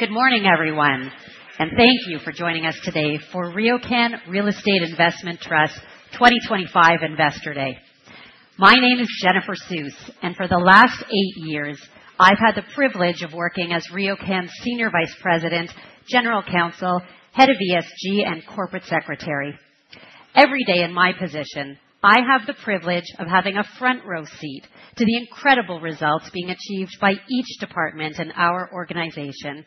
Good morning, everyone, and thank you for joining us today for RioCan Real Estate Investment Trust 2025 Investor Day. My name is Jennifer Suess, and for the last eight years, I've had the privilege of working as RioCan's Senior Vice President, General Counsel, Head of ESG, and Corporate Secretary. Every day in my position, I have the privilege of having a front-row seat to the incredible results being achieved by each department in our organization.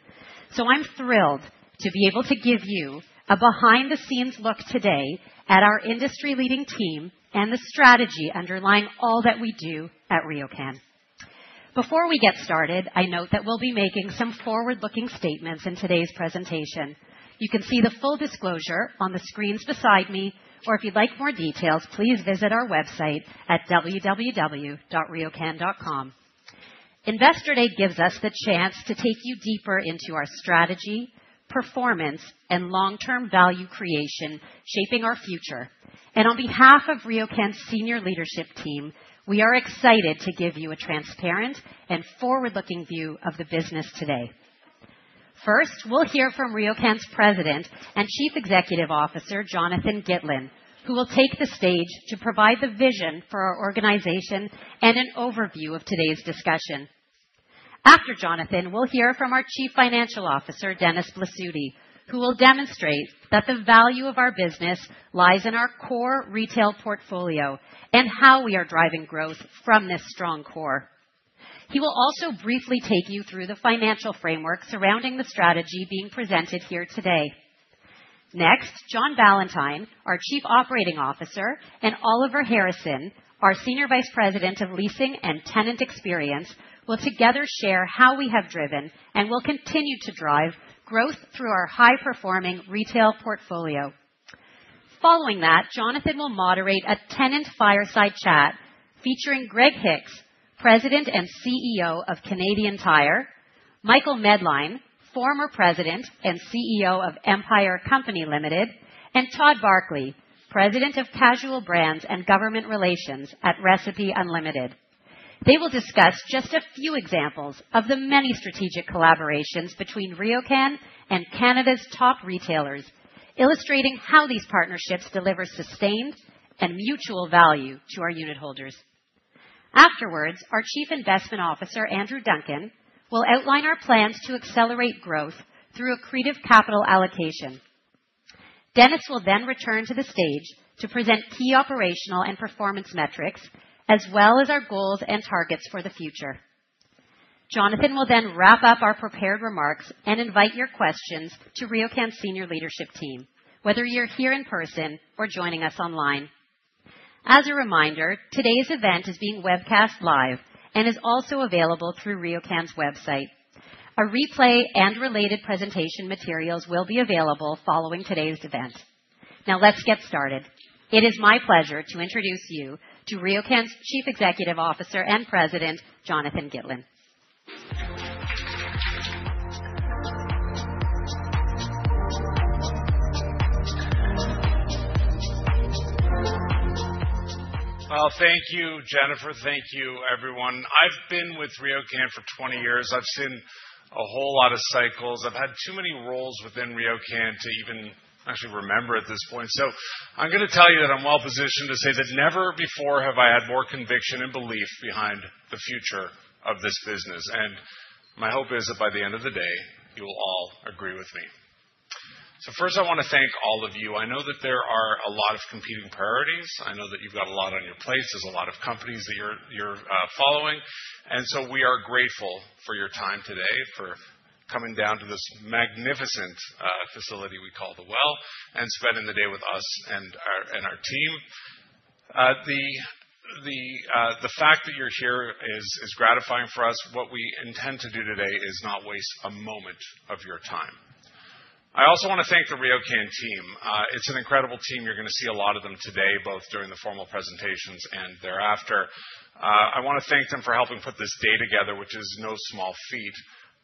I am thrilled to be able to give you a behind-the-scenes look today at our industry-leading team and the strategy underlying all that we do at RioCan. Before we get started, I note that we'll be making some forward-looking statements in today's presentation. You can see the full disclosure on the screens beside me, or if you'd like more details, please visit our website at www.riocan.com. Investor Day gives us the chance to take you deeper into our strategy, performance, and long-term value creation shaping our future. On behalf of RioCan's senior leadership team, we are excited to give you a transparent and forward-looking view of the business today. First, we'll hear from RioCan's President and Chief Executive Officer, Jonathan Gitlin, who will take the stage to provide the vision for our organization and an overview of today's discussion. After Jonathan, we'll hear from our Chief Financial Officer, Dennis Blasutti, who will demonstrate that the value of our business lies in our core retail portfolio and how we are driving growth from this strong core. He will also briefly take you through the financial framework surrounding the strategy being presented here today. Next, John Ballantyne, our Chief Operating Officer, and Oliver Harrison, our Senior Vice President of Leasing and Tenant Experience, will together share how we have driven and will continue to drive growth through our high-performing retail portfolio. Following that, Jonathan will moderate a tenant fireside chat featuring Greg Hicks, President and CEO of Canadian Tire, Michael Medline, former President and CEO of Empire Company Limited, and Todd Barkley, President of Casual Brands and Government Relations at Recipe Unlimited. They will discuss just a few examples of the many strategic collaborations between RioCan and Canada's top retailers, illustrating how these partnerships deliver sustained and mutual value to our unit holders. Afterwards, our Chief Investment Officer, Andrew Duncan, will outline our plans to accelerate growth through accretive capital allocation. Dennis will then return to the stage to present key operational and performance metrics, as well as our goals and targets for the future. Jonathan will then wrap up our prepared remarks and invite your questions to RioCan's senior leadership team, whether you're here in person or joining us online. As a reminder, today's event is being webcast live and is also available through RioCan's website. A replay and related presentation materials will be available following today's event. Now let's get started. It is my pleasure to introduce you to RioCan's Chief Executive Officer and President, Jonathan Gitlin. Thank you, Jennifer. Thank you, everyone. I've been with RioCan for 20 years. I've seen a whole lot of cycles. I've had too many roles within RioCan to even actually remember at this point. I'm going to tell you that I'm well positioned to say that never before have I had more conviction and belief behind the future of this business. My hope is that by the end of the day, you will all agree with me. First, I want to thank all of you. I know that there are a lot of competing priorities. I know that you've got a lot on your plate. There's a lot of companies that you're following. We are grateful for your time today, for coming down to this magnificent facility we call The Well and spending the day with us and our team. The fact that you're here is gratifying for us. What we intend to do today is not waste a moment of your time. I also want to thank the RioCan team. It's an incredible team. You're going to see a lot of them today, both during the formal presentations and thereafter. I want to thank them for helping put this day together, which is no small feat.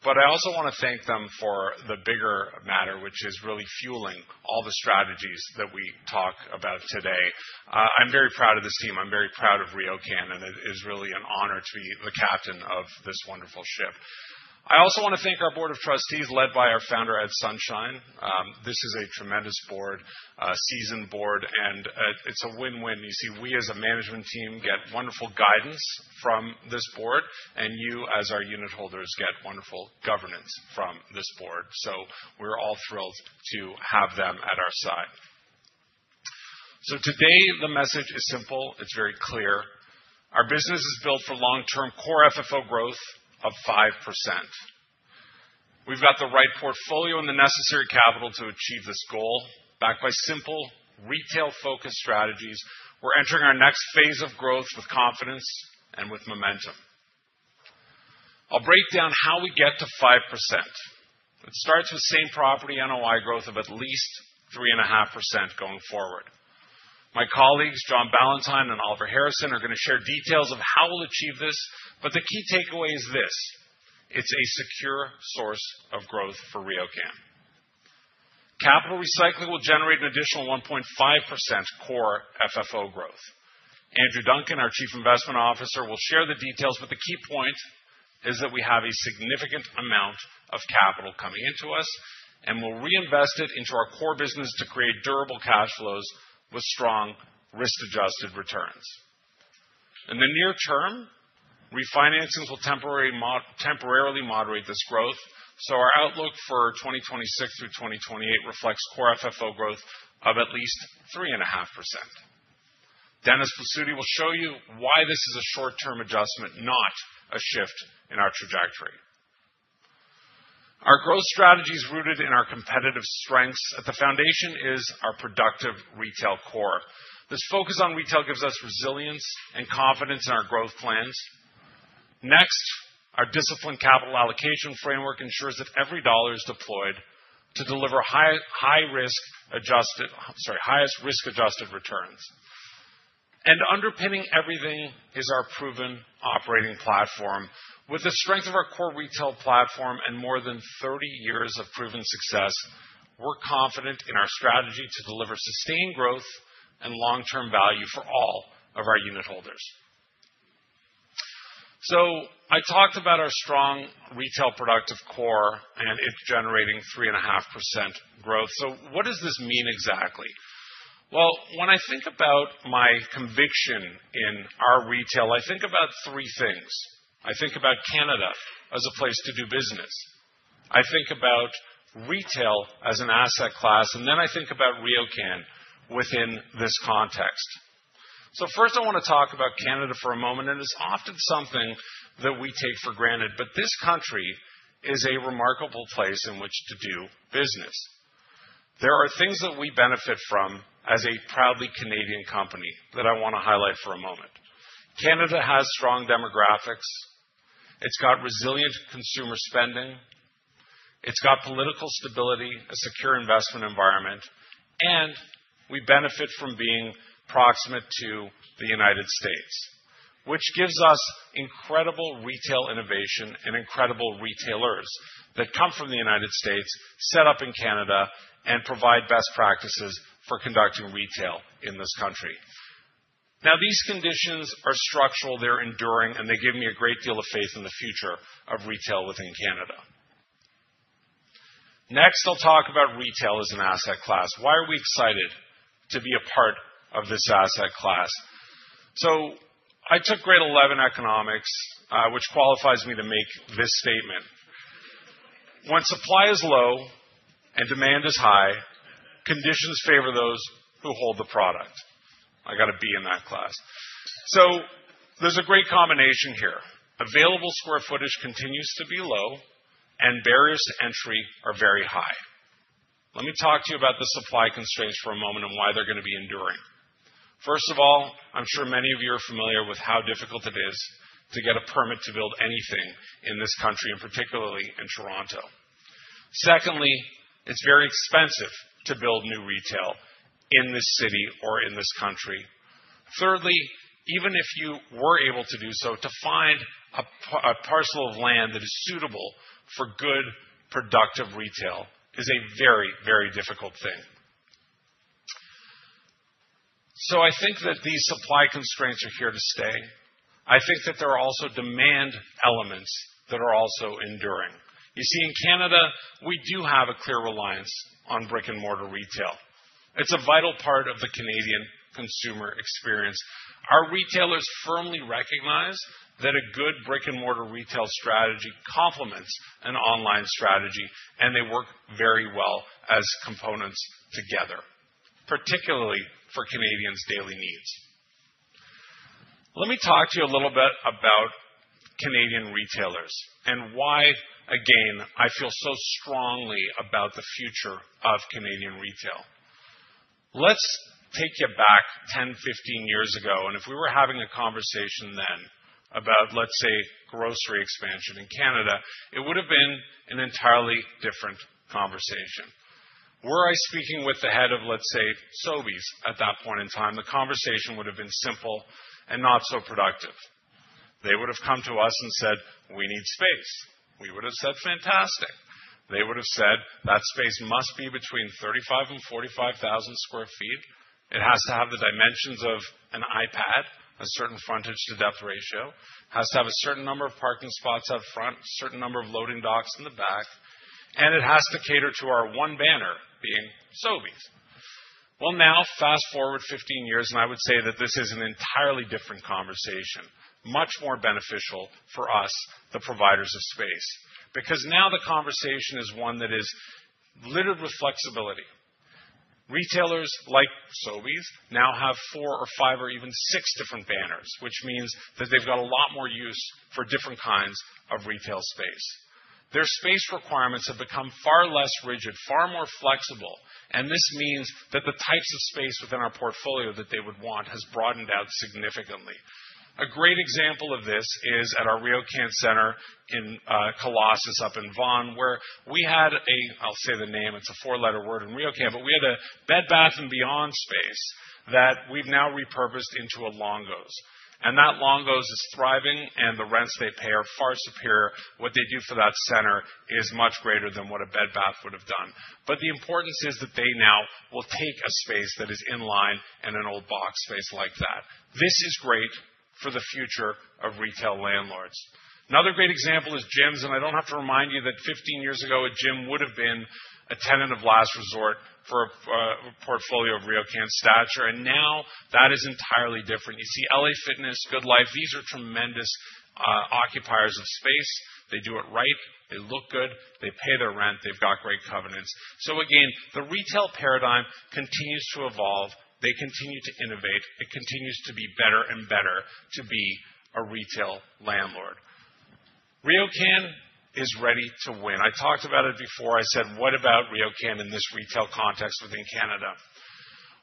I also want to thank them for the bigger matter, which is really fueling all the strategies that we talk about today. I'm very proud of this team. I'm very proud of RioCan, and it is really an honor to be the captain of this wonderful ship. I also want to thank our Board of Trustees, led by our founder, Ed Sonshine. This is a tremendous board, seasoned board, and it's a win-win. You see, we as a management team get wonderful guidance from this board, and you as our unit holders get wonderful governance from this board. We are all thrilled to have them at our side. Today, the message is simple. It is very clear. Our business is built for long-term core FFO growth of 5%. We have the right portfolio and the necessary capital to achieve this goal. Backed by simple, retail-focused strategies, we are entering our next phase of growth with confidence and with momentum. I will break down how we get to 5%. It starts with same property NOI growth of at least 3.5% going forward. My colleagues, John Ballantyne and Oliver Harrison, are going to share details of how we will achieve this. The key takeaway is this: it is a secure source of growth for RioCan. Capital recycling will generate an additional 1.5% core FFO growth. Andrew Duncan, our Chief Investment Officer, will share the details, but the key point is that we have a significant amount of capital coming into us, and we will reinvest it into our core business to create durable cash flows with strong risk-adjusted returns. In the near term, refinancings will temporarily moderate this growth. Our outlook for 2026 through 2028 reflects core FFO growth of at least 3.5%. Dennis Blasutti will show you why this is a short-term adjustment, not a shift in our trajectory. Our growth strategy is rooted in our competitive strengths. At the foundation is our productive retail core. This focus on retail gives us resilience and confidence in our growth plans. Next, our disciplined capital allocation framework ensures that every dollar is deployed to deliver high-risk-adjusted returns. Underpinning everything is our proven operating platform. With the strength of our core retail platform and more than 30 years of proven success, we're confident in our strategy to deliver sustained growth and long-term value for all of our unit holders. I talked about our strong retail productive core and it generating 3.5% growth. What does this mean exactly? When I think about my conviction in our retail, I think about three things. I think about Canada as a place to do business. I think about retail as an asset class, and then I think about RioCan within this context. First, I want to talk about Canada for a moment. It's often something that we take for granted, but this country is a remarkable place in which to do business. There are things that we benefit from as a proudly Canadian company that I want to highlight for a moment. Canada has strong demographics. It has got resilient consumer spending. It has got political stability, a secure investment environment, and we benefit from being proximate to the United States, which gives us incredible retail innovation and incredible retailers that come from the United States, set up in Canada, and provide best practices for conducting retail in this country. Now, these conditions are structural. They are enduring, and they give me a great deal of faith in the future of retail within Canada. Next, I will talk about retail as an asset class. Why are we excited to be a part of this asset class? I took Grade 11 Economics, which qualifies me to make this statement: when supply is low and demand is high, conditions favor those who hold the product. I got a B in that class. There is a great combination here. Available square footage continues to be low, and barriers to entry are very high. Let me talk to you about the supply constraints for a moment and why they're going to be enduring. First of all, I'm sure many of you are familiar with how difficult it is to get a permit to build anything in this country, and particularly in Toronto. Secondly, it's very expensive to build new retail in this city or in this country. Thirdly, even if you were able to do so, to find a parcel of land that is suitable for good, productive retail is a very, very difficult thing. I think that these supply constraints are here to stay. I think that there are also demand elements that are also enduring. You see, in Canada, we do have a clear reliance on brick-and-mortar retail. It's a vital part of the Canadian consumer experience. Our retailers firmly recognize that a good brick-and-mortar retail strategy complements an online strategy, and they work very well as components together, particularly for Canadians' daily needs. Let me talk to you a little bit about Canadian retailers and why, again, I feel so strongly about the future of Canadian retail. Let's take you back 10, 15 years ago. If we were having a conversation then about, let's say, grocery expansion in Canada, it would have been an entirely different conversation. Were I speaking with the head of, let's say, Sobeys at that point in time, the conversation would have been simple and not so productive. They would have come to us and said, "We need space." We would have said, "Fantastic." They would have said, "That space must be between 35,000 and 45,000 sq ft. It has to have the dimensions of an iPad, a certain frontage-to-depth ratio. It has to have a certain number of parking spots up front, a certain number of loading docks in the back, and it has to cater to our one banner being Sobeys. Now, fast forward 15 years, and I would say that this is an entirely different conversation, much more beneficial for us, the providers of space, because now the conversation is one that is littered with flexibility. Retailers like Sobeys now have four or five or even six different banners, which means that they've got a lot more use for different kinds of retail space. Their space requirements have become far less rigid, far more flexible. This means that the types of space within our portfolio that they would want has broadened out significantly. A great example of this is at our RioCan center in Colossus up in Vaughan, where we had a—I'll say the name. It's a four-letter word in RioCan, but we had a Bed Bath & Beyond space that we've now repurposed into a Longo's. And that Longo's is thriving, and the rents they pay are far superior. What they do for that center is much greater than what a Bed Bath would have done. The importance is that they now will take a space that is in line and an old box space like that. This is great for the future of retail landlords. Another great example is gyms. I don't have to remind you that 15 years ago, a gym would have been a tenant of last resort for a portfolio of RioCan stature. Now that is entirely different. You see, LA Fitness, Good Life, these are tremendous occupiers of space. They do it right. They look good. They pay their rent. They've got great covenants. The retail paradigm continues to evolve. They continue to innovate. It continues to be better and better to be a retail landlord. RioCan is ready to win. I talked about it before. I said, "What about RioCan in this retail context within Canada?"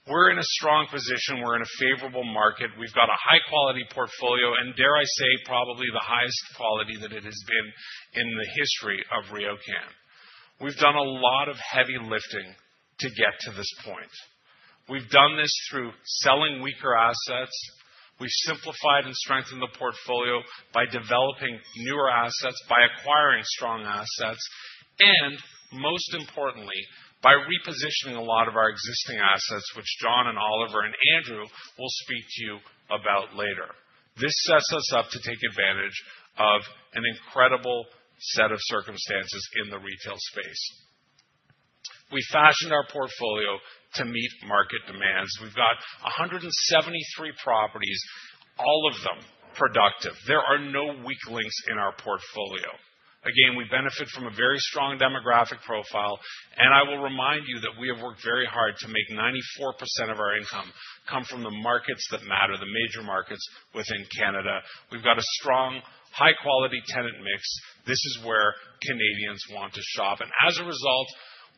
We are in a strong position. We are in a favorable market. We have a high-quality portfolio, and dare I say, probably the highest quality that it has been in the history of RioCan. We have done a lot of heavy lifting to get to this point. We have done this through selling weaker assets. We have simplified and strengthened the portfolio by developing newer assets, by acquiring strong assets, and most importantly, by repositioning a lot of our existing assets, which John, Oliver, and Andrew will speak to you about later. This sets us up to take advantage of an incredible set of circumstances in the retail space. We fashioned our portfolio to meet market demands. We've got 173 properties, all of them productive. There are no weak links in our portfolio. We benefit from a very strong demographic profile. I will remind you that we have worked very hard to make 94% of our income come from the markets that matter, the major markets within Canada. We've got a strong, high-quality tenant mix. This is where Canadians want to shop. As a result,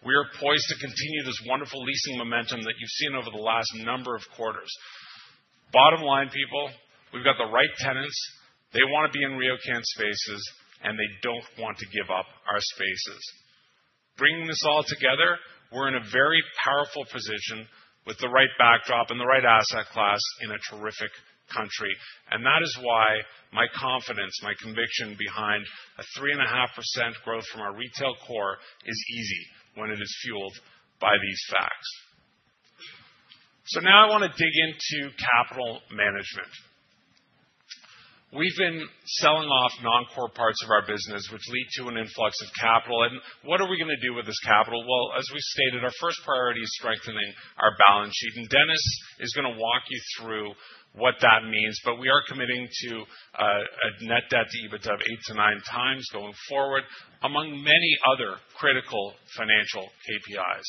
we are poised to continue this wonderful leasing momentum that you've seen over the last number of quarters. Bottom line, people, we've got the right tenants. They want to be in RioCan spaces, and they don't want to give up our spaces. Bringing this all together, we're in a very powerful position with the right backdrop and the right asset class in a terrific country. That is why my confidence, my conviction behind a 3.5% growth from our retail core is easy when it is fueled by these facts. Now I want to dig into capital management. We have been selling off non-core parts of our business, which lead to an influx of capital. What are we going to do with this capital? As we stated, our first priority is strengthening our balance sheet. Dennis is going to walk you through what that means. We are committing to a net debt to EBITDA of 8x-9x going forward, among many other critical financial KPIs.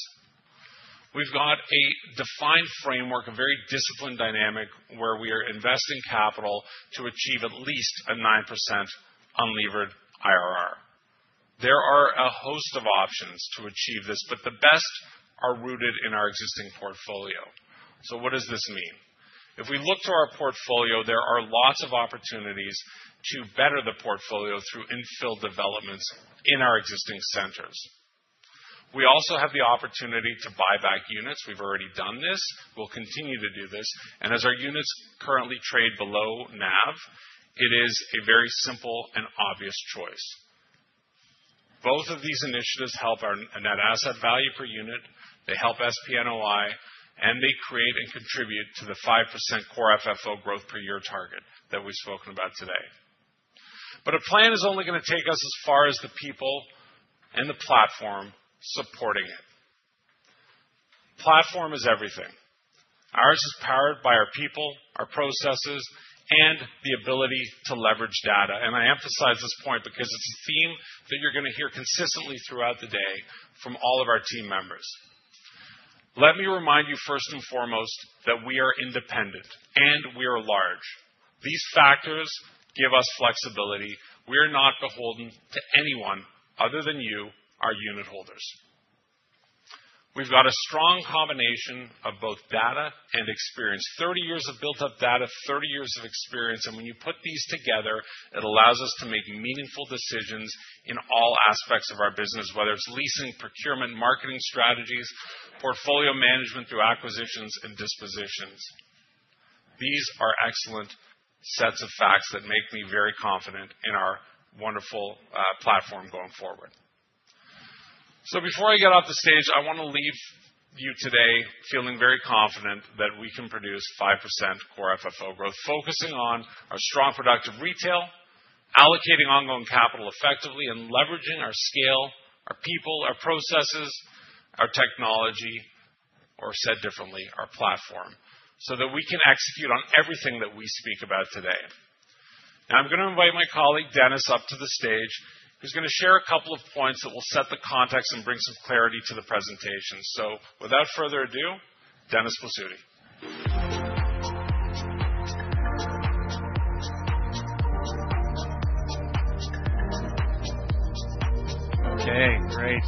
We have got a defined framework, a very disciplined dynamic where we are investing capital to achieve at least a 9% unlevered IRR. There are a host of options to achieve this, but the best are rooted in our existing portfolio. What does this mean? If we look to our portfolio, there are lots of opportunities to better the portfolio through infill developments in our existing centers. We also have the opportunity to buy back units. We have already done this. We will continue to do this. As our units currently trade below NAV, it is a very simple and obvious choice. Both of these initiatives help our net asset value per unit. They help SPNOI, and they create and contribute to the 5% core FFO growth per year target that we have spoken about today. A plan is only going to take us as far as the people and the platform supporting it. Platform is everything. Ours is powered by our people, our processes, and the ability to leverage data. I emphasize this point because it's a theme that you're going to hear consistently throughout the day from all of our team members. Let me remind you first and foremost that we are independent and we are large. These factors give us flexibility. We are not beholden to anyone other than you, our unit holders. We've got a strong combination of both data and experience. Thirty years of built-up data, thirty years of experience. When you put these together, it allows us to make meaningful decisions in all aspects of our business, whether it's leasing, procurement, marketing strategies, portfolio management through acquisitions and dispositions. These are excellent sets of facts that make me very confident in our wonderful platform going forward. Before I get off the stage, I want to leave you today feeling very confident that we can produce 5% core FFO growth, focusing on our strong productive retail, allocating ongoing capital effectively, and leveraging our scale, our people, our processes, our technology, or said differently, our platform, so that we can execute on everything that we speak about today. Now, I'm going to invite my colleague Dennis up to the stage, who's going to share a couple of points that will set the context and bring some clarity to the presentation. Without further ado, Dennis Blasutti. Okay, great.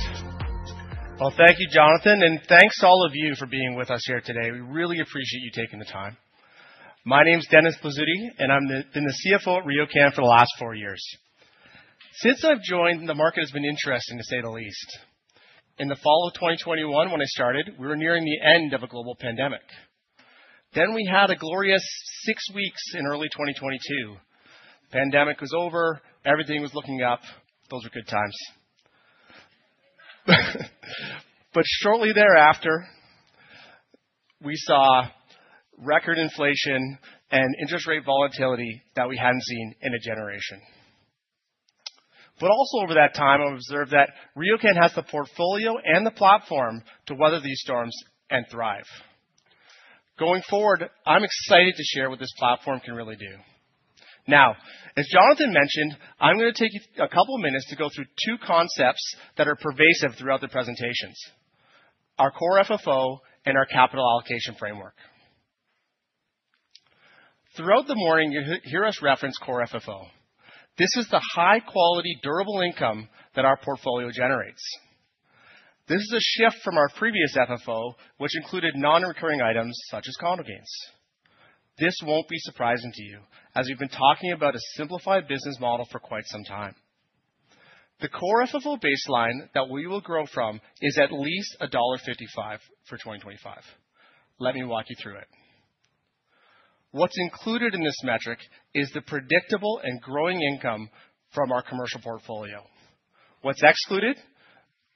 Thank you, Jonathan, and thanks to all of you for being with us here today. We really appreciate you taking the time. My name is Dennis Blasutti, and I've been the CFO at RioCan for the last four years. Since I've joined, the market has been interesting, to say the least. In the fall of 2021, when I started, we were nearing the end of a global pandemic. Then we had a glorious six weeks in early 2022. The pandemic was over. Everything was looking up. Those were good times. Shortly thereafter, we saw record inflation and interest rate volatility that we had not seen in a generation. Also over that time, I've observed that RioCan has the portfolio and the platform to weather these storms and thrive. Going forward, I'm excited to share what this platform can really do. Now, as Jonathan mentioned, I'm going to take a couple of minutes to go through two concepts that are pervasive throughout the presentations: our core FFO and our capital allocation framework. Throughout the morning, you hear us reference core FFO. This is the high-quality, durable income that our portfolio generates. This is a shift from our previous FFO, which included non-recurring items such as condo gains. This will not be surprising to you, as we have been talking about a simplified business model for quite some time. The core FFO baseline that we will grow from is at least dollar 1.55 for 2025. Let me walk you through it. What is included in this metric is the predictable and growing income from our commercial portfolio. What is excluded?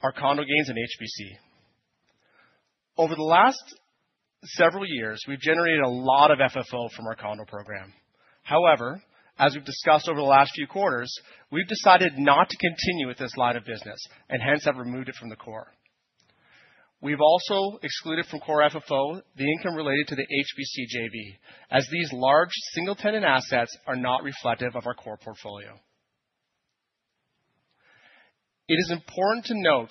Our condo gains and HBC. Over the last several years, we have generated a lot of FFO from our condo program. However, as we have discussed over the last few quarters, we have decided not to continue with this line of business and hence have removed it from the core. We've also excluded from core FFO the income related to the HBC JV, as these large single-tenant assets are not reflective of our core portfolio. It is important to note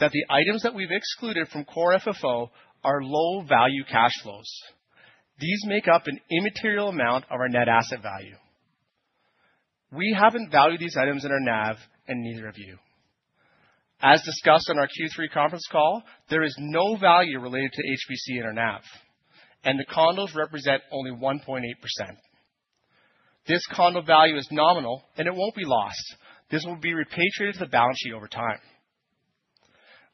that the items that we've excluded from core FFO are low-value cash flows. These make up an immaterial amount of our net asset value. We haven't valued these items in our NAV and neither have you. As discussed on our Q3 conference call, there is no value related to HBC in our NAV, and the condos represent only 1.8%. This condo value is nominal, and it won't be lost. This will be repatriated to the balance sheet over time.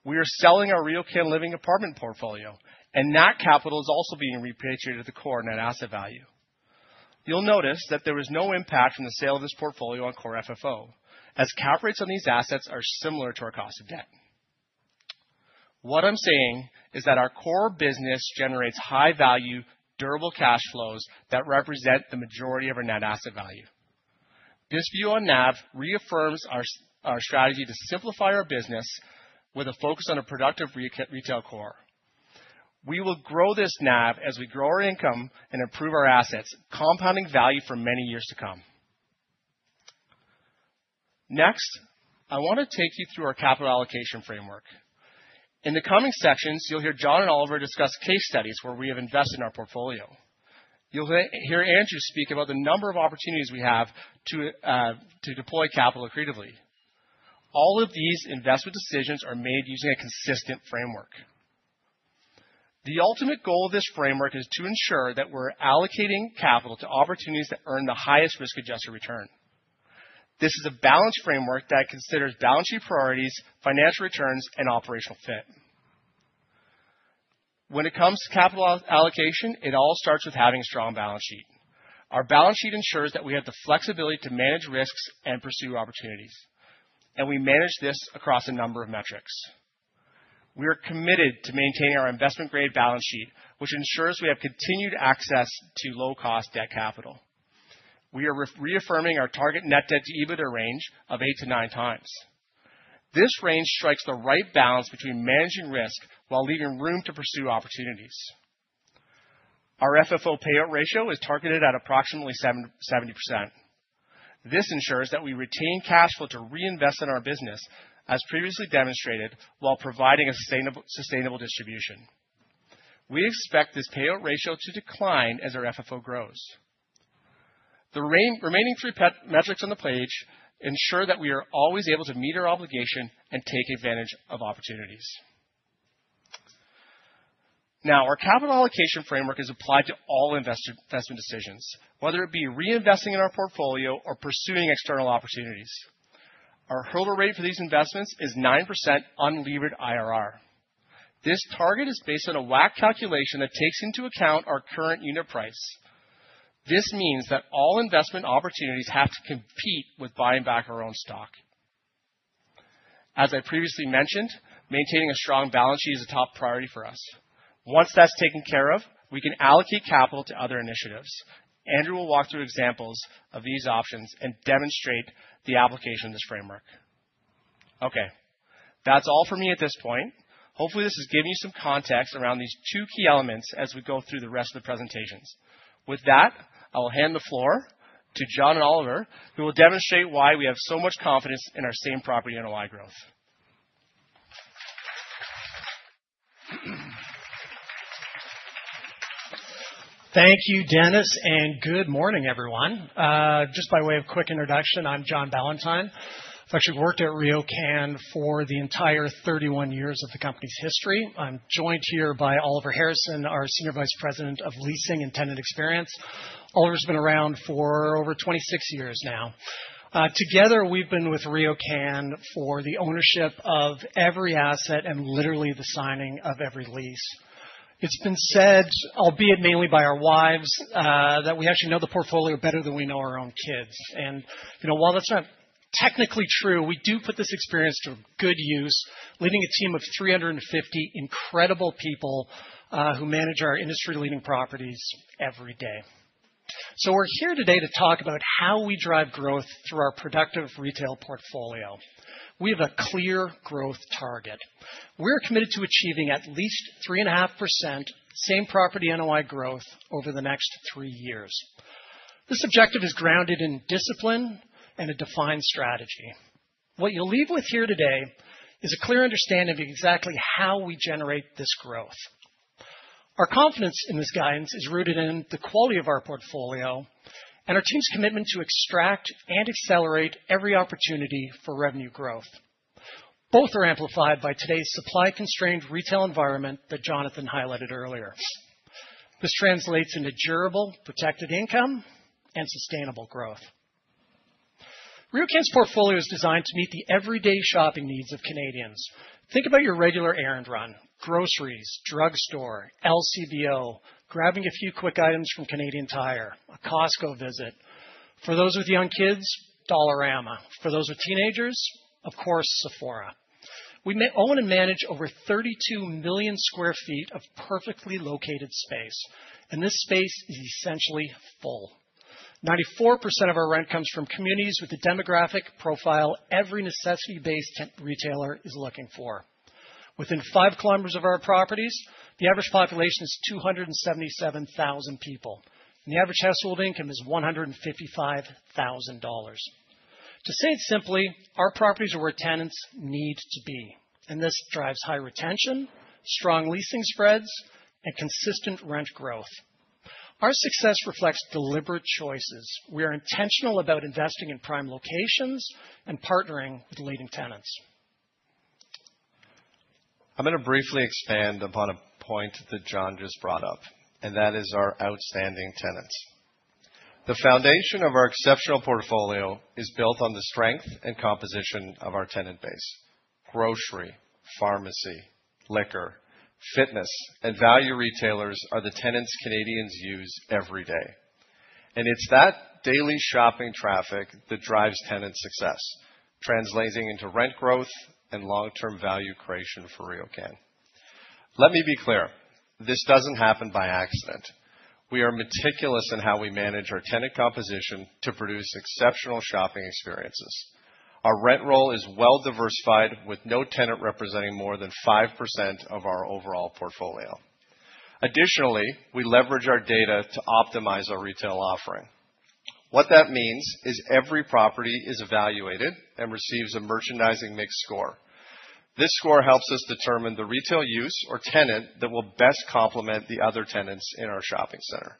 We are selling our RioCan Living apartment portfolio, and that capital is also being repatriated to the core net asset value. You'll notice that there was no impact from the sale of this portfolio on core FFO, as cap rates on these assets are similar to our cost of debt. What I'm saying is that our core business generates high-value, durable cash flows that represent the majority of our net asset value. This view on NAV reaffirms our strategy to simplify our business with a focus on a productive retail core. We will grow this NAV as we grow our income and improve our assets, compounding value for many years to come. Next, I want to take you through our capital allocation framework. In the coming sections, you'll hear John and Oliver discuss case studies where we have invested in our portfolio. You'll hear Andrew speak about the number of opportunities we have to deploy capital creatively. All of these investment decisions are made using a consistent framework. The ultimate goal of this framework is to ensure that we're allocating capital to opportunities that earn the highest risk-adjusted return. This is a balanced framework that considers balance sheet priorities, financial returns, and operational fit. When it comes to capital allocation, it all starts with having a strong balance sheet. Our balance sheet ensures that we have the flexibility to manage risks and pursue opportunities. We manage this across a number of metrics. We are committed to maintaining our investment-grade balance sheet, which ensures we have continued access to low-cost debt capital. We are reaffirming our target net debt to EBITDA range of 8x-9x. This range strikes the right balance between managing risk while leaving room to pursue opportunities. Our FFO payout ratio is targeted at approximately 70%. This ensures that we retain cash flow to reinvest in our business, as previously demonstrated, while providing a sustainable distribution. We expect this payout ratio to decline as our FFO grows. The remaining three metrics on the page ensure that we are always able to meet our obligation and take advantage of opportunities. Now, our capital allocation framework is applied to all investment decisions, whether it be reinvesting in our portfolio or pursuing external opportunities. Our hurdle rate for these investments is 9% unlevered IRR. This target is based on a WAC calculation that takes into account our current unit price. This means that all investment opportunities have to compete with buying back our own stock. As I previously mentioned, maintaining a strong balance sheet is a top priority for us. Once that's taken care of, we can allocate capital to other initiatives. Andrew will walk through examples of these options and demonstrate the application of this framework. Okay, that's all for me at this point. Hopefully, this has given you some context around these two key elements as we go through the rest of the presentations. With that, I will hand the floor to John and Oliver, who will demonstrate why we have so much confidence in our same property and why growth. Thank you, Dennis, and good morning, everyone. Just by way of quick introduction, I'm John Ballantyne. I've actually worked at RioCan for the entire 31 years of the company's history. I'm joined here by Oliver Harrison, our Senior Vice President of Leasing and Tenant Experience. Oliver's been around for over 26 years now. Together, we've been with RioCan for the ownership of every asset and literally the signing of every lease. has been said, albeit mainly by our wives, that we actually know the portfolio better than we know our own kids. And while that is not technically true, we do put this experience to good use, leading a team of 350 incredible people who manage our industry-leading properties every day. We are here today to talk about how we drive growth through our productive retail portfolio. We have a clear growth target. We are committed to achieving at least 3.5% same property NOI growth over the next three years. This objective is grounded in discipline and a defined strategy. What you will leave with here today is a clear understanding of exactly how we generate this growth. Our confidence in this guidance is rooted in the quality of our portfolio and our team's commitment to extract and accelerate every opportunity for revenue growth. Both are amplified by today's supply-constrained retail environment that Jonathan highlighted earlier. This translates into durable, protected income and sustainable growth. RioCan's portfolio is designed to meet the everyday shopping needs of Canadians. Think about your regular errand run: groceries, drugstore, LCBO, grabbing a few quick items from Canadian Tire, a Costco visit. For those with young kids, Dollarama. For those with teenagers, of course, Sephora. We own and manage over 32 million sq ft of perfectly located space, and this space is essentially full. 94% of our rent comes from communities with the demographic profile every necessity-based retailer is looking for. Within 5 km of our properties, the average population is 277,000 people, and the average household income is 155,000 dollars. To say it simply, our properties are where tenants need to be, and this drives high retention, strong leasing spreads, and consistent rent growth. Our success reflects deliberate choices. We are intentional about investing in prime locations and partnering with leading tenants. I'm going to briefly expand upon a point that John just brought up, and that is our outstanding tenants. The foundation of our exceptional portfolio is built on the strength and composition of our tenant base: grocery, pharmacy, liquor, fitness, and value retailers are the tenants Canadians use every day. It is that daily shopping traffic that drives tenant success, translating into rent growth and long-term value creation for RioCan. Let me be clear. This does not happen by accident. We are meticulous in how we manage our tenant composition to produce exceptional shopping experiences. Our rent roll is well-diversified, with no tenant representing more than 5% of our overall portfolio. Additionally, we leverage our data to optimize our retail offering. What that means is every property is evaluated and receives a merchandising mix score. This score helps us determine the retail use or tenant that will best complement the other tenants in our shopping center.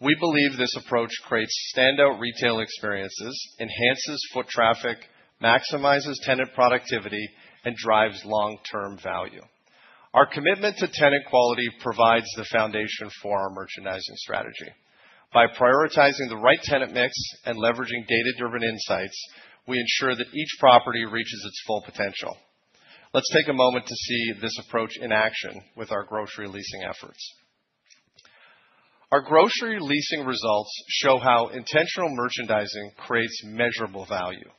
We believe this approach creates standout retail experiences, enhances foot traffic, maximizes tenant productivity, and drives long-term value. Our commitment to tenant quality provides the foundation for our merchandising strategy. By prioritizing the right tenant mix and leveraging data-driven insights, we ensure that each property reaches its full potential. Let's take a moment to see this approach in action with our grocery leasing efforts. Our grocery leasing results show how intentional merchandising creates measurable value.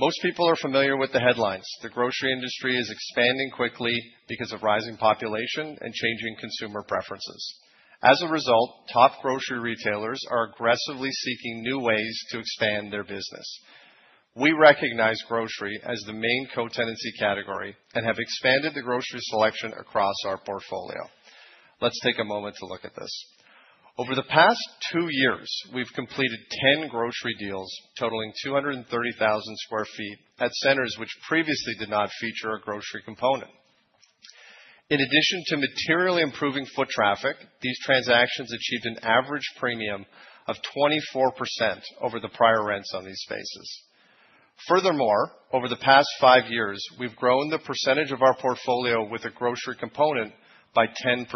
Most people are familiar with the headlines. The grocery industry is expanding quickly because of rising population and changing consumer preferences. As a result, top grocery retailers are aggressively seeking new ways to expand their business. We recognize grocery as the main co-tenancy category and have expanded the grocery selection across our portfolio. Let's take a moment to look at this. Over the past two years, we've completed 10 grocery deals totaling 230,000 sq ft at centers which previously did not feature a grocery component. In addition to materially improving foot traffic, these transactions achieved an average premium of 24% over the prior rents on these spaces. Furthermore, over the past five years, we've grown the percentage of our portfolio with a grocery component by 10%.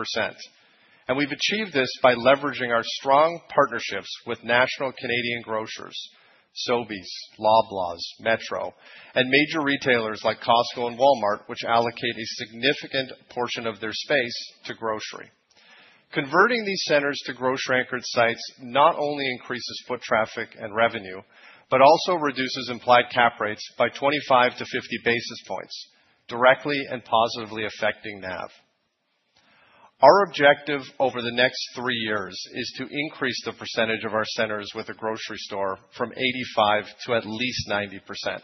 We've achieved this by leveraging our strong partnerships with national Canadian grocers, Sobeys, Loblaws, Metro, and major retailers like Costco and Walmart, which allocate a significant portion of their space to grocery. Converting these centers to grocery-anchored sites not only increases foot traffic and revenue, but also reduces implied cap rates by 25-50 basis points, directly and positively affecting NAV. Our objective over the next three years is to increase the percentage of our centers with a grocery store from 85% to at least 90%.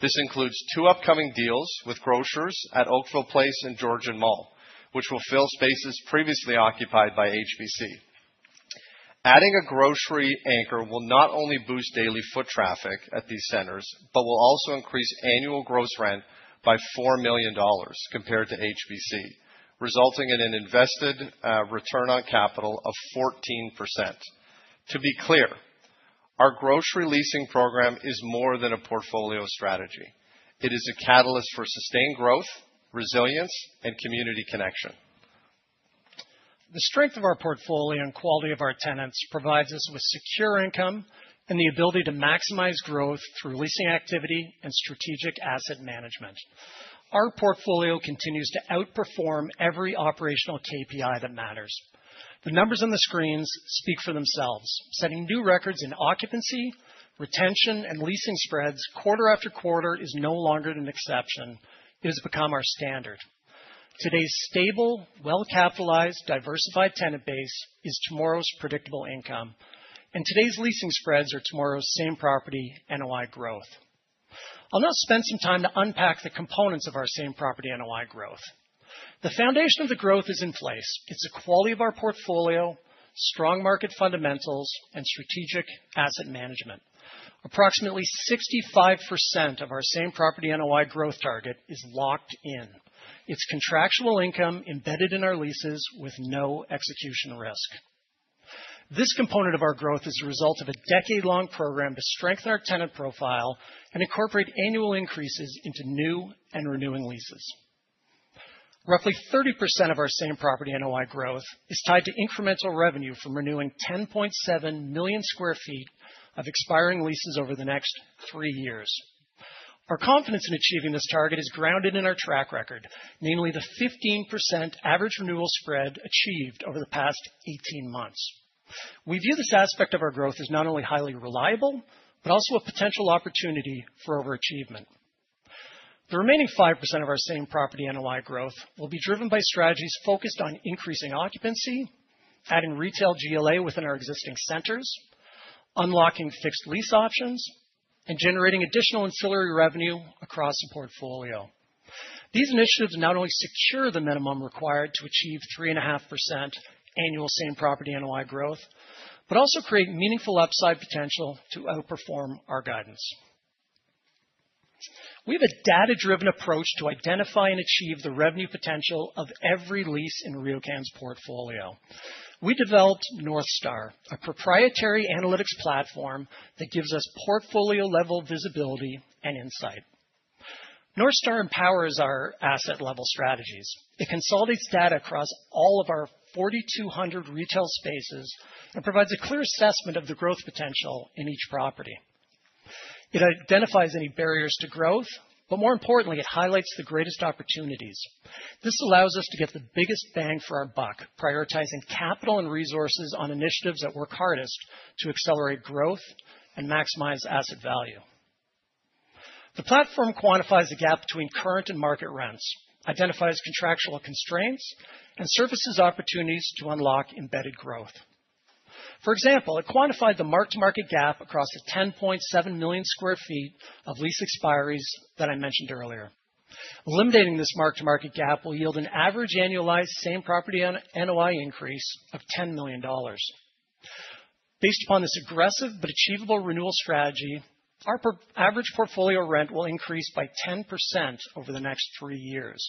This includes two upcoming deals with grocers at Oakville Place and Georgian Mall, which will fill spaces previously occupied by HBC. Adding a grocery anchor will not only boost daily foot traffic at these centers, but will also increase annual gross rent by 4 million dollars compared to HBC, resulting in an invested return on capital of 14%. To be clear, our grocery leasing program is more than a portfolio strategy. It is a catalyst for sustained growth, resilience, and community connection. The strength of our portfolio and quality of our tenants provides us with secure income and the ability to maximize growth through leasing activity and strategic asset management. Our portfolio continues to outperform every operational KPI that matters. The numbers on the screens speak for themselves. Setting new records in occupancy, retention, and leasing spreads quarter after quarter is no longer an exception. It has become our standard. Today's stable, well-capitalized, diversified tenant base is tomorrow's predictable income. Today's leasing spreads are tomorrow's same property NOI growth. I'll now spend some time to unpack the components of our same property NOI growth. The foundation of the growth is in place. It's the quality of our portfolio, strong market fundamentals, and strategic asset management. Approximately 65% of our same property NOI growth target is locked in. It's contractual income embedded in our leases with no execution risk. This component of our growth is the result of a decade-long program to strengthen our tenant profile and incorporate annual increases into new and renewing leases. Roughly 30% of our same property NOI growth is tied to incremental revenue from renewing 10.7 million sq ft of expiring leases over the next three years. Our confidence in achieving this target is grounded in our track record, namely the 15% average renewal spread achieved over the past 18 months. We view this aspect of our growth as not only highly reliable, but also a potential opportunity for overachievement. The remaining 5% of our same property NOI growth will be driven by strategies focused on increasing occupancy, adding retail GLA within our existing centers, unlocking fixed lease options, and generating additional ancillary revenue across the portfolio. These initiatives not only secure the minimum required to achieve 3.5% annual same property NOI growth, but also create meaningful upside potential to outperform our guidance. We have a data-driven approach to identify and achieve the revenue potential of every lease in RioCan's portfolio. We developed Northstar, a proprietary analytics platform that gives us portfolio-level visibility and insight. Northstar empowers our asset-level strategies. It consolidates data across all of our 4,200 retail spaces and provides a clear assessment of the growth potential in each property. It identifies any barriers to growth, but more importantly, it highlights the greatest opportunities. This allows us to get the biggest bang for our buck, prioritizing capital and resources on initiatives that work hardest to accelerate growth and maximize asset value. The platform quantifies the gap between current and market rents, identifies contractual constraints, and surfaces opportunities to unlock embedded growth. For example, it quantified the mark-to-market gap across the 10.7 million sq ft of lease expiries that I mentioned earlier. Eliminating this mark-to-market gap will yield an average annualized same property NOI increase of 10 million dollars. Based upon this aggressive but achievable renewal strategy, our average portfolio rent will increase by 10% over the next three years.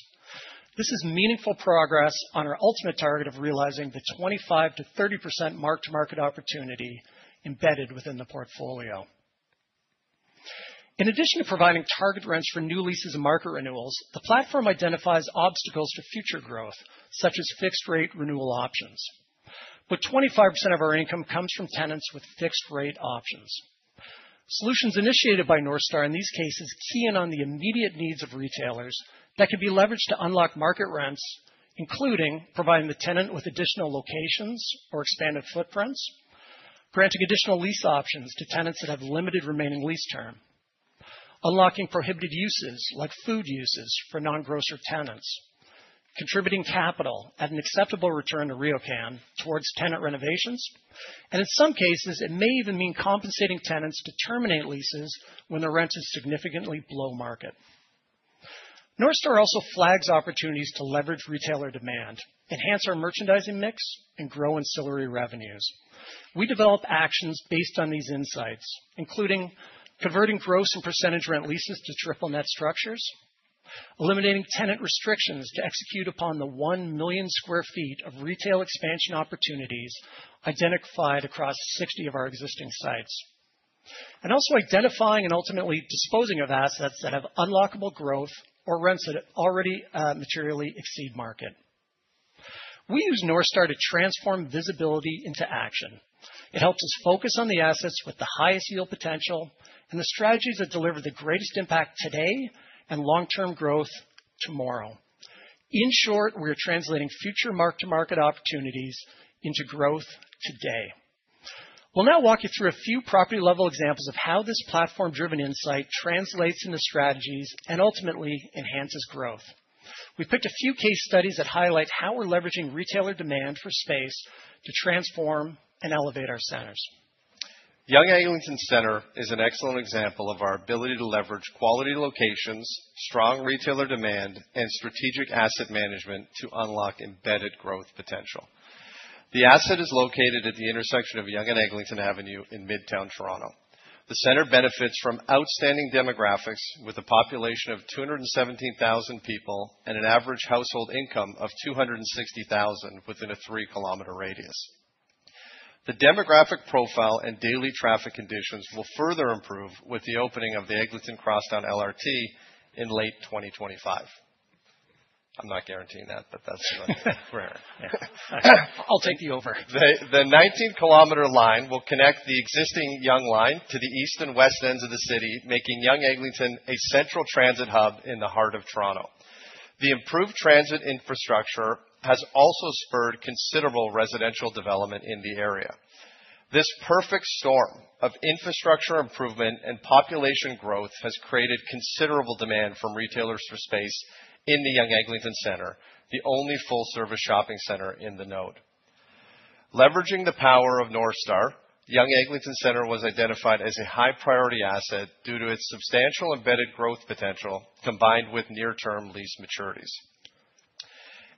This is meaningful progress on our ultimate target of realizing the 25%-30% mark-to-market opportunity embedded within the portfolio. In addition to providing target rents for new leases and market renewals, the platform identifies obstacles to future growth, such as fixed-rate renewal options. Twenty-five percent of our income comes from tenants with fixed-rate options. Solutions initiated by Northstar in these cases key in on the immediate needs of retailers that can be leveraged to unlock market rents, including providing the tenant with additional locations or expanded footprints, granting additional lease options to tenants that have limited remaining lease term, unlocking prohibited uses like food uses for non-grocer tenants, contributing capital at an acceptable return to RioCan towards tenant renovations, and in some cases, it may even mean compensating tenants to terminate leases when the rent is significantly below market. Northstar also flags opportunities to leverage retailer demand, enhance our merchandising mix, and grow ancillary revenues. We develop actions based on these insights, including converting gross and percentage rent leases to triple-net structures, eliminating tenant restrictions to execute upon the 1 million sq ft of retail expansion opportunities identified across 60 of our existing sites, and also identifying and ultimately disposing of assets that have unlockable growth or rents that already materially exceed market. We use Northstar to transform visibility into action. It helps us focus on the assets with the highest yield potential and the strategies that deliver the greatest impact today and long-term growth tomorrow. In short, we are translating future mark-to-market opportunities into growth today. We'll now walk you through a few property-level examples of how this platform-driven insight translates into strategies and ultimately enhances growth. We've picked a few case studies that highlight how we're leveraging retailer demand for space to transform and elevate our centers. Yonge Eglinton Centre is an excellent example of our ability to leverage quality locations, strong retailer demand, and strategic asset management to unlock embedded growth potential. The asset is located at the intersection of Yonge and Eglinton Avenue in Midtown Toronto. The center benefits from outstanding demographics with a population of 217,000 people and an average household income of 260,000 within a 3 km radius. The demographic profile and daily traffic conditions will further improve with the opening of the Eglinton Crosstown LRT in late 2025. I'm not guaranteeing that, but that's rare. I'll take the over. The 19 km line will connect the existing Yonge Line to the east and west ends of the city, making Yonge Eglinton a central transit hub in the heart of Toronto. The improved transit infrastructure has also spurred considerable residential development in the area. This perfect storm of infrastructure improvement and population growth has created considerable demand from retailers for space in the Yonge Eglinton Centre, the only full-service shopping center in the node. Leveraging the power of Northstar, Yonge Eglinton Centre was identified as a high-priority asset due to its substantial embedded growth potential combined with near-term lease maturities.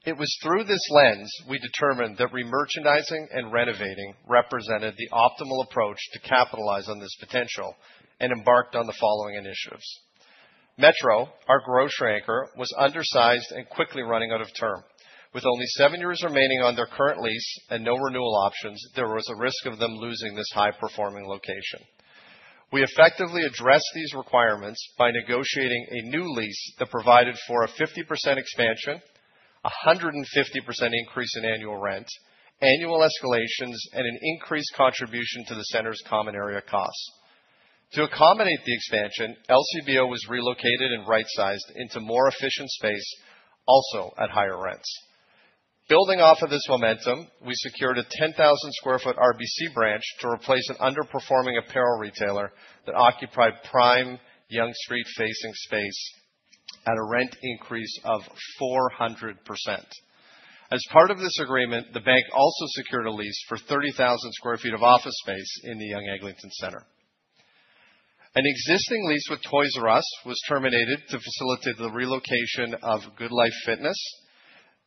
It was through this lens we determined that re-merchandising and renovating represented the optimal approach to capitalize on this potential and embarked on the following initiatives. Metro, our grocery anchor, was undersized and quickly running out of term. With only seven years remaining on their current lease and no renewal options, there was a risk of them losing this high-performing location. We effectively addressed these requirements by negotiating a new lease that provided for a 50% expansion, a 150% increase in annual rent, annual escalations, and an increased contribution to the center's common area costs. To accommodate the expansion, LCBO was relocated and rightsized into more efficient space, also at higher rents. Building off of this momentum, we secured a 10,000 sq ft RBC branch to replace an underperforming apparel retailer that occupied prime Yonge Street-facing space at a rent increase of 400%. As part of this agreement, the bank also secured a lease for 30,000 sq ft of office space in the Yonge Eglinton Centre. An existing lease with Toys R Us was terminated to facilitate the relocation of Good Life Fitness.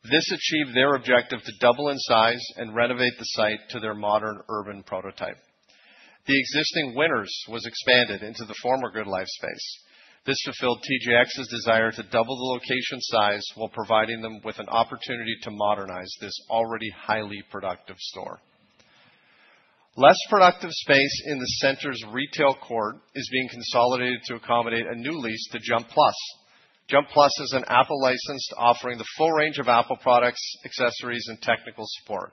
This achieved their objective to double in size and renovate the site to their modern urban prototype. The existing Winners was expanded into the former Good Life space. This fulfilled TJX's desire to double the location size while providing them with an opportunity to modernize this already highly productive store. Less productive space in the center's retail court is being consolidated to accommodate a new lease to Jump Plus. Jump Plus is an Apple licensed offering the full range of Apple products, accessories, and technical support.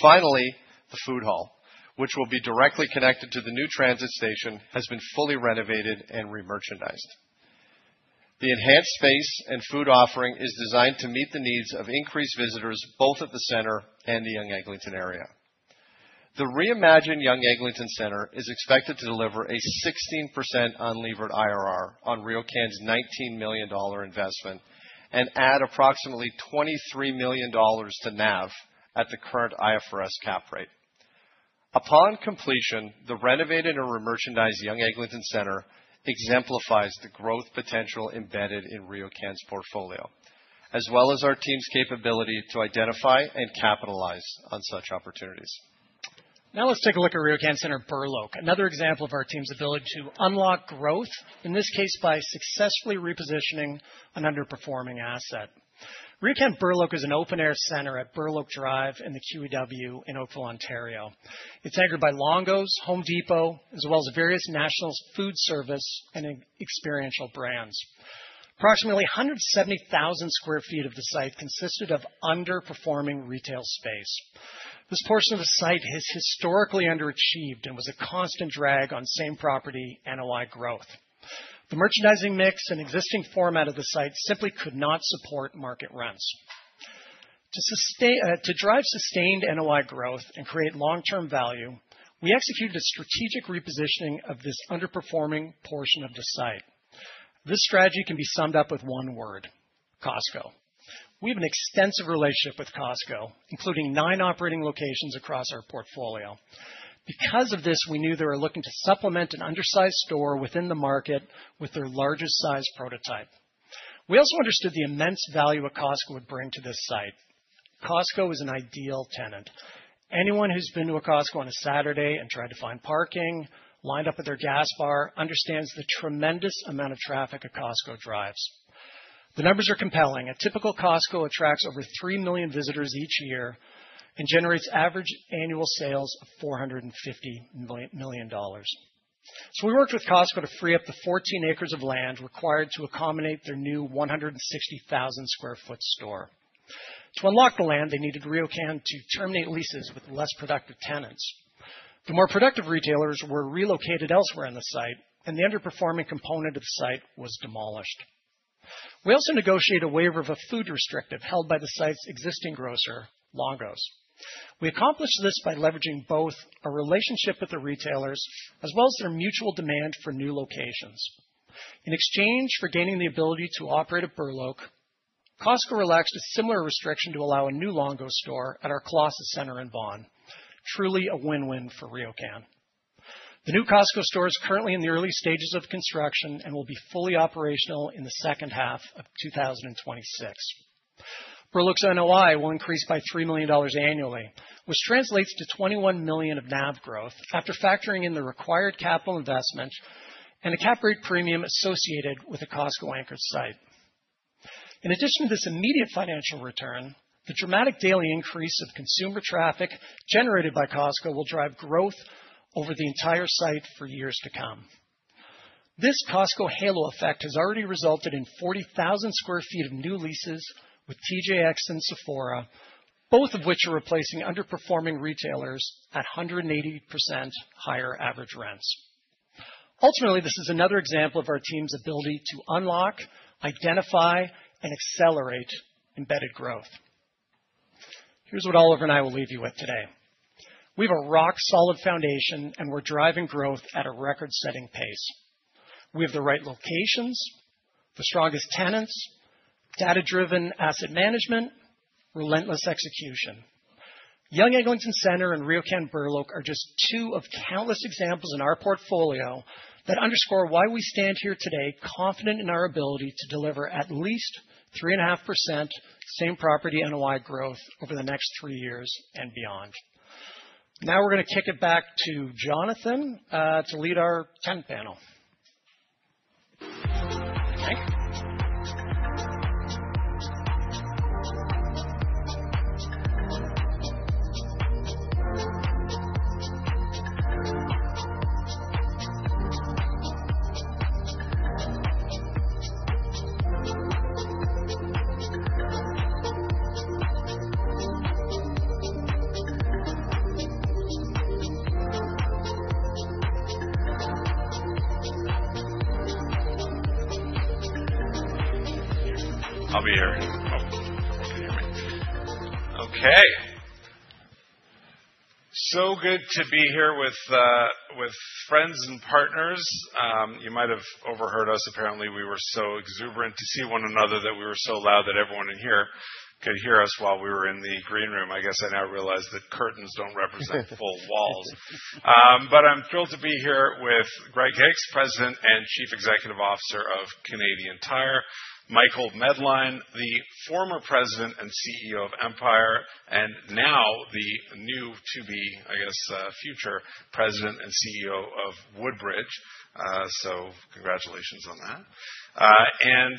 Finally, the food hall, which will be directly connected to the new transit station, has been fully renovated and re-merchandised. The enhanced space and food offering is designed to meet the needs of increased visitors both at the center and the Yonge Eglinton area. The reimagined Yonge Eglinton Centre is expected to deliver a 16% unlevered IRR on RioCan's 19 million dollar investment and add approximately 23 million dollars to NAV at the current IFRS cap rate. Upon completion, the renovated and re-merchandised Yonge Eglinton Centre exemplifies the growth potential embedded in RioCan's portfolio, as well as our team's capability to identify and capitalize on such opportunities. Now let's take a look at RioCan Centre Burloak, another example of our team's ability to unlock growth, in this case by successfully repositioning an underperforming asset. RioCan Burloak is an open-air center at Burloak Drive in the QEW in Oakville, Ontario. It's anchored by Longo's, Home Depot, as well as various national food service and experiential brands. Approximately 170,000 sq ft of the site consisted of underperforming retail space. This portion of the site has historically underachieved and was a constant drag on same property NOI growth. The merchandising mix and existing format of the site simply could not support market rents. To drive sustained NOI growth and create long-term value, we executed a strategic repositioning of this underperforming portion of the site. This strategy can be summed up with one word: Costco. We have an extensive relationship with Costco, including nine operating locations across our portfolio. Because of this, we knew they were looking to supplement an undersized store within the market with their largest size prototype. We also understood the immense value a Costco would bring to this site. Costco is an ideal tenant. Anyone who's been to a Costco on a Saturday and tried to find parking, lined up at their gas bar, understands the tremendous amount of traffic a Costco drives. The numbers are compelling. A typical Costco attracts over 3 million visitors each year and generates average annual sales of 450 million dollars. We worked with Costco to free up the 14 acres of land required to accommodate their new 160,000 sq ft store. To unlock the land, they needed RioCan to terminate leases with less productive tenants. The more productive retailers were relocated elsewhere on the site, and the underperforming component of the site was demolished. We also negotiated a waiver of a food restrictive held by the site's existing grocer, Longo's. We accomplished this by leveraging both our relationship with the retailers as well as their mutual demand for new locations. In exchange for gaining the ability to operate at Burloak, Costco relaxed a similar restriction to allow a new Longo's store at our Colossus center in Vaughan. Truly a win-win for RioCan. The new Costco store is currently in the early stages of construction and will be fully operational in the second half of 2026. Burloak's NOI will increase by 3 million dollars annually, which translates to 21 million of NAV growth after factoring in the required capital investment and the cap rate premium associated with a Costco-anchored site. In addition to this immediate financial return, the dramatic daily increase of consumer traffic generated by Costco will drive growth over the entire site for years to come. This Costco halo effect has already resulted in 40,000 sq ft of new leases with TJX and Sephora, both of which are replacing underperforming retailers at 180% higher average rents. Ultimately, this is another example of our team's ability to unlock, identify, and accelerate embedded growth. Here's what Oliver and I will leave you with today. We have a rock-solid foundation, and we're driving growth at a record-setting pace. We have the right locations, the strongest tenants, data-driven asset management, relentless execution. Yonge Eglinton Centre and RioCan Burloak are just two of countless examples in our portfolio that underscore why we stand here today confident in our ability to deliver at least 3.5% same property NOI growth over the next three years and beyond. Now we're going to kick it back to Jonathan to lead our tenant panel. Thanks. I'll be here. Oh, I can't hear me. Okay. So good to be here with friends and partners. You might have overheard us. Apparently, we were so exuberant to see one another that we were so loud that everyone in here could hear us while we were in the green room. I guess I now realize that curtains don't represent full walls. I'm thrilled to be here with Greg Hicks, President and Chief Executive Officer of Canadian Tire, Michael Medline, the former President and CEO of Empire, and now the new-to-be, I guess, future President and CEO of Woodbridge. Congratulations on that.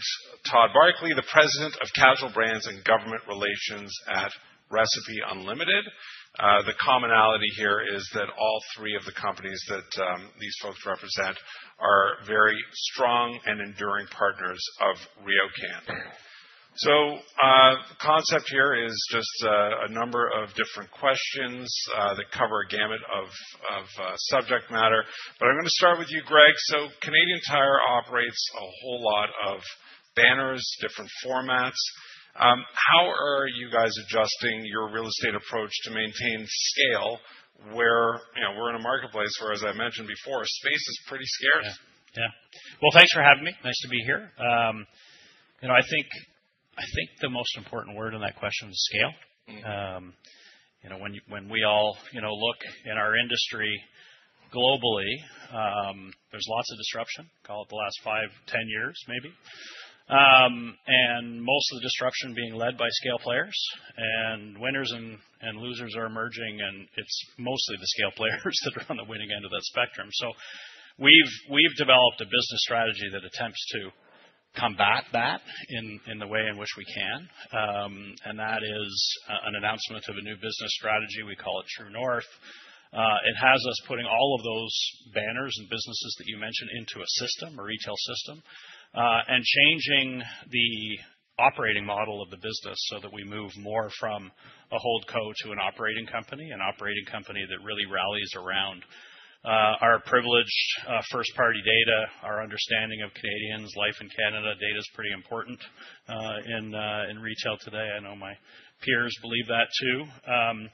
Todd Barkley, the President of Casual Brands and Government Relations at Recipe Unlimited. The commonality here is that all three of the companies that these folks represent are very strong and enduring partners of RioCan. The concept here is just a number of different questions that cover a gamut of subject matter. I'm going to start with you, Greg. Canadian Tire operates a whole lot of banners, different formats. How are you guys adjusting your real estate approach to maintain scale where we're in a marketplace where, as I mentioned before, space is pretty scarce? Yeah. Thanks for having me. Nice to be here. I think the most important word in that question was scale. When we all look in our industry globally, there is lots of disruption. Call it the last 5, 10 years, maybe. Most of the disruption being led by scale players. Winners and losers are emerging, and it is mostly the scale players that are on the winning end of that spectrum. We have developed a business strategy that attempts to combat that in the way in which we can. That is an announcement of a new business strategy. We call it True North. It has us putting all of those banners and businesses that you mentioned into a system, a retail system, and changing the operating model of the business so that we move more from a hold co to an operating company, an operating company that really rallies around our privileged first-party data, our understanding of Canadians' life in Canada. Data is pretty important in retail today. I know my peers believe that too.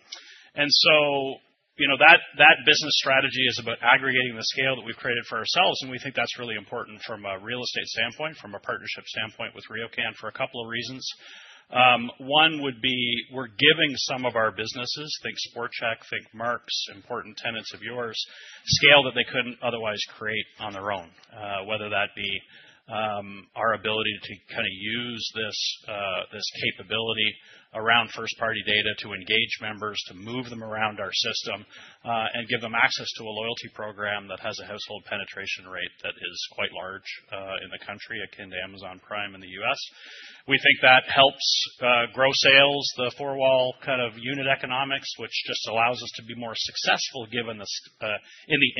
That business strategy is about aggregating the scale that we've created for ourselves. We think that's really important from a real estate standpoint, from a partnership standpoint with RioCan for a couple of reasons. One would be we're giving some of our businesses, think Sport Chek, think Mark's, important tenants of yours, scale that they couldn't otherwise create on their own, whether that be our ability to kind of use this capability around first-party data to engage members, to move them around our system, and give them access to a loyalty program that has a household penetration rate that is quite large in the country, akin to Amazon Prime in the U.S. We think that helps grow sales, the four-wall kind of unit economics, which just allows us to be more successful in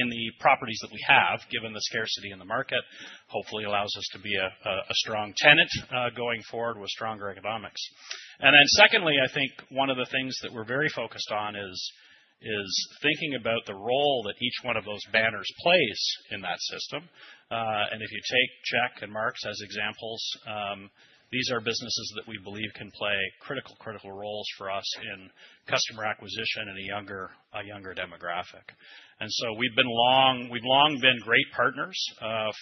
the properties that we have, given the scarcity in the market, hopefully allows us to be a strong tenant going forward with stronger economics. Secondly, I think one of the things that we're very focused on is thinking about the role that each one of those banners plays in that system. If you take Sport Chek and Mark's as examples, these are businesses that we believe can play critical, critical roles for us in customer acquisition in a younger demographic. We've long been great partners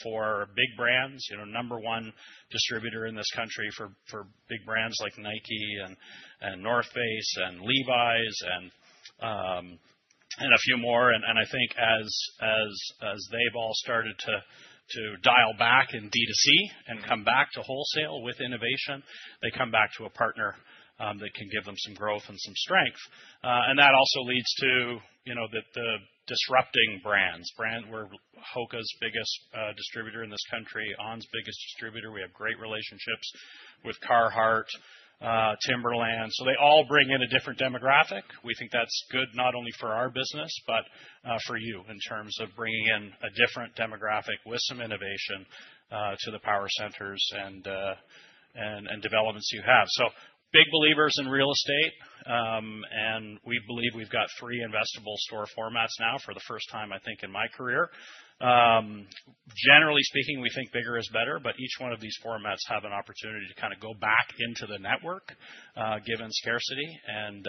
for big brands, number one distributor in this country for big brands like Nike and The North Face and Levi's and a few more. I think as they've all started to dial back in D2C and come back to wholesale with innovation, they come back to a partner that can give them some growth and some strength. That also leads to the disrupting brands. We're Hoka's biggest distributor in this country, On's biggest distributor. We have great relationships with Carhartt, Timberland. They all bring in a different demographic. We think that's good not only for our business, but for you in terms of bringing in a different demographic with some innovation to the power centers and developments you have. Big believers in real estate. We believe we've got three investable store formats now for the first time, I think, in my career. Generally speaking, we think bigger is better, but each one of these formats have an opportunity to kind of go back into the network, given scarcity, and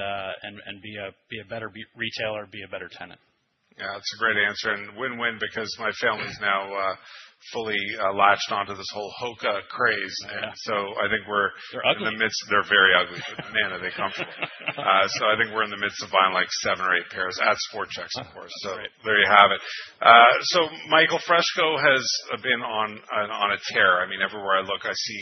be a better retailer, be a better tenant. Yeah, that's a great answer. Win-win because my family's now fully latched onto this whole Hoka craze. I think we're in the midst of they're very ugly, but man, are they comfortable. I think we're in the midst of buying like seven or eight pairs at Sport Chek, of course. There you have it. Michael Fresco has been on a tear. I mean, everywhere I look, I see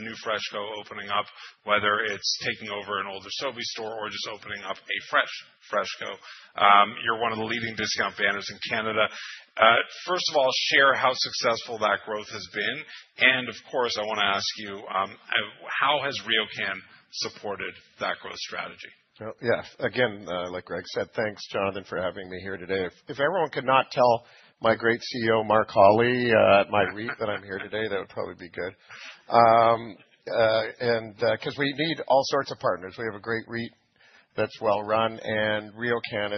a new Fresco opening up, whether it's taking over an older Sobeys store or just opening up a fresh Fresco. You're one of the leading discount banners in Canada. First of all, share how successful that growth has been. I want to ask you, how has RioCan supported that growth strategy? Yeah. Again, like Greg said, thanks, Jonathan, for having me here today. If everyone could not tell my great CEO, Mark Holly, at my REIT that I'm here today, that would probably be good. We need all sorts of partners. We have a great REIT that's well-run. RioCan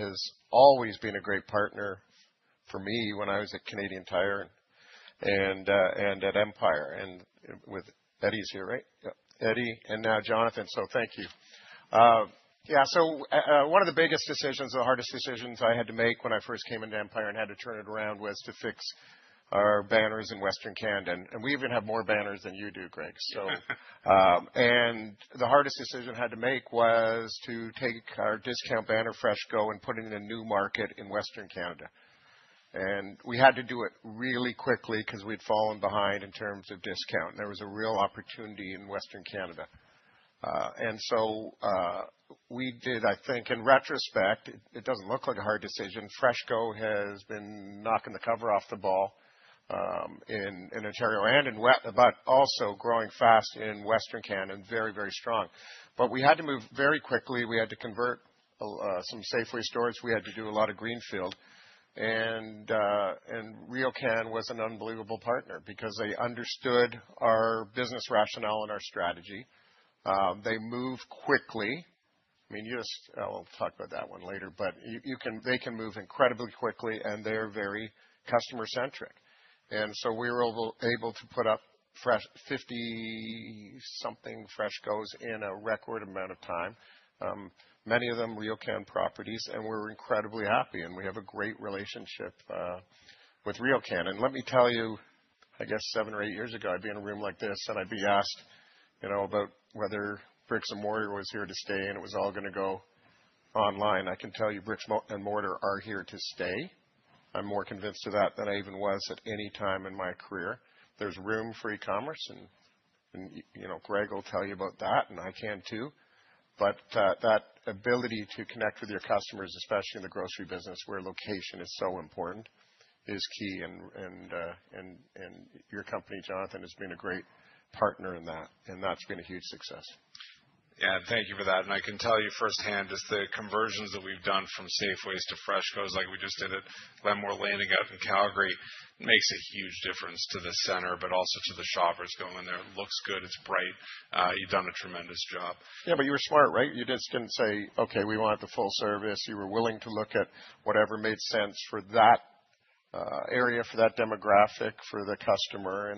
has always been a great partner for me when I was at Canadian Tire and at Empire. Eddie's here, right? Yep. Eddie and now Jonathan. Thank you. One of the biggest decisions, the hardest decisions I had to make when I first came into Empire and had to turn it around was to fix our banners in Western Canada. We even have more banners than you do, Greg. The hardest decision I had to make was to take our discount banner Fresco and put it in a new market in Western Canada. We had to do it really quickly because we had fallen behind in terms of discount. There was a real opportunity in Western Canada. We did, I think, in retrospect, it does not look like a hard decision. Fresco has been knocking the cover off the ball in Ontario and in Wett, but also growing fast in Western Canada and very, very strong. We had to move very quickly. We had to convert some Safeway stores. We had to do a lot of greenfield. RioCan was an unbelievable partner because they understood our business rationale and our strategy. They move quickly. I mean, you just I'll talk about that one later, but they can move incredibly quickly, and they're very customer-centric. We were able to put up 50-something Frescos in a record amount of time, many of them RioCan properties. We were incredibly happy. We have a great relationship with RioCan. Let me tell you, I guess seven or eight years ago, I'd be in a room like this, and I'd be asked about whether Brix & Mortar was here to stay, and it was all going to go online. I can tell you Brix & Mortar are here to stay. I'm more convinced of that than I even was at any time in my career. There's room for e-commerce. Greg will tell you about that, and I can too. That ability to connect with your customers, especially in the grocery business where location is so important, is key. Your company, Jonathan, has been a great partner in that. That's been a huge success. Yeah. Thank you for that. I can tell you firsthand, just the conversions that we've done from Safeways to Frescos, like we just did at Glenmore Landing out in Calgary, makes a huge difference to the center, but also to the shoppers going in there. It looks good. It's bright. You've done a tremendous job. Yeah. You were smart, right? You didn't just say, "Okay, we want the full service." You were willing to look at whatever made sense for that area, for that demographic, for the customer.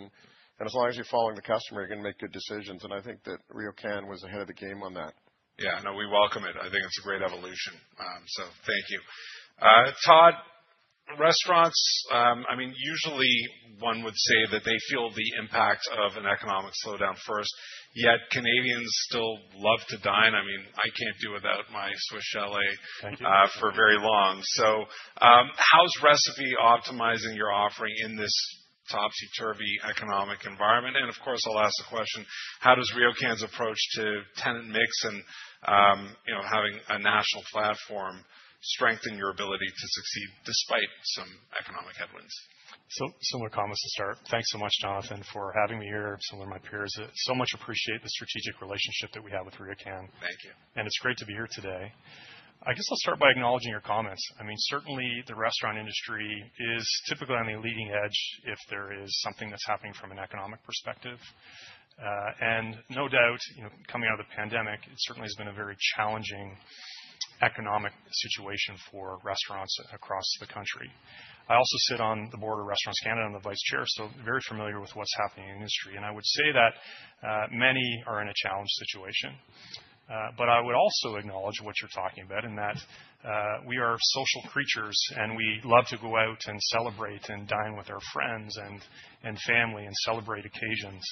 As long as you're following the customer, you're going to make good decisions. I think that RioCan was ahead of the game on that. Yeah. No, we welcome it. I think it's a great evolution. Thank you. Todd, restaurants, I mean, usually one would say that they feel the impact of an economic slowdown first. Yet Canadians still love to dine. I mean, I can't do without my Swiss Chalet for very long. How is Recipe optimizing your offering in this topsy-turvy economic environment? Of course, I'll ask the question, how does RioCan's approach to tenant mix and having a national platform strengthen your ability to succeed despite some economic headwinds? Similar comments to start. Thanks so much, Jonathan, for having me here. Similar to my peers, I so much appreciate the strategic relationship that we have with RioCan. Thank you. It is great to be here today. I guess I'll start by acknowledging your comments. I mean, certainly the restaurant industry is typically on the leading edge if there is something that's happening from an economic perspective. No doubt, coming out of the pandemic, it certainly has been a very challenging economic situation for restaurants across the country. I also sit on the board of Restaurants Canada and the Vice Chair, so very familiar with what's happening in the industry. I would say that many are in a challenged situation. I would also acknowledge what you're talking about in that we are social creatures, and we love to go out and celebrate and dine with our friends and family and celebrate occasions.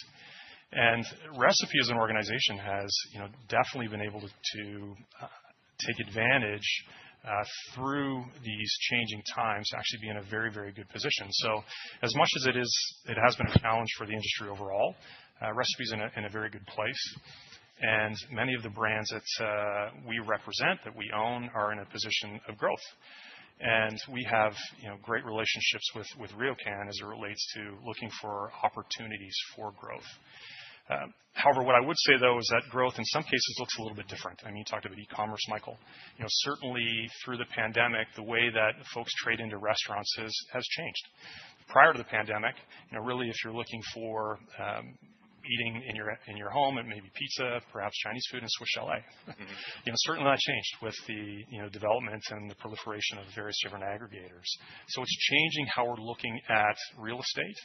Recipe as an organization has definitely been able to take advantage through these changing times to actually be in a very, very good position. As much as it has been a challenge for the industry overall, Recipe is in a very good place. Many of the brands that we represent, that we own, are in a position of growth. We have great relationships with RioCan as it relates to looking for opportunities for growth. However, what I would say, though, is that growth in some cases looks a little bit different. I mean, you talked about e-commerce, Michael. Certainly, through the pandemic, the way that folks trade into restaurants has changed. Prior to the pandemic, really, if you're looking for eating in your home, it may be pizza, perhaps Chinese food in Swiss Chalet. Certainly, that changed with the development and the proliferation of various different aggregators. It is changing how we're looking at real estate.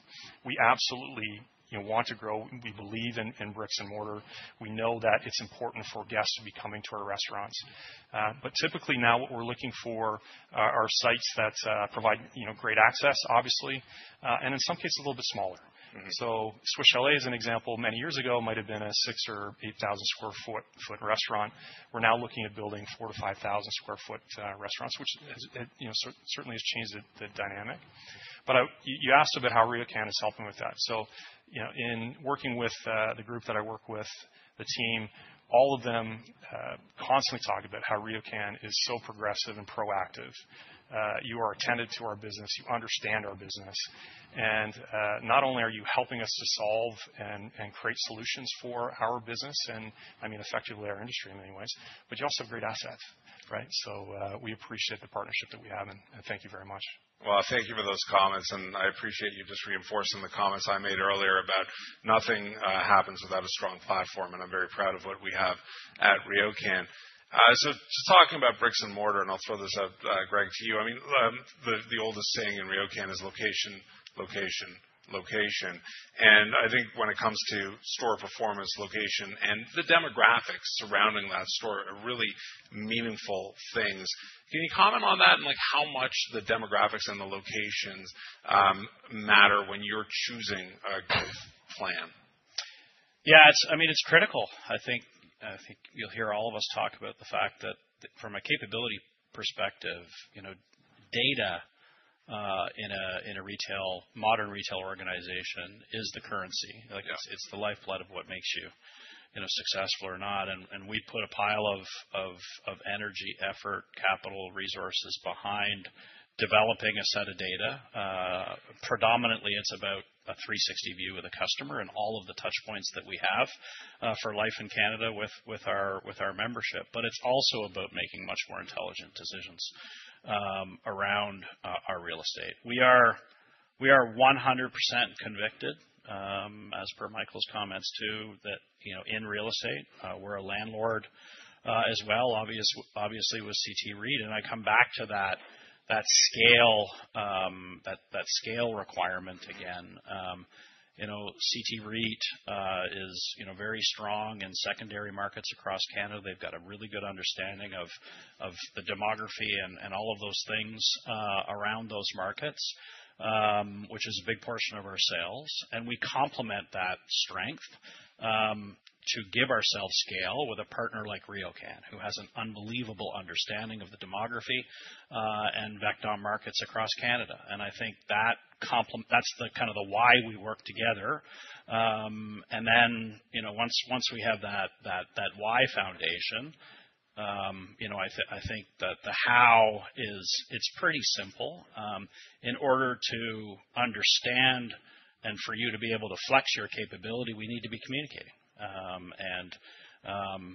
We absolutely want to grow. We believe in bricks and mortar. We know that it's important for guests to be coming to our restaurants. Typically now what we're looking for are sites that provide great access, obviously, and in some cases a little bit smaller. Swiss Chalet is an example. Many years ago, it might have been a 6,000 or 8,000 sq ft restaurant. We're now looking at building 4,000-5,000 sq ft restaurants, which certainly has changed the dynamic. You asked about how RioCan is helping with that. In working with the group that I work with, the team, all of them constantly talk about how RioCan is so progressive and proactive. You are attentive to our business. You understand our business. Not only are you helping us to solve and create solutions for our business and, I mean, effectively our industry in many ways, but you also have great assets, right? We appreciate the partnership that we have. Thank you very much. Thank you for those comments. I appreciate you just reinforcing the comments I made earlier about nothing happens without a strong platform. I am very proud of what we have at RioCan. Just talking about bricks and mortar, and I'll throw this out, Greg, to you. I mean, the oldest saying in RioCan is location, location, location. I think when it comes to store performance, location, and the demographics surrounding that store, really meaningful things. Can you comment on that and how much the demographics and the locations matter when you're choosing a growth plan? Yeah. I mean, it's critical. I think you'll hear all of us talk about the fact that from a capability perspective, data in a modern retail organization is the currency. It's the lifeblood of what makes you successful or not. We put a pile of energy, effort, capital, resources behind developing a set of data. Predominantly, it's about a 360 view of the customer and all of the touchpoints that we have for life in Canada with our membership. It is also about making much more intelligent decisions around our real estate. We are 100% convicted, as per Michael's comments too, that in real estate, we are a landlord as well, obviously with CT REIT. I come back to that scale requirement again. CT REIT is very strong in secondary markets across Canada. They have a really good understanding of the demography and all of those things around those markets, which is a big portion of our sales. We complement that strength to give ourselves scale with a partner like RioCan, who has an unbelievable understanding of the demography and vector markets across Canada. I think that is kind of the why we work together. Once we have that why foundation, I think that the how is pretty simple. In order to understand and for you to be able to flex your capability, we need to be communicating.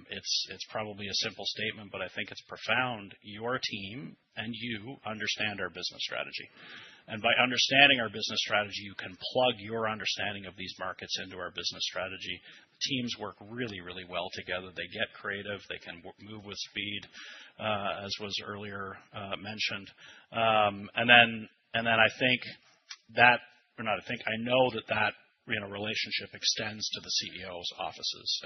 It is probably a simple statement, but I think it is profound. Your team and you understand our business strategy. By understanding our business strategy, you can plug your understanding of these markets into our business strategy. Teams work really, really well together. They get creative. They can move with speed, as was earlier mentioned. I think that, or not I think. I know that that relationship extends to the CEO's offices.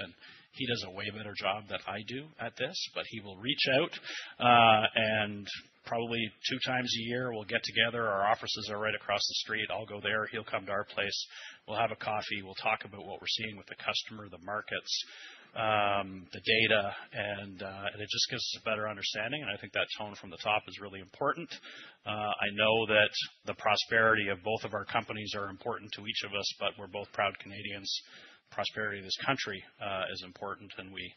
He does a way better job than I do at this, but he will reach out. Probably two times a year, we will get together. Our offices are right across the street. I will go there. He will come to our place. We will have a coffee. We'll talk about what we're seeing with the customer, the markets, the data. It just gives us a better understanding. I think that tone from the top is really important. I know that the prosperity of both of our companies is important to each of us, but we're both proud Canadians. Prosperity of this country is important. We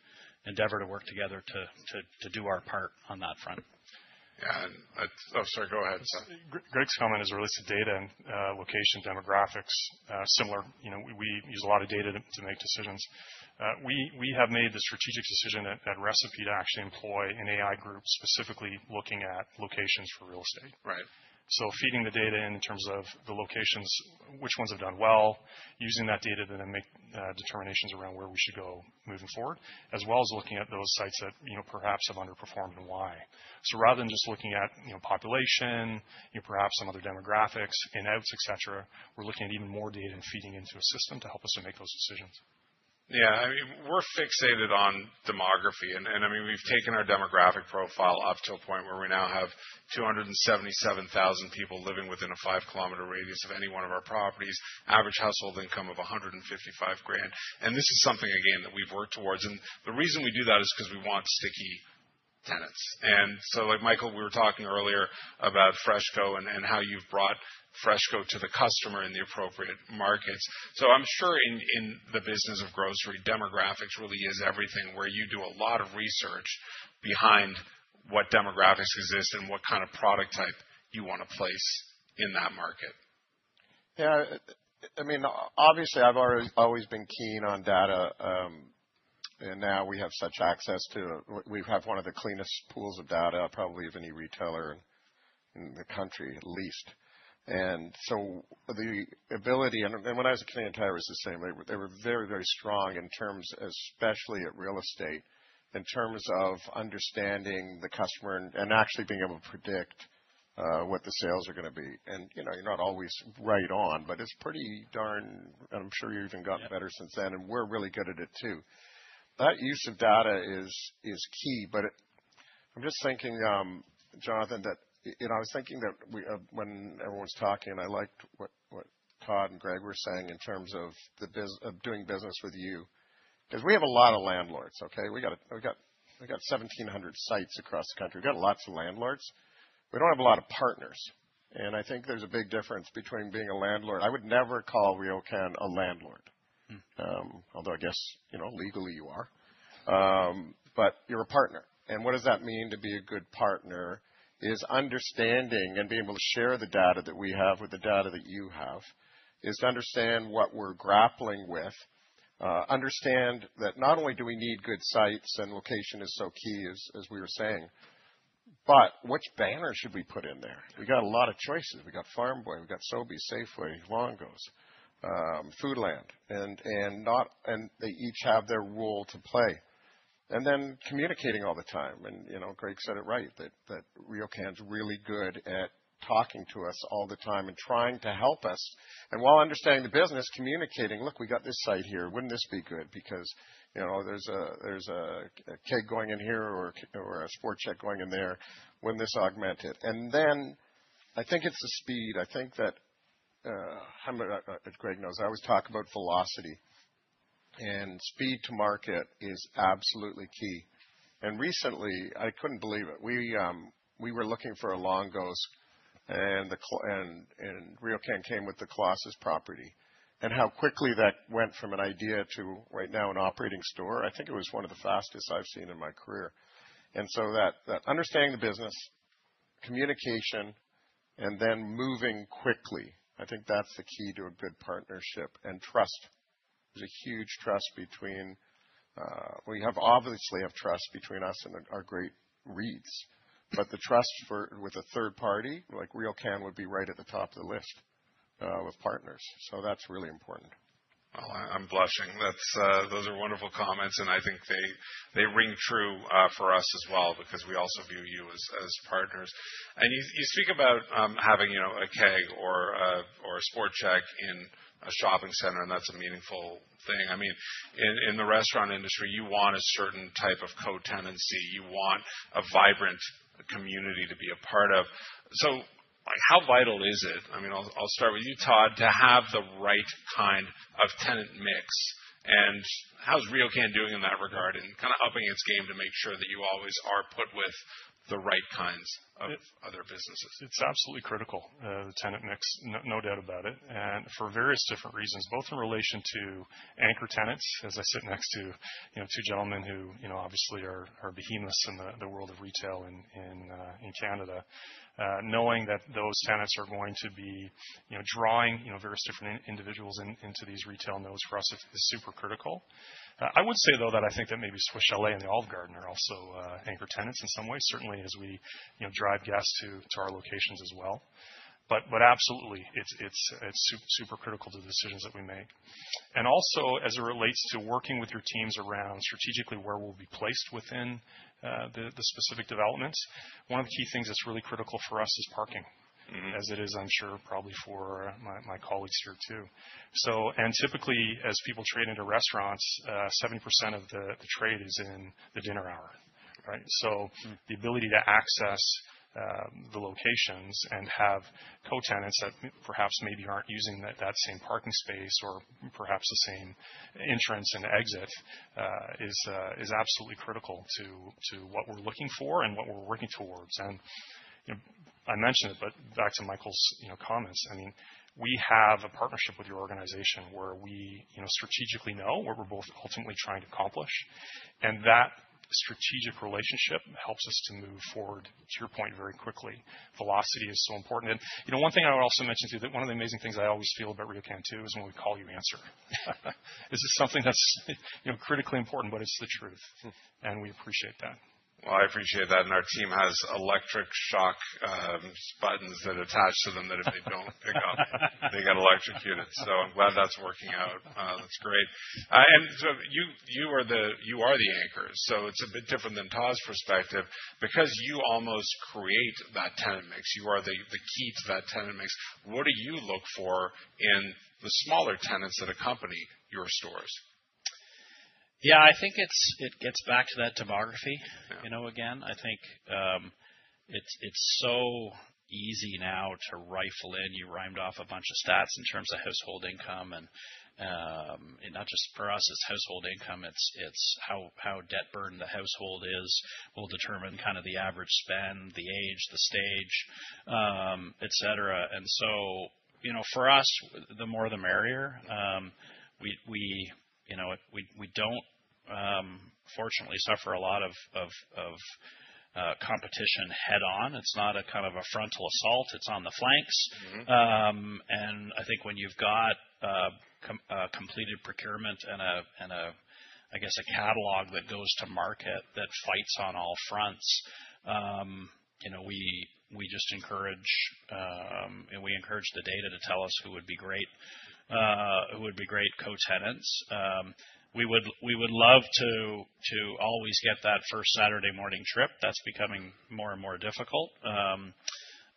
endeavor to work together to do our part on that front. Yeah. Sorry, go ahead. Greg's comment as it relates to data and location, demographics, similar. We use a lot of data to make decisions. We have made the strategic decision at Recipe to actually employ an AI group specifically looking at locations for real estate. Feeding the data in terms of the locations, which ones have done well, using that data to then make determinations around where we should go moving forward, as well as looking at those sites that perhaps have underperformed and why. Rather than just looking at population, perhaps some other demographics, in-outs, etc., we're looking at even more data and feeding into a system to help us to make those decisions. Yeah. I mean, we're fixated on demography. I mean, we've taken our demographic profile up to a point where we now have 277,000 people living within a 5 km radius of any one of our properties, average household income of 155,000. This is something, again, that we've worked towards. The reason we do that is because we want sticky tenants. Like, Michael, we were talking earlier about Fresco and how you have brought Fresco to the customer in the appropriate markets. I am sure in the business of grocery, demographics really is everything where you do a lot of research behind what demographics exist and what kind of product type you want to place in that market. Yeah. I mean, obviously, I have always been keen on data. Now we have such access to, we have one of the cleanest pools of data probably of any retailer in the country, at least. The ability, and when I was at Canadian Tire, it was the same. They were very, very strong in terms, especially at real estate, in terms of understanding the customer and actually being able to predict what the sales are going to be. You're not always right on, but it's pretty darn and I'm sure you've even gotten better since then. We're really good at it too. That use of data is key. I'm just thinking, Jonathan, that I was thinking that when everyone's talking, I liked what Todd and Greg were saying in terms of doing business with you. We have a lot of landlords, okay? We got 1,700 sites across the country. We've got lots of landlords. We don't have a lot of partners. I think there's a big difference between being a landlord. I would never call RioCan a landlord, although I guess legally you are. You're a partner. What does that mean to be a good partner is understanding and being able to share the data that we have with the data that you have, is to understand what we're grappling with, understand that not only do we need good sites and location is so key, as we were saying, but which banner should we put in there? We got a lot of choices. We got Farm Boy. We got Sobeys, Safeway, Longo's, Foodland. They each have their role to play. Then communicating all the time. Greg said it right, that RioCan is really good at talking to us all the time and trying to help us. While understanding the business, communicating, "Look, we got this site here. Wouldn't this be good? Because there's a Keg going in here or a Sport Chek going in there. Wouldn't this augment it? I think it is the speed. I think that Greg knows I always talk about velocity. Speed to market is absolutely key. Recently, I could not believe it. We were looking for a Longo's, and RioCan came with the Colossus property. How quickly that went from an idea to right now an operating store, I think it was one of the fastest I have seen in my career. Understanding the business, communication, and then moving quickly, I think that is the key to a good partnership. Trust. There is a huge trust between us and our great REITs. The trust with a third party like RioCan would be right at the top of the list of partners. That is really important. I am blushing. Those are wonderful comments. I think they ring true for us as well because we also view you as partners. You speak about having a Keg or a Sports Shed in a shopping center, and that's a meaningful thing. I mean, in the restaurant industry, you want a certain type of co-tenancy. You want a vibrant community to be a part of. How vital is it? I mean, I'll start with you, Todd, to have the right kind of tenant mix. How's RioCan doing in that regard and kind of upping its game to make sure that you always are put with the right kinds of other businesses? It's absolutely critical, the tenant mix, no doubt about it. For various different reasons, both in relation to anchor tenants, as I sit next to two gentlemen who obviously are behemoths in the world of retail in Canada, knowing that those tenants are going to be drawing various different individuals into these retail nodes for us is super critical. I would say, though, that I think that maybe Swiss Chalet and the Olive Garden are also anchor tenants in some ways, certainly as we drive guests to our locations as well. Absolutely, it's super critical to the decisions that we make. Also, as it relates to working with your teams around strategically where we'll be placed within the specific developments, one of the key things that's really critical for us is parking, as it is, I'm sure, probably for my colleagues here too. Typically, as people trade into restaurants, 70% of the trade is in the dinner hour, right? The ability to access the locations and have co-tenants that perhaps maybe are not using that same parking space or perhaps the same entrance and exit is absolutely critical to what we are looking for and what we are working towards. I mentioned it, but back to Michael's comments. I mean, we have a partnership with your organization where we strategically know what we are both ultimately trying to accomplish. That strategic relationship helps us to move forward, to your point, very quickly. Velocity is so important. One thing I would also mention too, that one of the amazing things I always feel about RioCan too is when we call, you answer. This is something that is critically important, but it is the truth. We appreciate that. I appreciate that. Our team has electric shock buttons that attach to them that if they do not pick up, they get electrocuted. I am glad that is working out. That is great. You are the anchors. It is a bit different than Todd's perspective because you almost create that tenant mix, you are the key to that tenant mix. What do you look for in the smaller tenants that accompany your stores? Yeah. I think it gets back to that demography. Again, I think it is so easy now to rifle in. You rhymed off a bunch of stats in terms of household income. Not just for us, it is household income. It is how debt burdened the household is will determine kind of the average spend, the age, the stage, etc. For us, the more the merrier. We do not, fortunately, suffer a lot of competition head-on. It's not a kind of a frontal assault. It's on the flanks. I think when you've got completed procurement and, I guess, a catalog that goes to market that fights on all fronts, we just encourage and we encourage the data to tell us who would be great co-tenants. We would love to always get that first Saturday morning trip. That's becoming more and more difficult.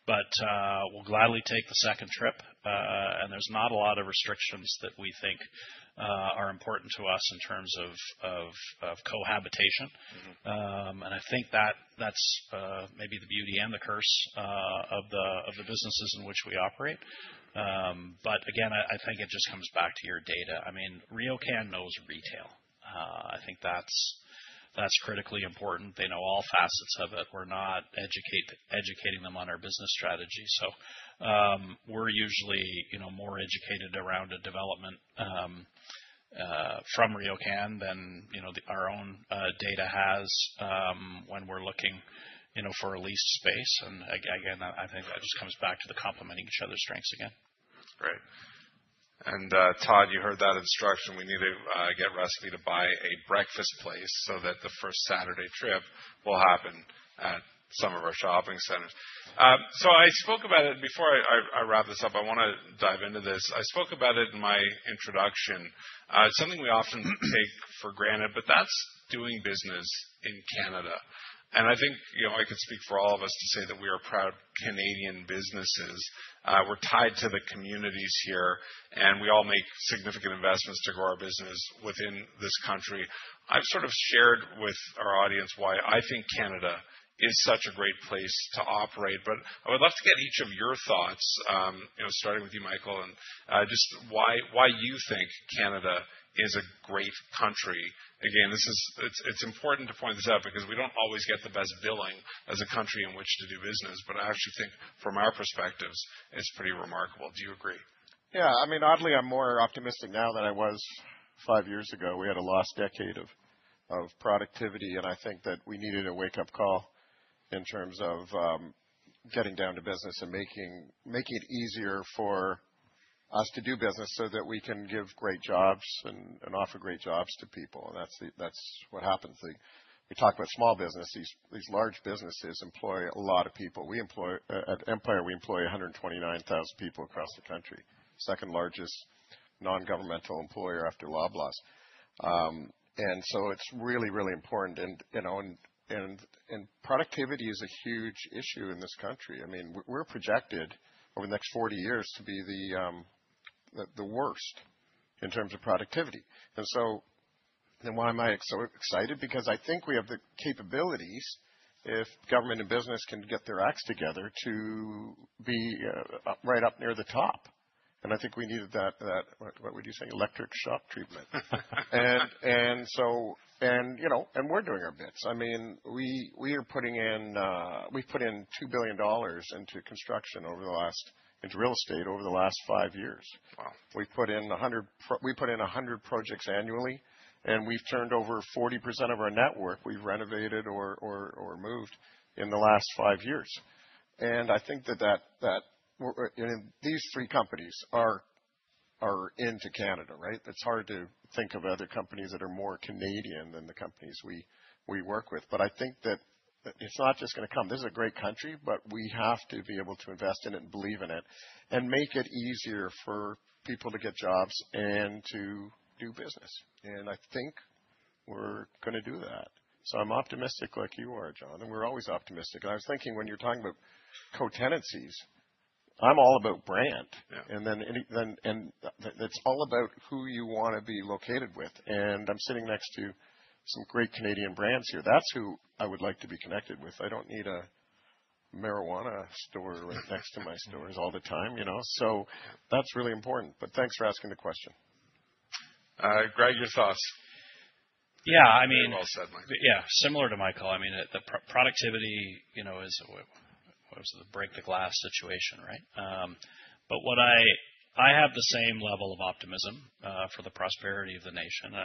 We'll gladly take the second trip. There's not a lot of restrictions that we think are important to us in terms of cohabitation. I think that that's maybe the beauty and the curse of the businesses in which we operate. Again, I think it just comes back to your data. I mean, RioCan knows retail. I think that's critically important. They know all facets of it. We're not educating them on our business strategy. We're usually more educated around a development from RioCan than our own data has when we're looking for a leased space. I think that just comes back to the complementing each other's strengths again. Right. Todd, you heard that instruction. We need to get Rescue to buy a breakfast place so that the first Saturday trip will happen at some of our shopping centers. I spoke about it. Before I wrap this up, I want to dive into this. I spoke about it in my introduction. It's something we often take for granted, but that's doing business in Canada. I think I could speak for all of us to say that we are proud Canadian businesses. We're tied to the communities here. We all make significant investments to grow our business within this country. I've sort of shared with our audience why I think Canada is such a great place to operate. I would love to get each of your thoughts, starting with you, Michael, and just why you think Canada is a great country. Again, it's important to point this out because we don't always get the best billing as a country in which to do business. I actually think from our perspectives, it's pretty remarkable. Do you agree? Yeah. I mean, oddly, I'm more optimistic now than I was five years ago. We had a lost decade of productivity. I think that we needed a wake-up call in terms of getting down to business and making it easier for us to do business so that we can give great jobs and offer great jobs to people. That's what happens. We talk about small businesses. These large businesses employ a lot of people. At Empire, we employ 129,000 people across the country, second largest non-governmental employer after Loblaws. It is really, really important. Productivity is a huge issue in this country. I mean, we are projected over the next 40 years to be the worst in terms of productivity. Why am I so excited? I think we have the capabilities, if government and business can get their acts together, to be right up near the top. I think we needed that, what would you say, electric shock treatment. We are doing our bits. I mean, we are putting in, we have put in 2 billion dollars into construction over the last, into real estate over the last five years. We put in 100 projects annually. We have turned over 40% of our network. We renovated or moved in the last five years. I think that these three companies are into Canada, right? It is hard to think of other companies that are more Canadian than the companies we work with. I think that it is not just going to come. This is a great country, but we have to be able to invest in it and believe in it and make it easier for people to get jobs and to do business. I think we are going to do that. I am optimistic like you are, John. We are always optimistic. I was thinking when you are talking about co-tenancies, I am all about brand. It is all about who you want to be located with. I am sitting next to some great Canadian brands here. That is who I would like to be connected with. I do not need a marijuana store right next to my stores all the time. That is really important. Thanks for asking the question. Greg, your thoughts? Yeah. I mean, yeah, similar to Michael, the productivity is, what was it, the break the glass situation, right? I have the same level of optimism for the prosperity of the nation.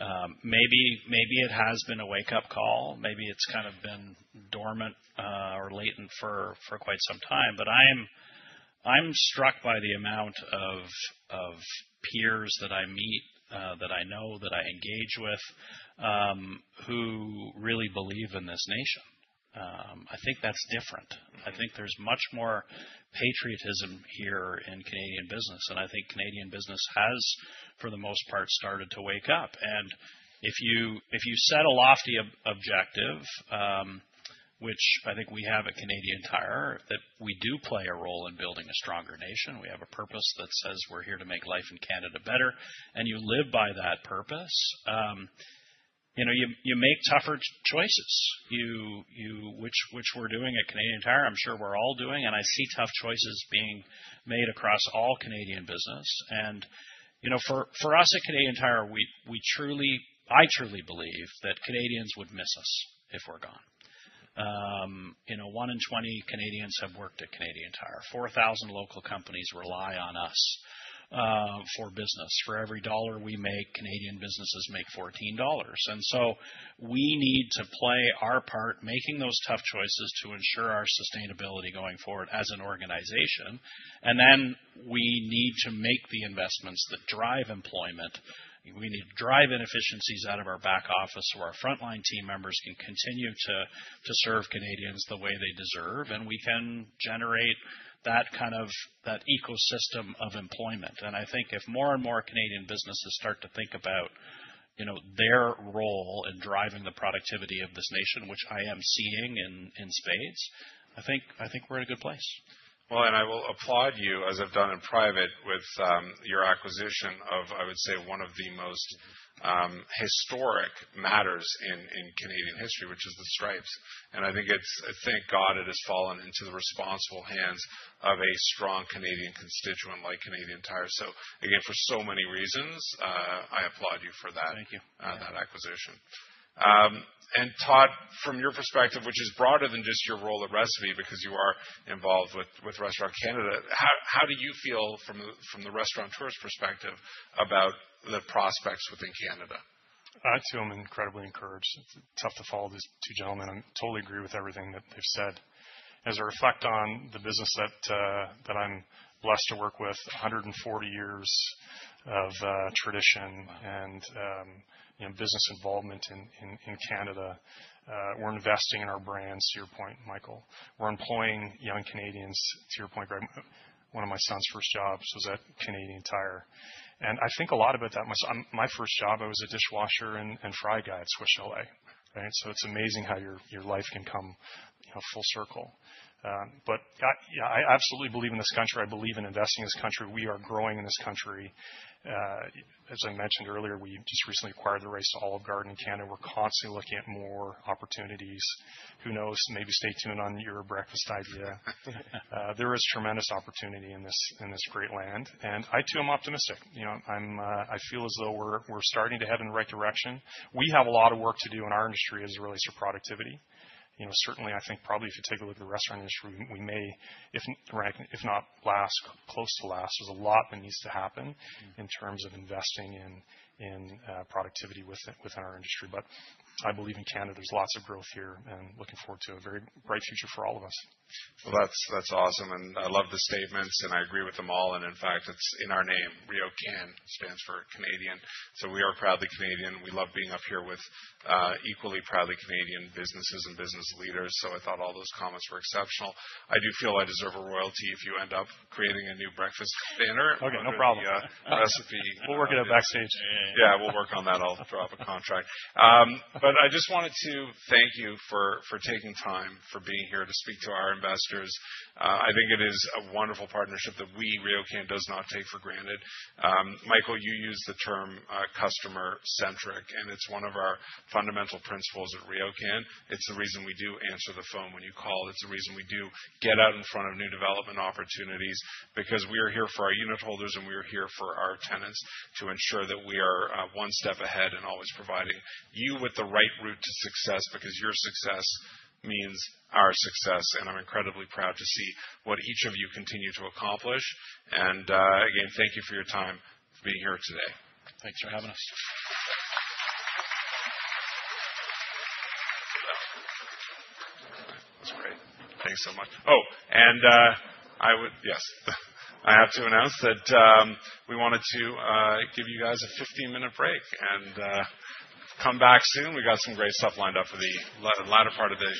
I think maybe it has been a wake-up call. Maybe it has kind of been dormant or latent for quite some time. I am struck by the amount of peers that I meet, that I know, that I engage with, who really believe in this nation. I think that is different. I think there is much more patriotism here in Canadian business. I think Canadian business has, for the most part, started to wake up. If you set a lofty objective, which I think we have at Canadian Tire, that we do play a role in building a stronger nation, we have a purpose that says we're here to make life in Canada better, and you live by that purpose, you make tougher choices, which we're doing at Canadian Tire, I'm sure we're all doing. I see tough choices being made across all Canadian business. For us at Canadian Tire, I truly believe that Canadians would miss us if we're gone. One in 20 Canadians have worked at Canadian Tire. Four thousand local companies rely on us for business. For every dollar we make, Canadian businesses make 14 dollars. We need to play our part making those tough choices to ensure our sustainability going forward as an organization. We need to make the investments that drive employment. We need to drive inefficiencies out of our back office so our frontline team members can continue to serve Canadians the way they deserve. We can generate that kind of ecosystem of employment. I think if more and more Canadian businesses start to think about their role in driving the productivity of this nation, which I am seeing in spades, I think we're in a good place. I will applaud you, as I've done in private, with your acquisition of, I would say, one of the most historic matters in Canadian history, which is the stripes. I thank God it has fallen into the responsible hands of a strong Canadian constituent like Canadian Tire. Again, for so many reasons, I applaud you for that acquisition. Todd, from your perspective, which is broader than just your role at Recipe because you are involved with Restaurant Canada, how do you feel from the restaurateur's perspective about the prospects within Canada? I too am incredibly encouraged. It is tough to follow these two gentlemen. I totally agree with everything that they have said. As I reflect on the business that I am blessed to work with, 140 years of tradition and business involvement in Canada, we are investing in our brands, to your point, Michael. We are employing young Canadians, to your point, Greg. One of my son's first jobs was at Canadian Tire. I think a lot about that. My first job, I was a dishwasher and fry guy at Swiss Chalet, right? It is amazing how your life can come full circle. I absolutely believe in this country. I believe in investing in this country. We are growing in this country. As I mentioned earlier, we just recently acquired the rights to Olive Garden in Canada. We're constantly looking at more opportunities. Who knows? Maybe stay tuned on your breakfast idea. There is tremendous opportunity in this great land. I too am optimistic. I feel as though we're starting to head in the right direction. We have a lot of work to do in our industry as it relates to productivity. Certainly, I think probably if you take a look at the restaurant industry, we may, if not last, be close to last. There's a lot that needs to happen in terms of investing in productivity within our industry. I believe in Canada, there's lots of growth here. Looking forward to a very bright future for all of us. That's awesome. I love the statements. I agree with them all. It is in our name. RioCan stands for Canadian. We are proudly Canadian. We love being up here with equally proudly Canadian businesses and business leaders. I thought all those comments were exceptional. I do feel I deserve a royalty if you end up creating a new breakfast dinner. Okay. No problem. Yeah. We will work it out backstage. Yeah. We will work on that. I will draw up a contract. I just wanted to thank you for taking time, for being here to speak to our investors. I think it is a wonderful partnership that we, RioCan, do not take for granted. Michael, you used the term customer-centric. It is one of our fundamental principles at RioCan. It is the reason we do answer the phone when you call. It is the reason we do get out in front of new development opportunities. Because we are here for our unit holders and we are here for our tenants to ensure that we are one step ahead and always providing you with the right route to success. Your success means our success. I am incredibly proud to see what each of you continue to accomplish. Again, thank you for your time being here today. Thanks for having us. That's great. Thanks so much. Oh, yes, I have to announce that we wanted to give you guys a 15-minute break and come back soon. We have got some great stuff lined up for the latter part of the event.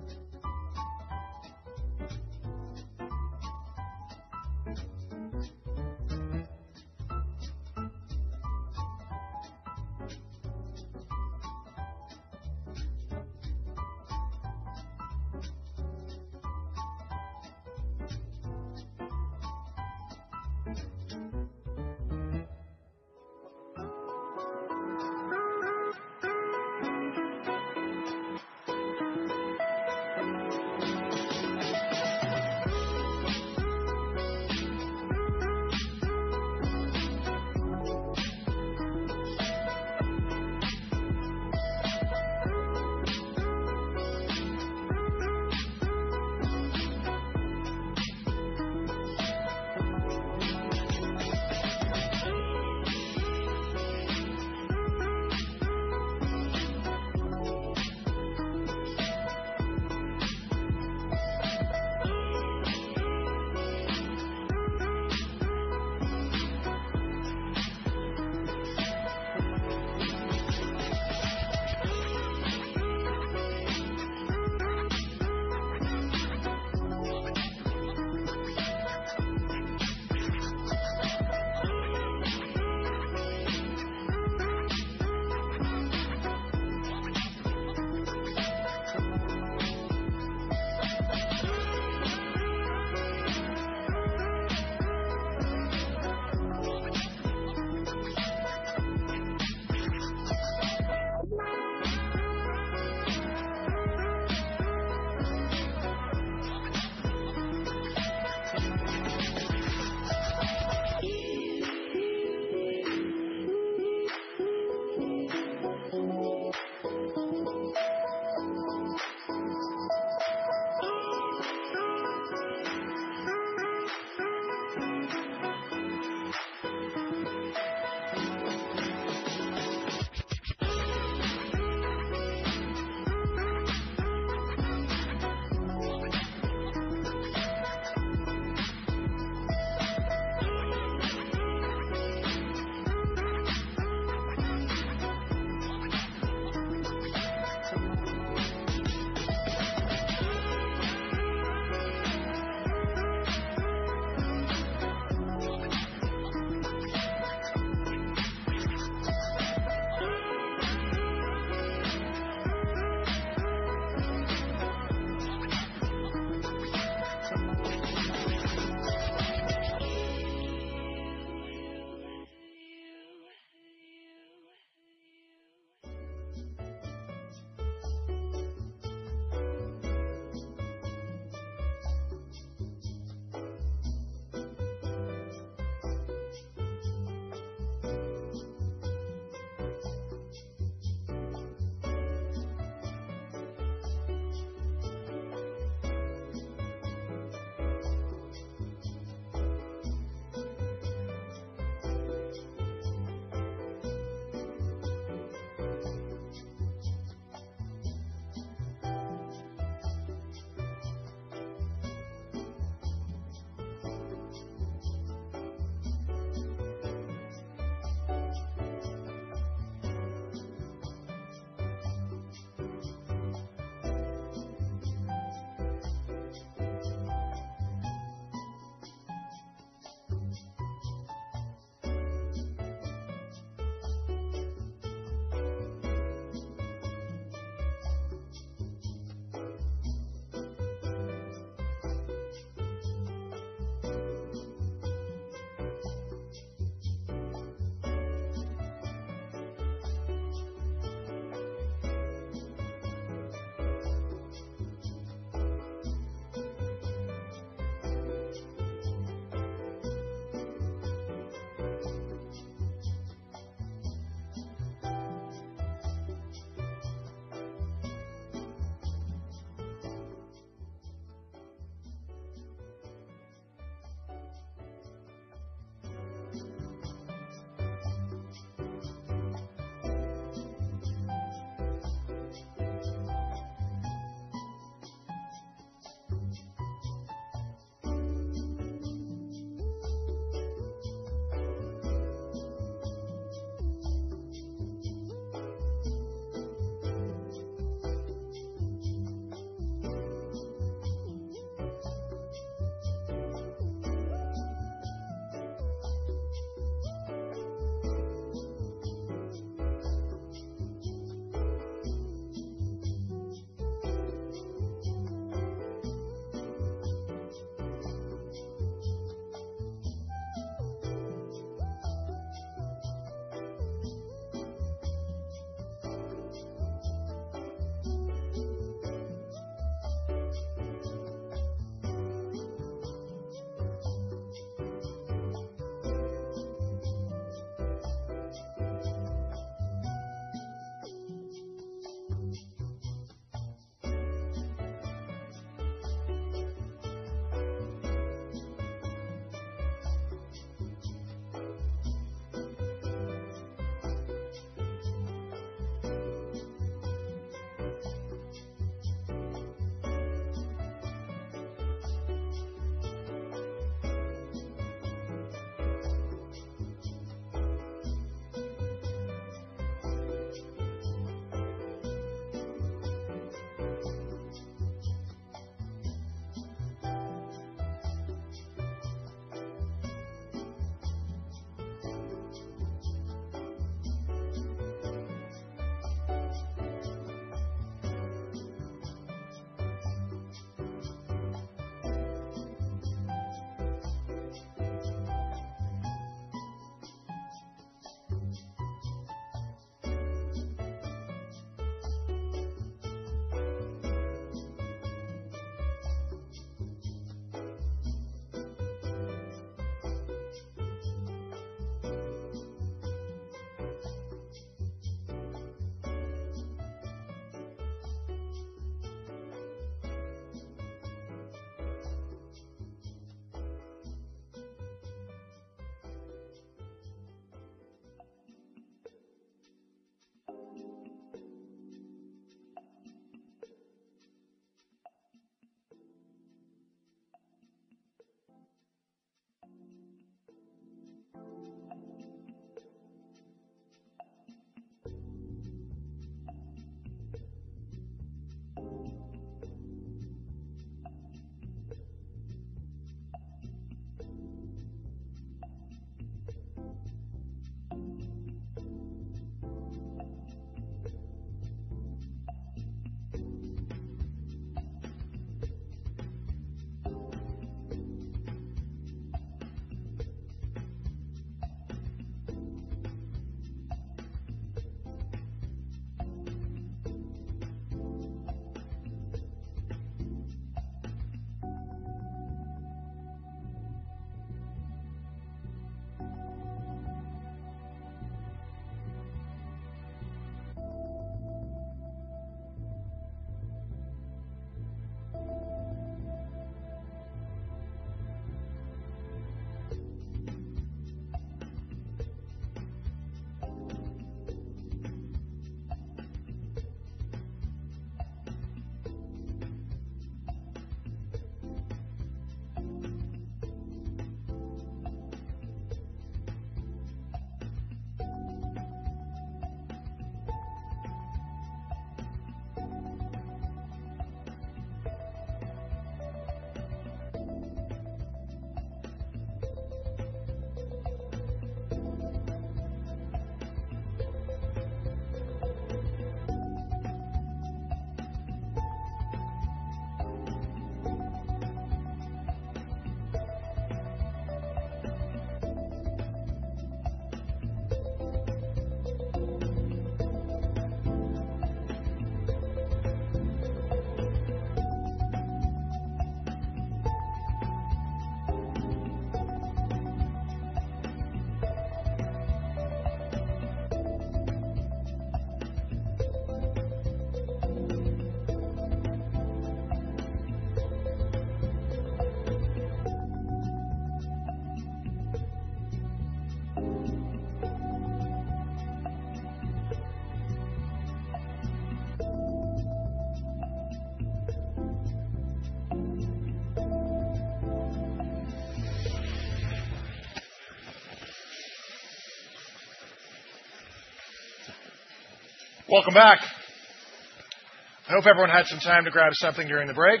Welcome back. I hope everyone had some time to grab something during the break.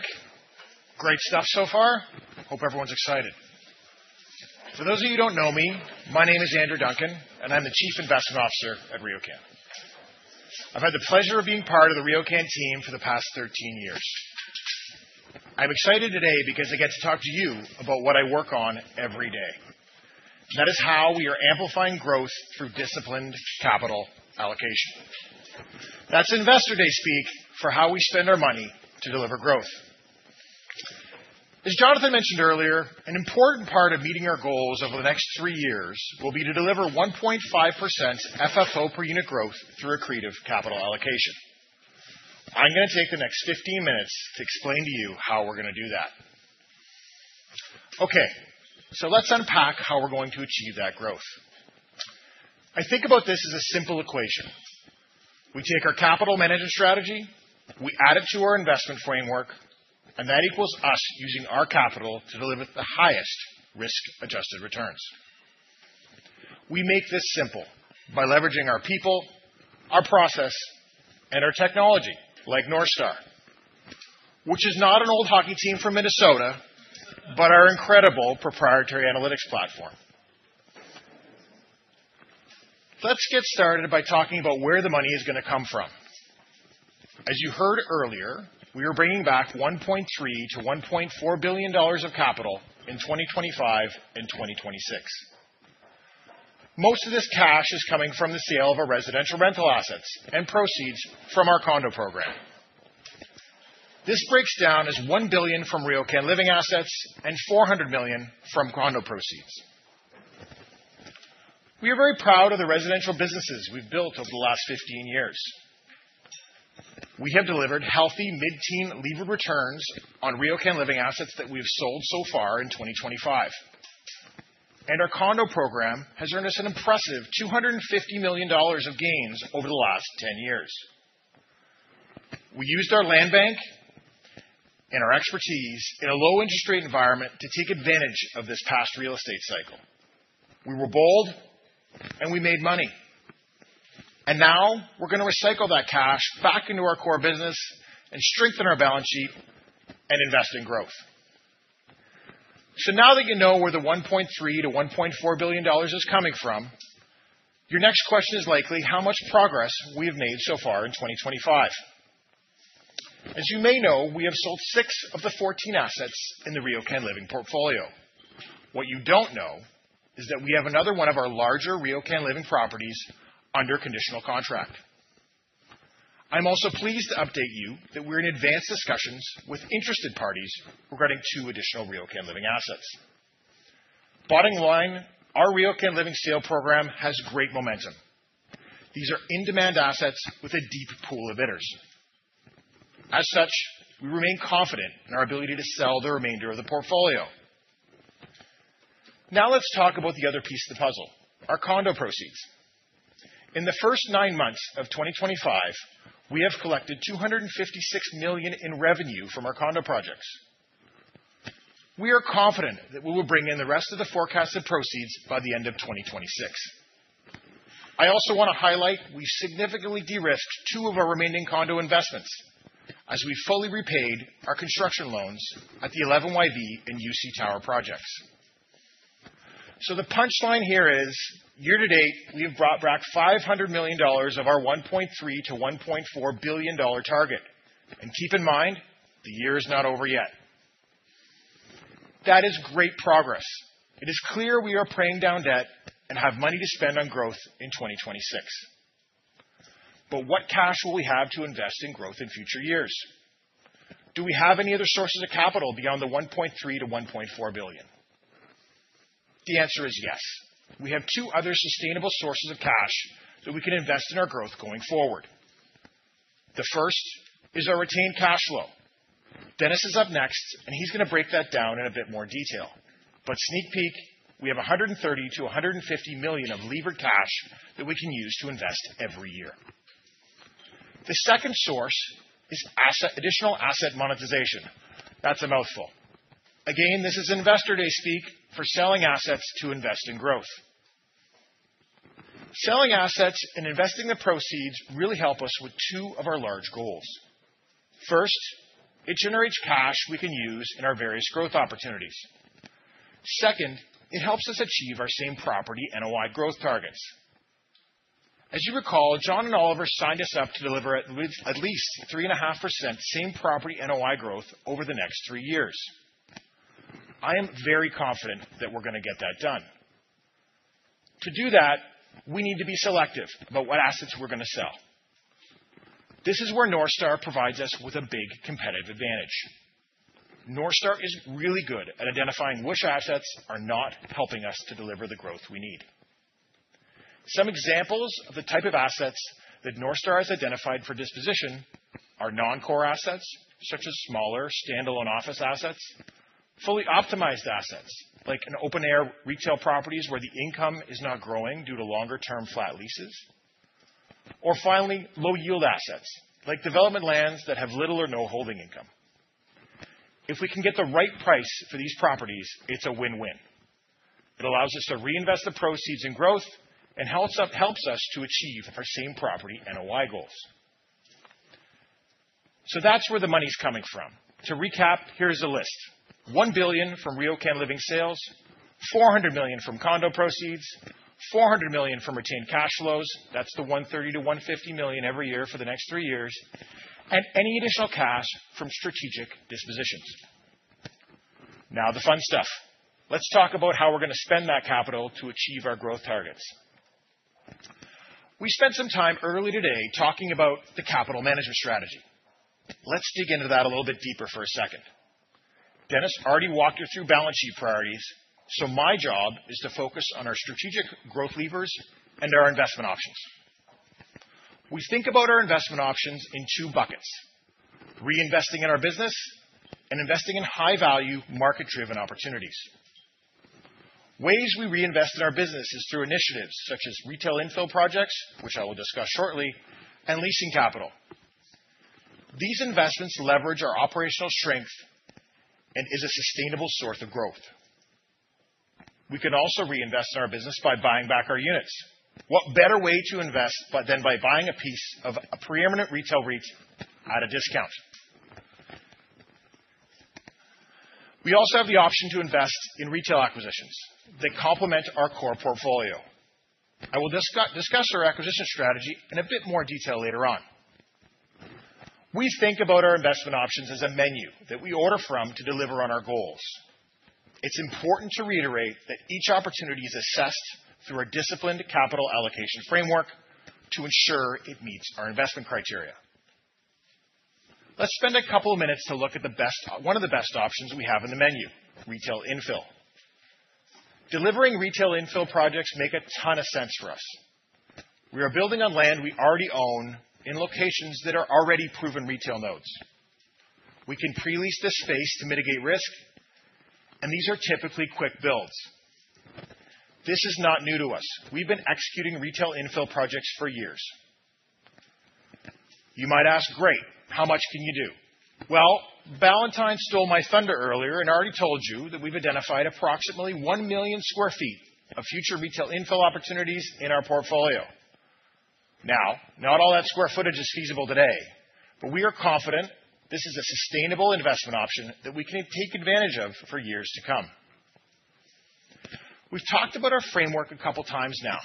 Great stuff so far. Hope everyone's excited. For those of you who do not know me, my name is Andrew Duncan, and I am the Chief Investment Officer at RioCan. I've had the pleasure of being part of the RioCan team for the past 13 years. I'm excited today because I get to talk to you about what I work on every day. That is how we are amplifying growth through disciplined capital allocation. That's Investor Day speak for how we spend our money to deliver growth. As Jonathan mentioned earlier, an important part of meeting our goals over the next three years will be to deliver 1.5% FFO per unit growth through a creative capital allocation. I'm going to take the next 15 minutes to explain to you how we're going to do that. Okay, let's unpack how we're going to achieve that growth. I think about this as a simple equation. We take our capital management strategy, we add it to our investment framework, and that equals us using our capital to deliver the highest risk-adjusted returns. We make this simple by leveraging our people, our process, and our technology like Northstar, which is not an old hockey team from Minnesota, but our incredible proprietary analytics platform. Let's get started by talking about where the money is going to come from. As you heard earlier, we are bringing back 1.3 billion-1.4 billion dollars of capital in 2025 and 2026. Most of this cash is coming from the sale of our residential rental assets and proceeds from our condo program. This breaks down as 1 billion from RioCan Living assets and 400 million from condo proceeds. We are very proud of the residential businesses we have built over the last 15 years. We have delivered healthy mid-teen levered returns on RioCan Living assets that we have sold so far in 2025. Our condo program has earned us an impressive 250 million dollars of gains over the last 10 years. We used our land bank and our expertise in a low interest rate environment to take advantage of this past real estate cycle. We were bold, and we made money. Now we're going to recycle that cash back into our core business and strengthen our balance sheet and invest in growth. Now that you know where the 1.3 billion-1.4 billion dollars is coming from, your next question is likely how much progress we have made so far in 2025. As you may know, we have sold six of the 14 assets in the RioCan Living portfolio. What you don't know is that we have another one of our larger RioCan Living properties under conditional contract. I'm also pleased to update you that we're in advanced discussions with interested parties regarding two additional RioCan Living assets. Bottom line, our RioCan Living sale program has great momentum. These are in-demand assets with a deep pool of bidders. As such, we remain confident in our ability to sell the remainder of the portfolio. Now let's talk about the other piece of the puzzle, our condo proceeds. In the first nine months of 2025, we have collected 256 million in revenue from our condo projects. We are confident that we will bring in the rest of the forecasted proceeds by the end of 2026. I also want to highlight we've significantly de-risked two of our remaining condo investments as we fully repaid our construction loans at the 11YB and UC Tower projects. The punchline here is, year to date, we have brought back 500 million dollars of our 1.3 billion-1.4 billion dollar target. Keep in mind, the year is not over yet. That is great progress. It is clear we are paying down debt and have money to spend on growth in 2026. What cash will we have to invest in growth in future years? Do we have any other sources of capital beyond the 1.3 billion-1.4 billion? The answer is yes. We have two other sustainable sources of cash that we can invest in our growth going forward. The first is our retained cash flow. Dennis is up next, and he's going to break that down in a bit more detail. Sneak peek, we have 130 million-150 million of levered cash that we can use to invest every year. The second source is additional asset monetization. That's a mouthful. Again, this is Investor Day speak for selling assets to invest in growth. Selling assets and investing the proceeds really help us with two of our large goals. First, it generates cash we can use in our various growth opportunities. Second, it helps us achieve our same property NOI growth targets. As you recall, John and Oliver signed us up to deliver at least 3.5% same property NOI growth over the next three years. I am very confident that we're going to get that done. To do that, we need to be selective about what assets we're going to sell. This is where Northstar provides us with a big competitive advantage. Northstar is really good at identifying which assets are not helping us to deliver the growth we need. Some examples of the type of assets that Northstar has identified for disposition are non-core assets, such as smaller, standalone office assets, fully optimized assets like open-air retail properties where the income is not growing due to longer-term flat leases, or finally, low-yield assets like development lands that have little or no holding income. If we can get the right price for these properties, it's a win-win. It allows us to reinvest the proceeds in growth and helps us to achieve our same property NOI goals. That is where the money's coming from. To recap, here's the list: 1 billion from RioCan Living sales, 400 million from condo proceeds, 400 million from retained cash flows. That is the 130 million-150 million every year for the next three years, and any additional cash from strategic dispositions. Now the fun stuff. Let's talk about how we're going to spend that capital to achieve our growth targets. We spent some time early today talking about the capital management strategy. Let's dig into that a little bit deeper for a second. Dennis already walked you through balance sheet priorities, so my job is to focus on our strategic growth levers and our investment options. We think about our investment options in two buckets: reinvesting in our business and investing in high-value market-driven opportunities. Ways we reinvest in our business is through initiatives such as retail infill projects, which I will discuss shortly, and leasing capital. These investments leverage our operational strength and are a sustainable source of growth. We can also reinvest in our business by buying back our units. What better way to invest than by buying a piece of a preeminent retail REIT at a discount? We also have the option to invest in retail acquisitions that complement our core portfolio. I will discuss our acquisition strategy in a bit more detail later on. We think about our investment options as a menu that we order from to deliver on our goals. It's important to reiterate that each opportunity is assessed through a disciplined capital allocation framework to ensure it meets our investment criteria. Let's spend a couple of minutes to look at one of the best options we have in the menu: retail infill. Delivering retail infill projects makes a ton of sense for us. We are building on land we already own in locations that are already proven retail nodes. We can pre-lease this space to mitigate risk, and these are typically quick builds. This is not new to us. We've been executing retail infill projects for years. You might ask, "Great, how much can you do?" Valentine stole my thunder earlier and already told you that we have identified approximately 1 million sq ft of future retail infill opportunities in our portfolio. Not all that square footage is feasible today, but we are confident this is a sustainable investment option that we can take advantage of for years to come. We have talked about our framework a couple of times now.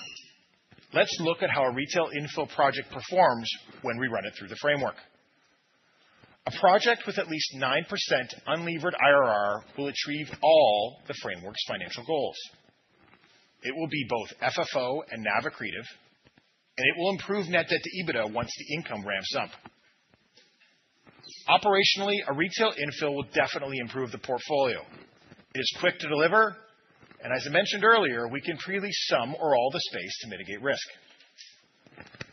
Let's look at how a retail infill project performs when we run it through the framework. A project with at least 9% unlevered IRR will achieve all the framework's financial goals. It will be both FFO and NAV accretive, and it will improve net debt to EBITDA once the income ramps up. Operationally, a retail infill will definitely improve the portfolio. It is quick to deliver, and as I mentioned earlier, we can pre-lease some or all the space to mitigate risk.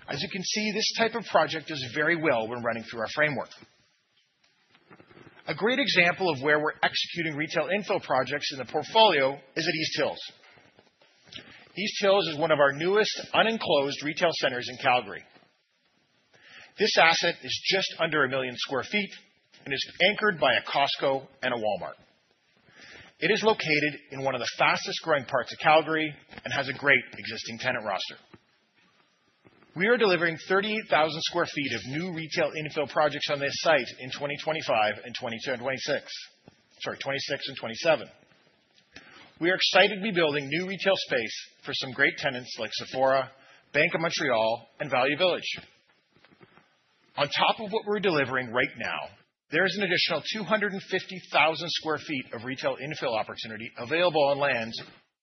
As you can see, this type of project does very well when running through our framework. A great example of where we're executing retail infill projects in the portfolio is at East Hills. East Hills is one of our newest unenclosed retail centers in Calgary. This asset is just under 1 million sq ft and is anchored by a Costco and a Walmart. It is located in one of the fastest-growing parts of Calgary and has a great existing tenant roster. We are delivering 38,000 sq ft of new retail infill projects on this site in 2025 and 2026. Sorry, 2026 and 2027. We are excited to be building new retail space for some great tenants like Sephora, Bank of Montreal, and Value Village. On top of what we're delivering right now, there is an additional 250,000 sq ft of retail infill opportunity available on lands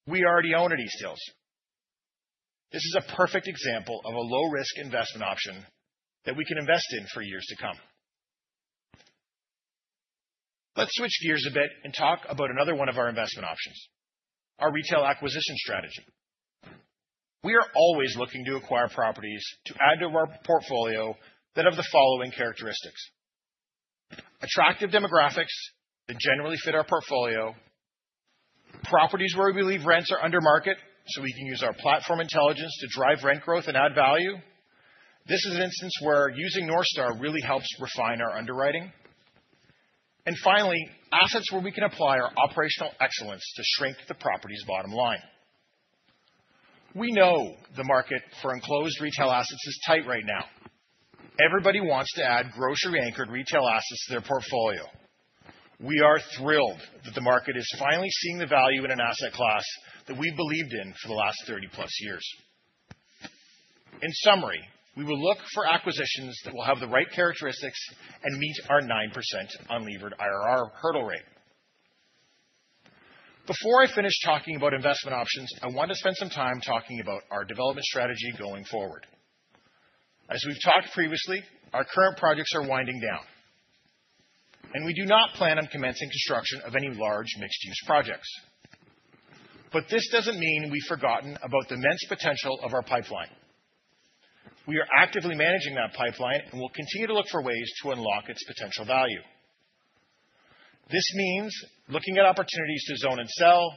we already own at East Hills. This is a perfect example of a low-risk investment option that we can invest in for years to come. Let's switch gears a bit and talk about another one of our investment options: our retail acquisition strategy. We are always looking to acquire properties to add to our portfolio that have the following characteristics: attractive demographics that generally fit our portfolio, properties where we believe rents are under market so we can use our platform intelligence to drive rent growth and add value. This is an instance where using Northstar really helps refine our underwriting. Finally, assets where we can apply our operational excellence to shrink the property's bottom line. We know the market for enclosed retail assets is tight right now. Everybody wants to add grocery-anchored retail assets to their portfolio. We are thrilled that the market is finally seeing the value in an asset class that we've believed in for the last 30-plus years. In summary, we will look for acquisitions that will have the right characteristics and meet our 9% unlevered IRR hurdle rate. Before I finish talking about investment options, I want to spend some time talking about our development strategy going forward. As we've talked previously, our current projects are winding down, and we do not plan on commencing construction of any large mixed-use projects. This does not mean we've forgotten about the immense potential of our pipeline. We are actively managing that pipeline and will continue to look for ways to unlock its potential value. This means looking at opportunities to zone and sell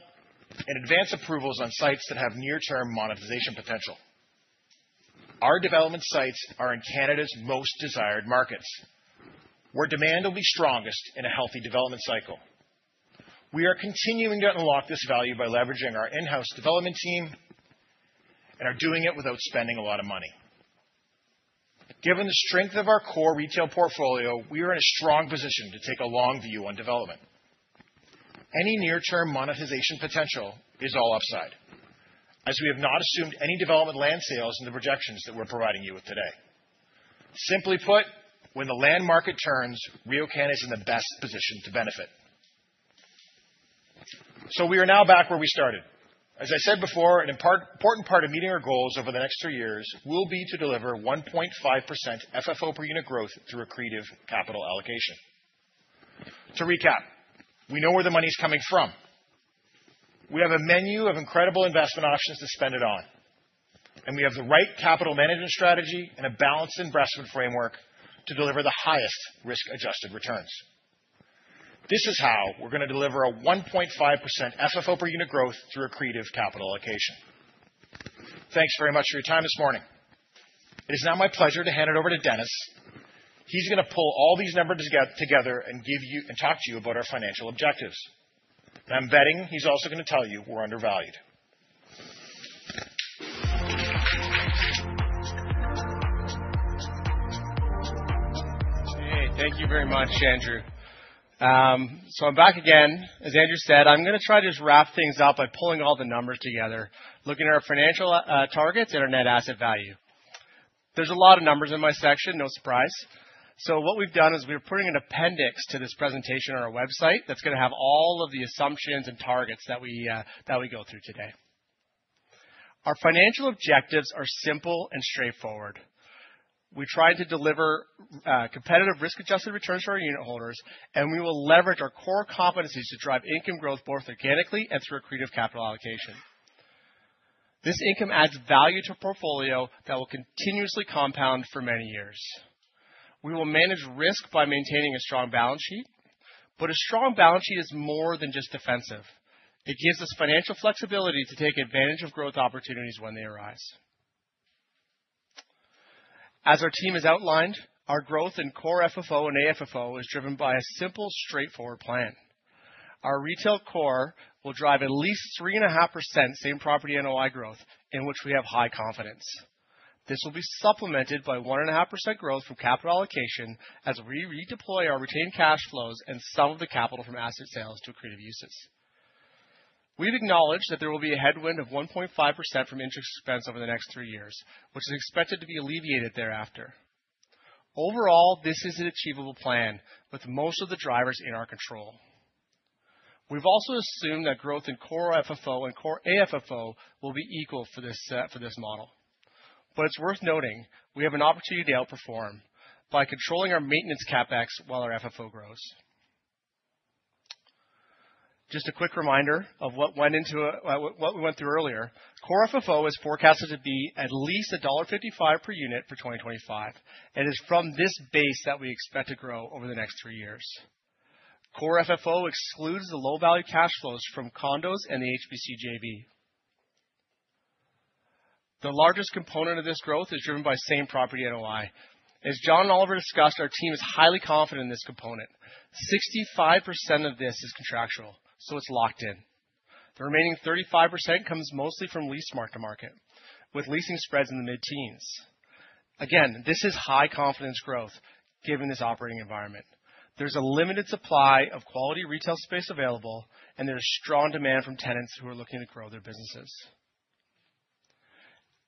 and advance approvals on sites that have near-term monetization potential. Our development sites are in Canada's most desired markets, where demand will be strongest in a healthy development cycle. We are continuing to unlock this value by leveraging our in-house development team and are doing it without spending a lot of money. Given the strength of our core retail portfolio, we are in a strong position to take a long view on development. Any near-term monetization potential is all upside, as we have not assumed any development land sales in the projections that we're providing you with today. Simply put, when the land market turns, RioCan is in the best position to benefit. We are now back where we started. As I said before, an important part of meeting our goals over the next three years will be to deliver 1.5% FFO per unit growth through a creative capital allocation. To recap, we know where the money's coming from. We have a menu of incredible investment options to spend it on, and we have the right capital management strategy and a balanced investment framework to deliver the highest risk-adjusted returns. This is how we're going to deliver a 1.5% FFO per unit growth through a creative capital allocation. Thanks very much for your time this morning. It is now my pleasure to hand it over to Dennis. He's going to pull all these numbers together and talk to you about our financial objectives. I'm betting he's also going to tell you we're undervalued. Hey, thank you very much, Andrew. I'm back again. As Andrew said, I'm going to try to just wrap things up by pulling all the numbers together, looking at our financial targets and our net asset value. There's a lot of numbers in my section, no surprise. What we've done is we're putting an appendix to this presentation on our website that's going to have all of the assumptions and targets that we go through today. Our financial objectives are simple and straightforward. We try to deliver competitive risk-adjusted returns for our unit holders, and we will leverage our core competencies to drive income growth both organically and through accretive capital allocation. This income adds value to a portfolio that will continuously compound for many years. We will manage risk by maintaining a strong balance sheet, but a strong balance sheet is more than just defensive. It gives us financial flexibility to take advantage of growth opportunities when they arise. As our team has outlined, our growth in core FFO and AFFO is driven by a simple, straightforward plan. Our retail core will drive at least 3.5% same property NOI growth in which we have high confidence. This will be supplemented by 1.5% growth from capital allocation as we redeploy our retained cash flows and some of the capital from asset sales to creative uses. We've acknowledged that there will be a headwind of 1.5% from interest expense over the next three years, which is expected to be alleviated thereafter. Overall, this is an achievable plan with most of the drivers in our control. We've also assumed that growth in core FFO and core AFFO will be equal for this model. It is worth noting we have an opportunity to outperform by controlling our maintenance CapEx while our FFO grows. Just a quick reminder of what we went through earlier. Core FFO is forecasted to be at least dollar 1.55 per unit for 2025, and it is from this base that we expect to grow over the next three years. Core FFO excludes the low-value cash flows from condos and the HBC JV. The largest component of this growth is driven by same property NOI. As John and Oliver discussed, our team is highly confident in this component. 65% of this is contractual, so it is locked in. The remaining 35% comes mostly from lease mark-to-market, with leasing spreads in the mid-teens. Again, this is high-confidence growth given this operating environment. There is a limited supply of quality retail space available, and there is strong demand from tenants who are looking to grow their businesses.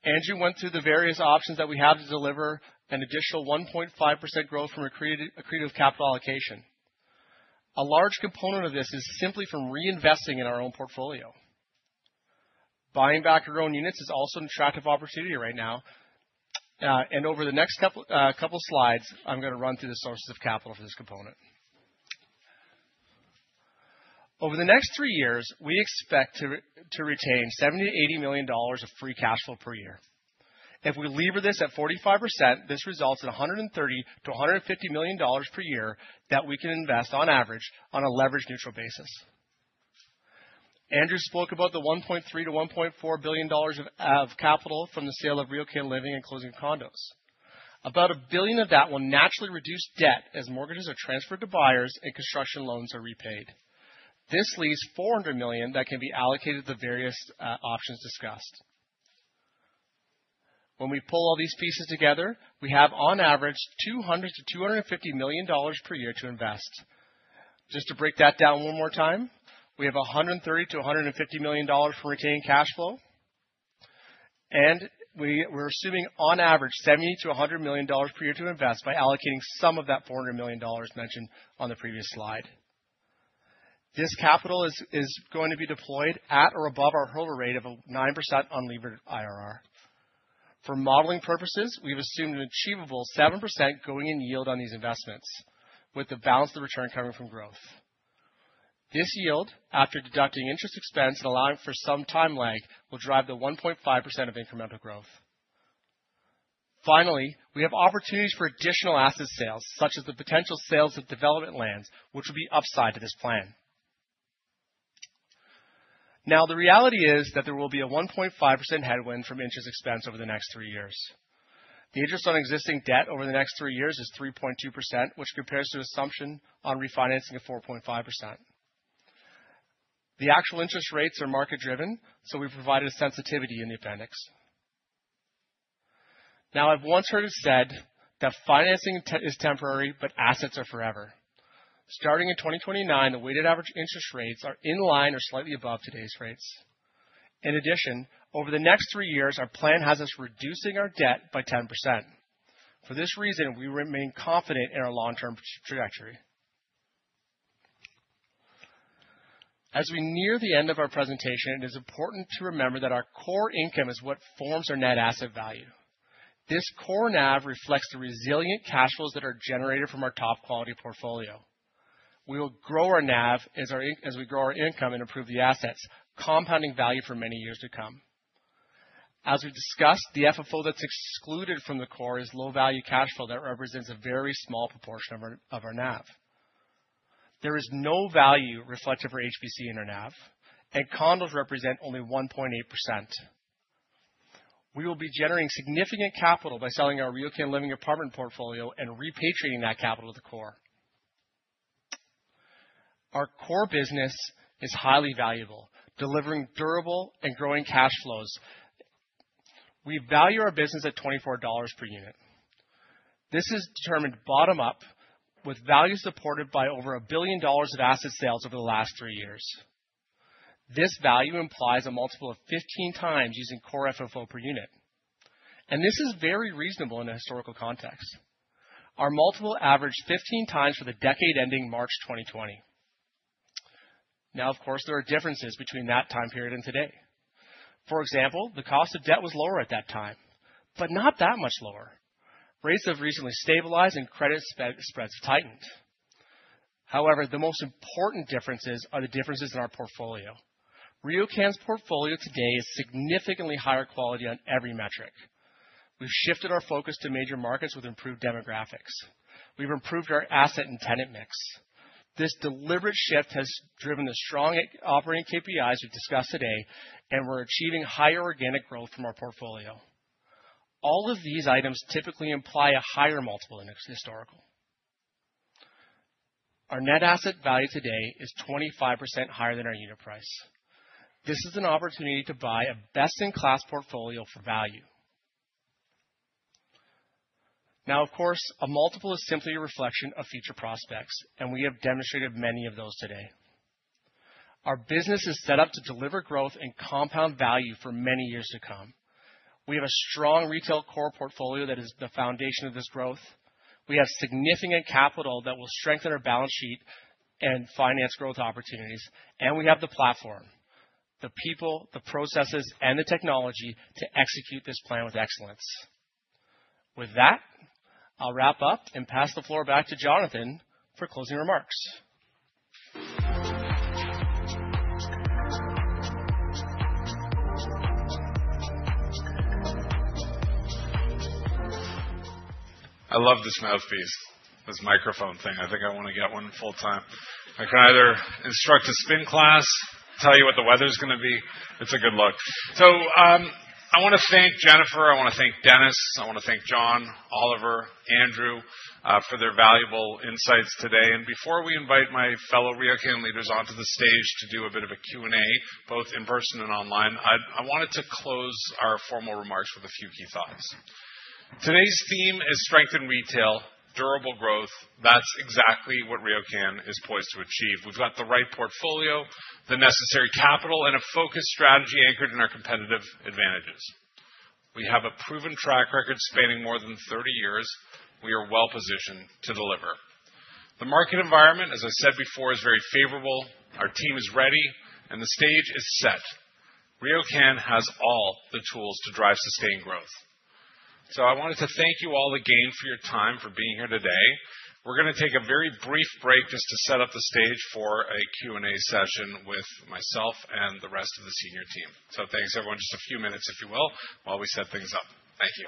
Andrew went through the various options that we have to deliver an additional 1.5% growth from a creative capital allocation. A large component of this is simply from reinvesting in our own portfolio. Buying back our own units is also an attractive opportunity right now. Over the next couple of slides, I'm going to run through the sources of capital for this component. Over the next three years, we expect to retain 70 million-80 million dollars of free cash flow per year. If we lever this at 45%, this results in 130 million-150 million dollars per year that we can invest on average on a leveraged neutral basis. Andrew spoke about the 1.3 billion-1.4 billion dollars of capital from the sale of RioCan Living and closing of condos. About 1 billion of that will naturally reduce debt as mortgages are transferred to buyers and construction loans are repaid. This leaves 400 million that can be allocated to the various options discussed. When we pull all these pieces together, we have on average 200 million-250 million dollars per year to invest. Just to break that down one more time, we have 130 million-150 million dollars from retained cash flow, and we're assuming on average 70 million-100 million dollars per year to invest by allocating some of that 400 million dollars mentioned on the previous slide. This capital is going to be deployed at or above our hurdle rate of 9% unlevered IRR. For modeling purposes, we've assumed an achievable 7% going in yield on these investments, with the balance of return coming from growth. This yield, after deducting interest expense and allowing for some time lag, will drive the 1.5% of incremental growth. Finally, we have opportunities for additional asset sales, such as the potential sales of development lands, which will be upside to this plan. Now, the reality is that there will be a 1.5% headwind from interest expense over the next three years. The interest on existing debt over the next three years is 3.2%, which compares to assumption on refinancing of 4.5%. The actual interest rates are market-driven, so we provided a sensitivity in the appendix. Now, I've once heard it said that financing is temporary, but assets are forever. Starting in 2029, the weighted average interest rates are in line or slightly above today's rates. In addition, over the next three years, our plan has us reducing our debt by 10%. For this reason, we remain confident in our long-term trajectory. As we near the end of our presentation, it is important to remember that our core income is what forms our net asset value. This core NAV reflects the resilient cash flows that are generated from our top-quality portfolio. We will grow our NAV as we grow our income and improve the assets, compounding value for many years to come. As we discussed, the FFO that's excluded from the core is low-value cash flow that represents a very small proportion of our NAV. There is no value reflected for HBC in our NAV, and condos represent only 1.8%. We will be generating significant capital by selling our RioCan Living apartment portfolio and repatriating that capital to the core. Our core business is highly valuable, delivering durable and growing cash flows. We value our business at 24 dollars per unit. This is determined bottom-up with value supported by over 1 billion dollars of asset sales over the last three years. This value implies a multiple of 15 times using core FFO per unit. This is very reasonable in a historical context. Our multiple averaged 15 times for the decade ending March 2020. Now, of course, there are differences between that time period and today. For example, the cost of debt was lower at that time, but not that much lower. Rates have recently stabilized and credit spreads have tightened. However, the most important differences are the differences in our portfolio. RioCan's portfolio today is significantly higher quality on every metric. We have shifted our focus to major markets with improved demographics. We have improved our asset and tenant mix. This deliberate shift has driven the strong operating KPIs we have discussed today, and we are achieving higher organic growth from our portfolio. All of these items typically imply a higher multiple than historical. Our net asset value today is 25% higher than our unit price. This is an opportunity to buy a best-in-class portfolio for value. Now, of course, a multiple is simply a reflection of future prospects, and we have demonstrated many of those today. Our business is set up to deliver growth and compound value for many years to come. We have a strong retail core portfolio that is the foundation of this growth. We have significant capital that will strengthen our balance sheet and finance growth opportunities, and we have the platform, the people, the processes, and the technology to execute this plan with excellence. With that, I'll wrap up and pass the floor back to Jonathan for closing remarks. I love this mouthpiece, this microphone thing. I think I want to get one full-time. I can either instruct a spin class, tell you what the weather's going to be. It's a good look. I want to thank Jennifer. I want to thank Dennis. I want to thank John, Oliver, Andrew for their valuable insights today. Before we invite my fellow RioCan leaders onto the stage to do a bit of a Q&A, both in person and online, I wanted to close our formal remarks with a few key thoughts. Today's theme is strengthen retail, durable growth. That's exactly what RioCan is poised to achieve. We've got the right portfolio, the necessary capital, and a focused strategy anchored in our competitive advantages. We have a proven track record spanning more than 30 years. We are well-positioned to deliver. The market environment, as I said before, is very favorable. Our team is ready, and the stage is set. RioCan has all the tools to drive sustained growth. I wanted to thank you all again for your time, for being here today. We are going to take a very brief break just to set up the stage for a Q&A session with myself and the rest of the senior team. Thanks, everyone. Just a few minutes, if you will, while we set things up. Thank you.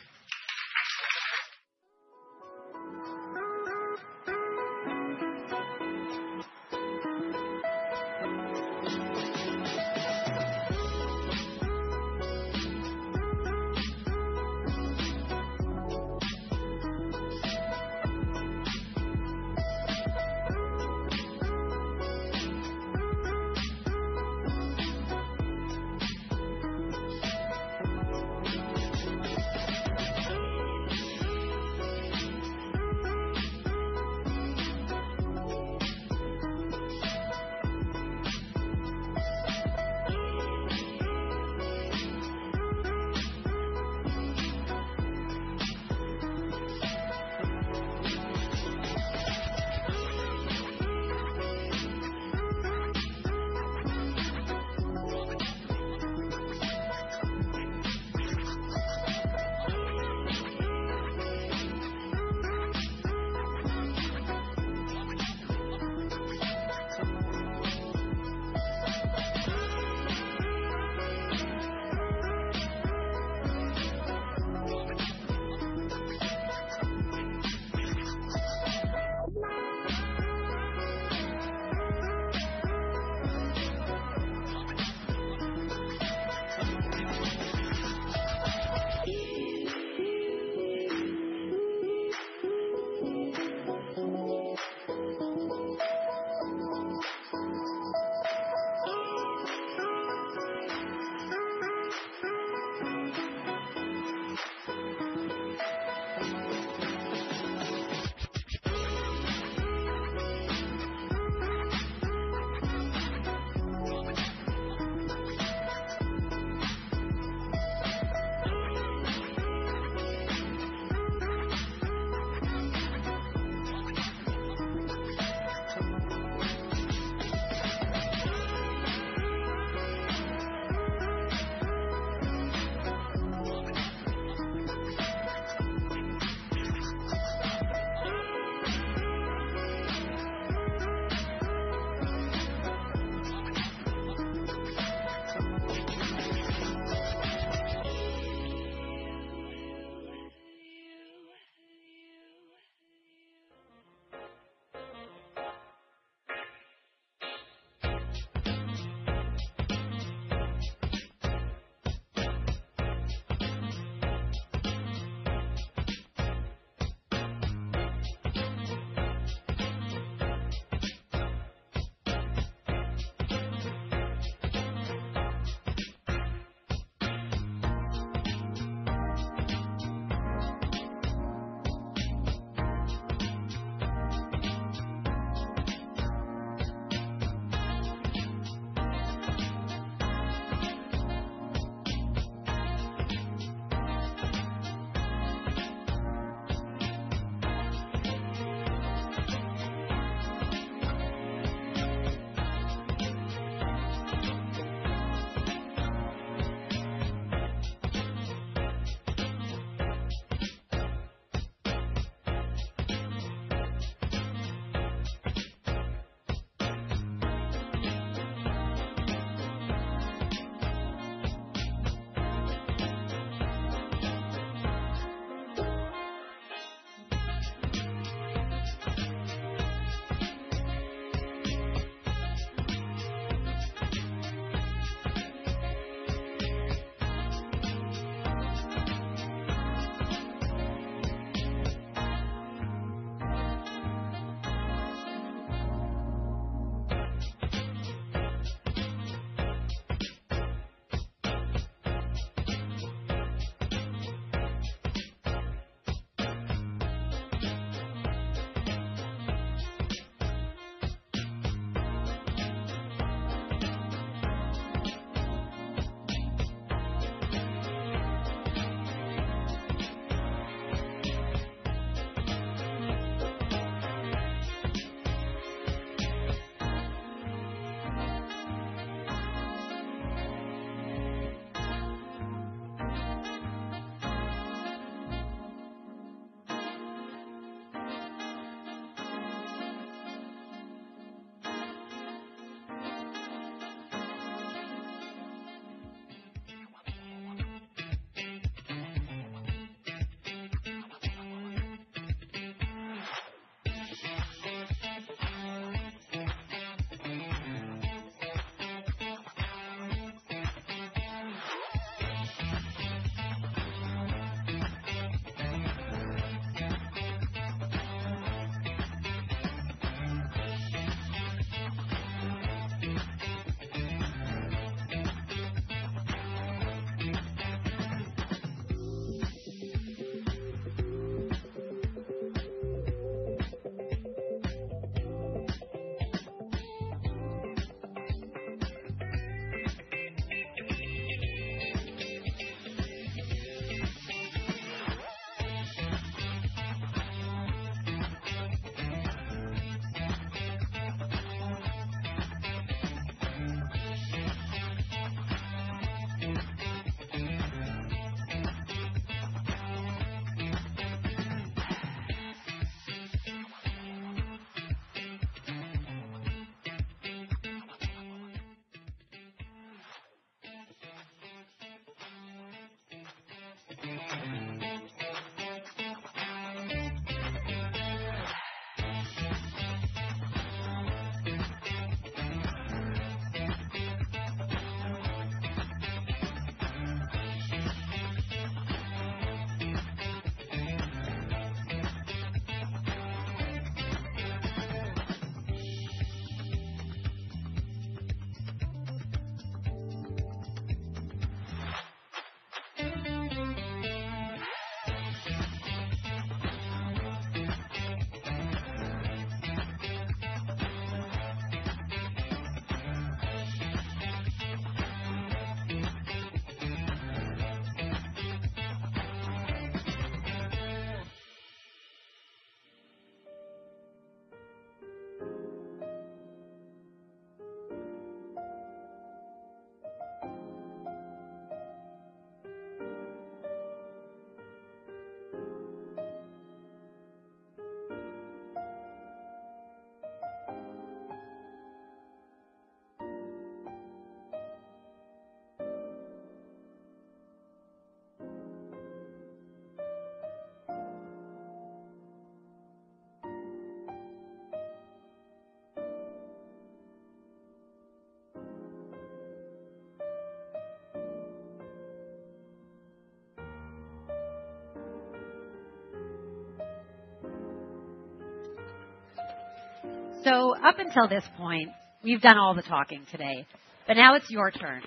Up until this point, we have done all the talking today, but now it is your turn.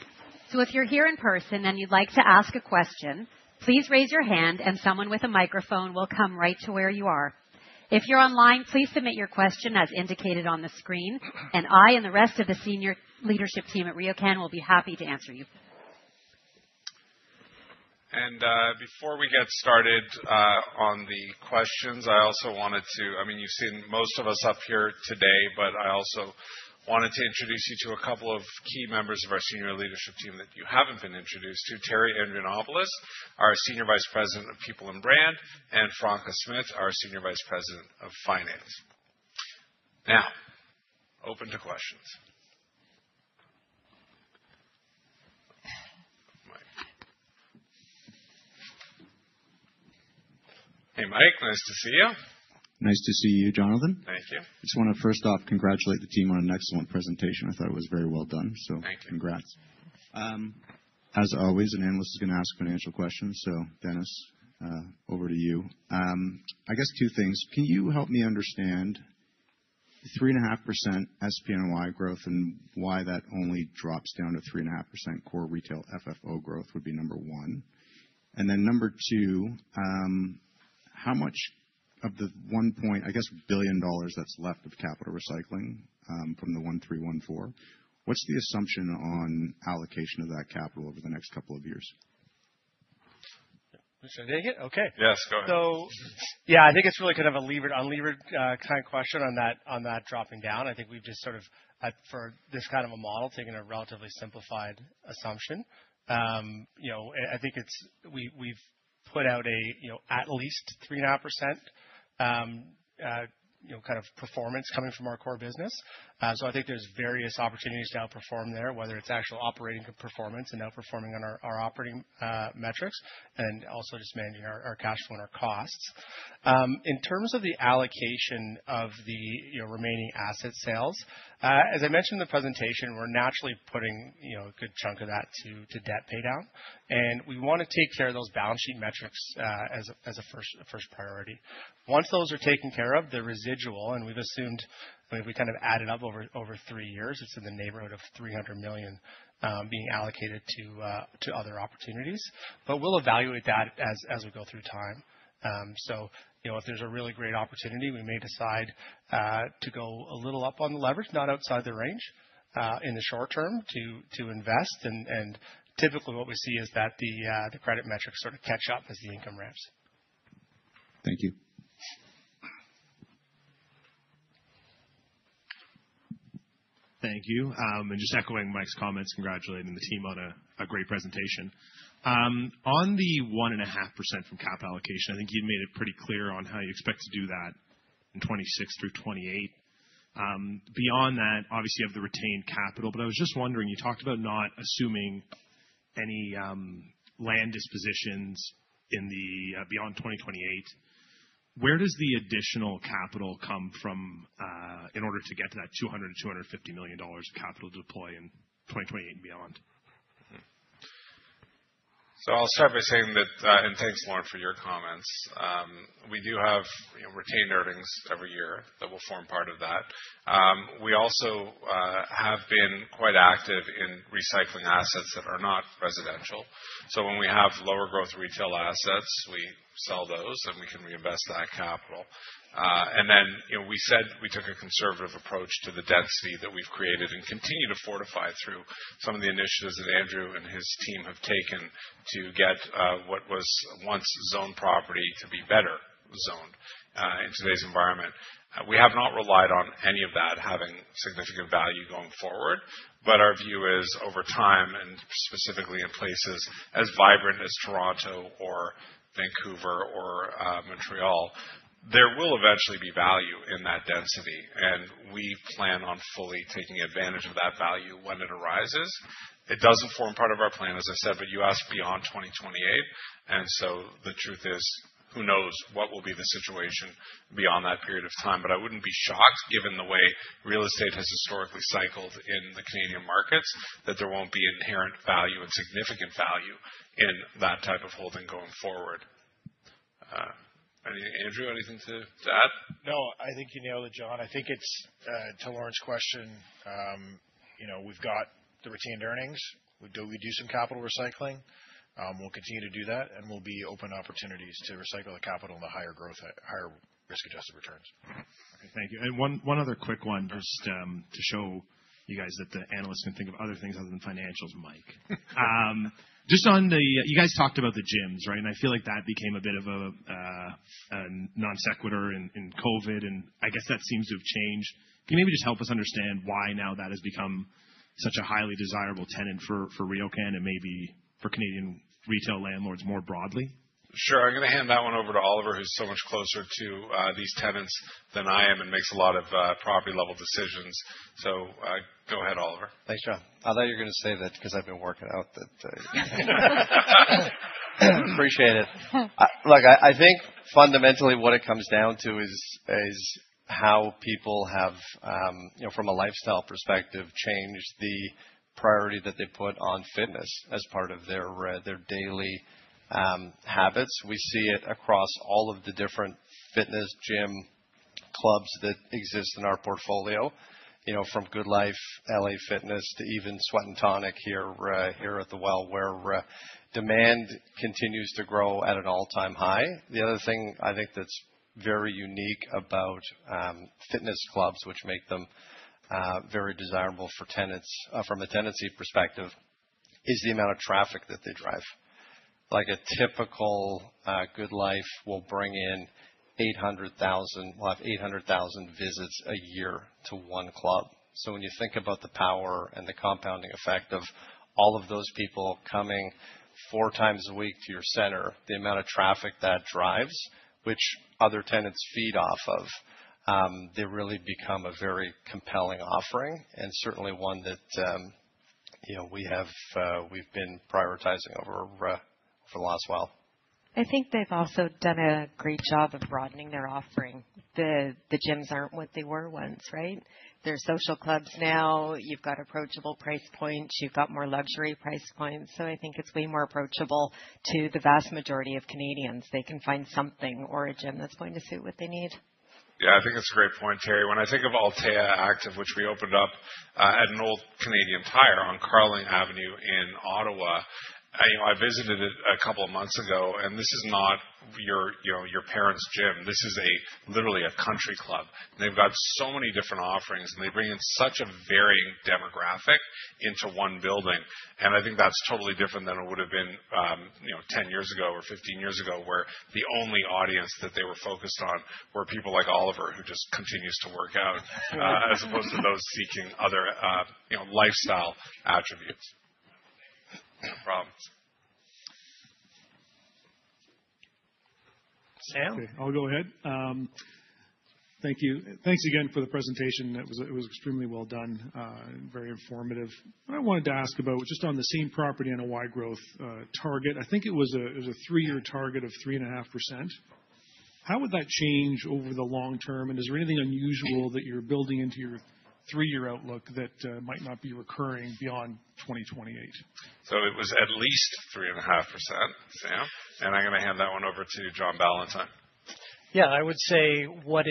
If you are here in person and you would like to ask a question, please raise your hand, and someone with a microphone will come right to where you are. If you are online, please submit your question as indicated on the screen, and I and the rest of the senior leadership team at RioCan will be happy to answer you. Before we get started on the questions, I also wanted to, I mean, you have seen most of us up here today, but I also wanted to introduce you to a couple of key members of our senior leadership team that you have not been introduced to: Terri Andrianopoulos, our Senior Vice President of People and Brand, and Franca Smith, our Senior Vice President of Finance. Now, open to questions. Hey, Mike. Nice to see you. Nice to see you, Jonathan. Thank you. I just want to first off congratulate the team on an excellent presentation. I thought it was very well done, so congrats. Thank you. As always, an analyst is going to ask financial questions, so Dennis, over to you. I guess two things. Can you help me understand 3.5% SPNOI growth and why that only drops down to 3.5% core retail FFO growth would be number one? Number two, how much of the 1.0 billion dollars that's left of capital recycling from the 13-14, what's the assumption on allocation of that capital over the next couple of years? Mr. Dingit? Okay. Yes, go ahead. Yeah, I think it's really kind of a levered-unlevered kind of question on that dropping down. I think we've just sort of, for this kind of a model, taken a relatively simplified assumption. I think we've put out at least 3.5% kind of performance coming from our core business. I think there's various opportunities to outperform there, whether it's actual operating performance and outperforming on our operating metrics and also just managing our cash flow and our costs. In terms of the allocation of the remaining asset sales, as I mentioned in the presentation, we're naturally putting a good chunk of that to debt pay down. We want to take care of those balance sheet metrics as a first priority. Once those are taken care of, the residual, and we've assumed, I mean, we kind of added up over three years, it's in the neighborhood of 300 million being allocated to other opportunities. We'll evaluate that as we go through time. If there's a really great opportunity, we may decide to go a little up on the leverage, not outside the range, in the short term to invest. Typically what we see is that the credit metrics sort of catch up as the income ramps. Thank you. Thank you. Just echoing Mike's comments, congratulating the team on a great presentation. On the 1.5% from cap allocation, I think you've made it pretty clear on how you expect to do that in 2026 through 2028. Beyond that, obviously you have the retained capital, but I was just wondering, you talked about not assuming any land dispositions beyond 2028. Where does the additional capital come from in order to get to that 200 million-250 million dollars of capital to deploy in 2028 and beyond? I'll start by saying that, and thanks, Lorne, for your comments. We do have retained earnings every year that will form part of that. We also have been quite active in recycling assets that are not residential. When we have lower growth retail assets, we sell those and we can reinvest that capital. We said we took a conservative approach to the density that we have created and continue to fortify through some of the initiatives that Andrew and his team have taken to get what was once zoned property to be better zoned in today's environment. We have not relied on any of that having significant value going forward, but our view is over time and specifically in places as vibrant as Toronto or Vancouver or Montreal, there will eventually be value in that density. We plan on fully taking advantage of that value when it arises. It does not form part of our plan, as I said, but you asked beyond 2028. The truth is, who knows what will be the situation beyond that period of time. I would not be shocked, given the way real estate has historically cycled in the Canadian markets, that there will be inherent value and significant value in that type of holding going forward. Andrew, anything to add? No, I think you nailed it, John. I think it is to Lauren's question. We have got the retained earnings. We do some capital recycling. We will continue to do that, and we will be open to opportunities to recycle the capital and the higher risk-adjusted returns. Thank you. One other quick one just to show you guys that the analysts can think of other things other than financials, Mike. Just on the, you guys talked about the gyms, right? I feel like that became a bit of a non-sequitur in COVID, and I guess that seems to have changed. Can you maybe just help us understand why now that has become such a highly desirable tenant for RioCan and maybe for Canadian retail landlords more broadly? Sure. I'm going to hand that one over to Oliver, who's so much closer to these tenants than I am and makes a lot of property-level decisions. Go ahead, Oliver. Thanks, John. I thought you were going to say that because I've been working out. Appreciate it. Look, I think fundamentally what it comes down to is how people have, from a lifestyle perspective, changed the priority that they put on fitness as part of their daily habits. We see it across all of the different fitness gym clubs that exist in our portfolio, from Good Life, LA Fitness, to even Sweat and Tonic here at The Well, where demand continues to grow at an all-time high. The other thing I think that's very unique about fitness clubs, which make them very desirable for tenants from a tenancy perspective, is the amount of traffic that they drive. Like a typical Good Life will bring in 800,000 visits a year to one club. When you think about the power and the compounding effect of all of those people coming four times a week to your center, the amount of traffic that drives, which other tenants feed off of, they really become a very compelling offering and certainly one that we've been prioritizing over the last while. I think they've also done a great job of broadening their offering. The gyms aren't what they were once, right? They're social clubs now. You've got approachable price points. You've got more luxury price points. I think it's way more approachable to the vast majority of Canadians. They can find something or a gym that's going to suit what they need. Yeah, I think it's a great point, Terry. When I think of Altea Active, which we opened up at an old Canadian Tire on Carling Avenue in Ottawa, I visited it a couple of months ago, and this is not your parents' gym. This is literally a country club. They have got so many different offerings, and they bring in such a varying demographic into one building. I think that's totally different than it would have been 10 years ago or 15 years ago, where the only audience that they were focused on were people like Oliver, who just continues to work out, as opposed to those seeking other lifestyle attributes. No problem. Sam? Okay. I'll go ahead. Thank you. Thanks again for the presentation. It was extremely well done and very informative. I wanted to ask about just on the same property NOI growth target, I think it was a three-year target of 3.5%. How would that change over the long term? Is there anything unusual that you're building into your three-year outlook that might not be recurring beyond 2028? It was at least 3.5%, Sam. I'm going to hand that one over to John Ballantyne. I would say what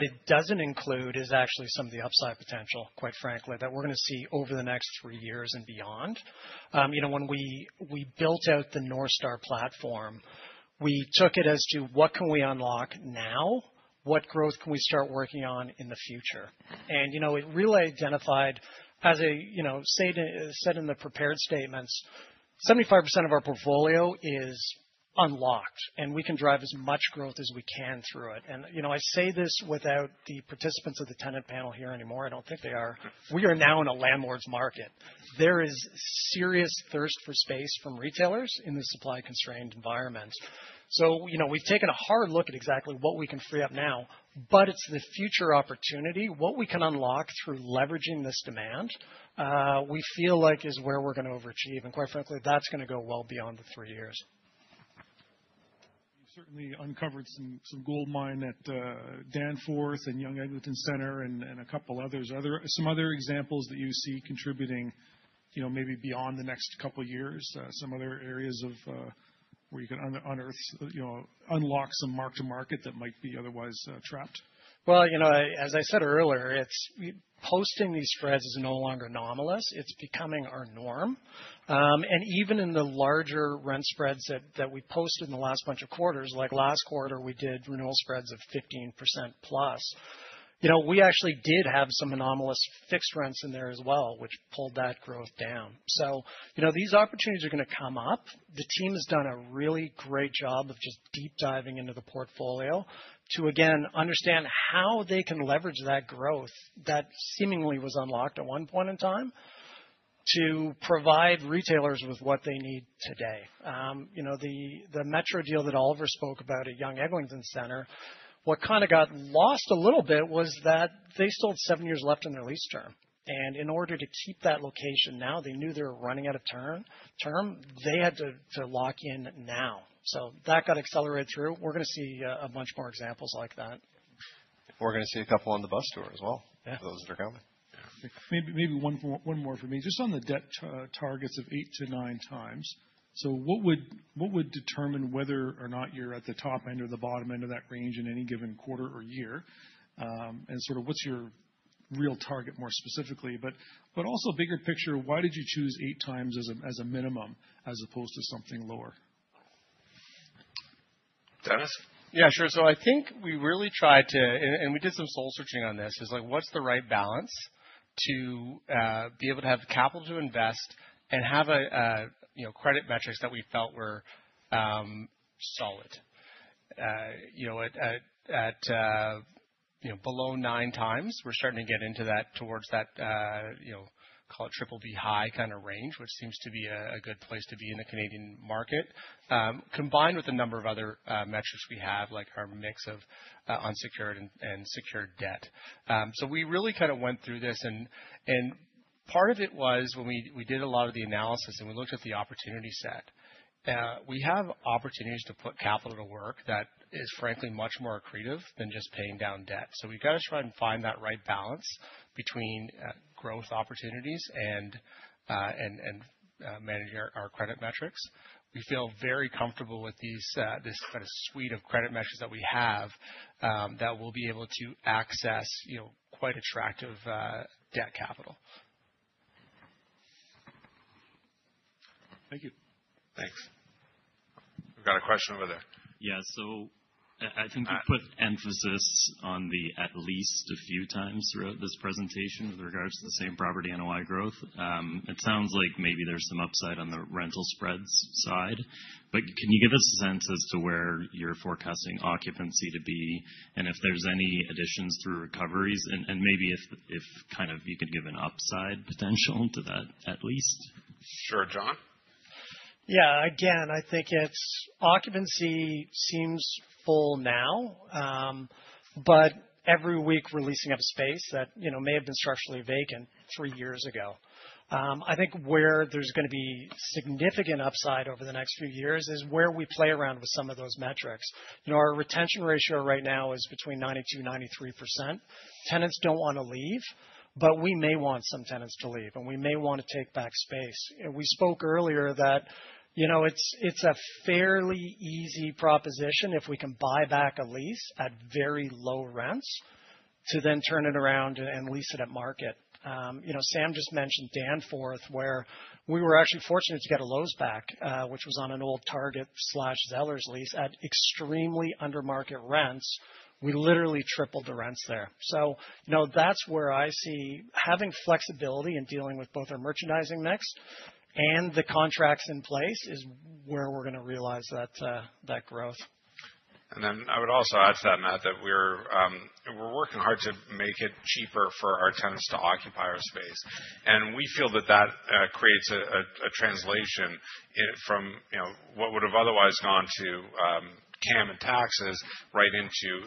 it does not include is actually some of the upside potential, quite frankly, that we're going to see over the next three years and beyond. When we built out the North Star platform, we took it as to what can we unlock now, what growth can we start working on in the future. It really identified, as I said in the prepared statements, 75% of our portfolio is unlocked, and we can drive as much growth as we can through it. I say this without the participants of the tenant panel here anymore. I do not think they are. We are now in a landlord's market. There is serious thirst for space from retailers in this supply-constrained environment. We have taken a hard look at exactly what we can free up now, but it is the future opportunity. What we can unlock through leveraging this demand, we feel like is where we are going to overachieve. Quite frankly, that is going to go well beyond the three years. You have certainly uncovered some gold mine at Danforth and Yonge Eglinton Centre and a couple others. Some other examples that you see contributing maybe beyond the next couple of years, some other areas where you can unearth, unlock some mark-to-market that might be otherwise trapped? As I said earlier, posting these spreads is no longer anomalous. It is becoming our norm. Even in the larger rent spreads that we posted in the last bunch of quarters, like last quarter we did renewal spreads of 15% plus, we actually did have some anomalous fixed rents in there as well, which pulled that growth down. These opportunities are going to come up. The team has done a really great job of just deep diving into the portfolio to, again, understand how they can leverage that growth that seemingly was unlocked at one point in time to provide retailers with what they need today. The Metro deal that Oliver spoke about at Yonge Eglinton Centre, what kind of got lost a little bit was that they still had seven years left in their lease term. In order to keep that location now, they knew they were running out of term. They had to lock in now. That got accelerated through. We're going to see a bunch more examples like that. We're going to see a couple on the bus tour as well for those that are coming. Maybe one more for me. Just on the debt targets of 8x-9x. What would determine whether or not you're at the top end or the bottom end of that range in any given quarter or year? And sort of what's your real target more specifically? But also bigger picture, why did you choose eight times as a minimum as opposed to something lower? Dennis? Yeah, sure. So I think we really tried to, and we did some soul searching on this, is what's the right balance to be able to have capital to invest and have credit metrics that we felt were solid. At below nine times, we're starting to get into that towards that, call it triple B high kind of range, which seems to be a good place to be in the Canadian market, combined with a number of other metrics we have, like our mix of unsecured and secured debt. We really kind of went through this. Part of it was when we did a lot of the analysis and we looked at the opportunity set. We have opportunities to put capital to work that is, frankly, much more accretive than just paying down debt. We have to try and find that right balance between growth opportunities and managing our credit metrics. We feel very comfortable with this kind of suite of credit metrics that we have that will be able to access quite attractive debt capital. Thank you. Thanks. We have a question over there. Yeah. I think you put emphasis on the at least a few times throughout this presentation with regards to the same property NOI growth. It sounds like maybe there is some upside on the rental spreads side. Can you give us a sense as to where you are forecasting occupancy to be and if there are any additions through recoveries? Maybe if you could give an upside potential to that at least. Sure, John. Yeah, again, I think occupancy seems full now, but every week we are leasing up space that may have been structurally vacant three years ago. I think where there is going to be significant upside over the next few years is where we play around with some of those metrics. Our retention ratio right now is between 92% and 93%. Tenants do not want to leave, but we may want some tenants to leave, and we may want to take back space. We spoke earlier that it is a fairly easy proposition if we can buy back a lease at very low rents to then turn it around and lease it at market. Sam just mentioned Danforth, where we were actually fortunate to get a Lowe's back, which was on an old Target/Zeller's lease at extremely under-market rents. We literally tripled the rents there. That's where I see having flexibility and dealing with both our merchandising mix and the contracts in place is where we're going to realize that growth. I would also add to that, Matt, that we're working hard to make it cheaper for our tenants to occupy our space. We feel that that creates a translation from what would have otherwise gone to CAM and taxes right into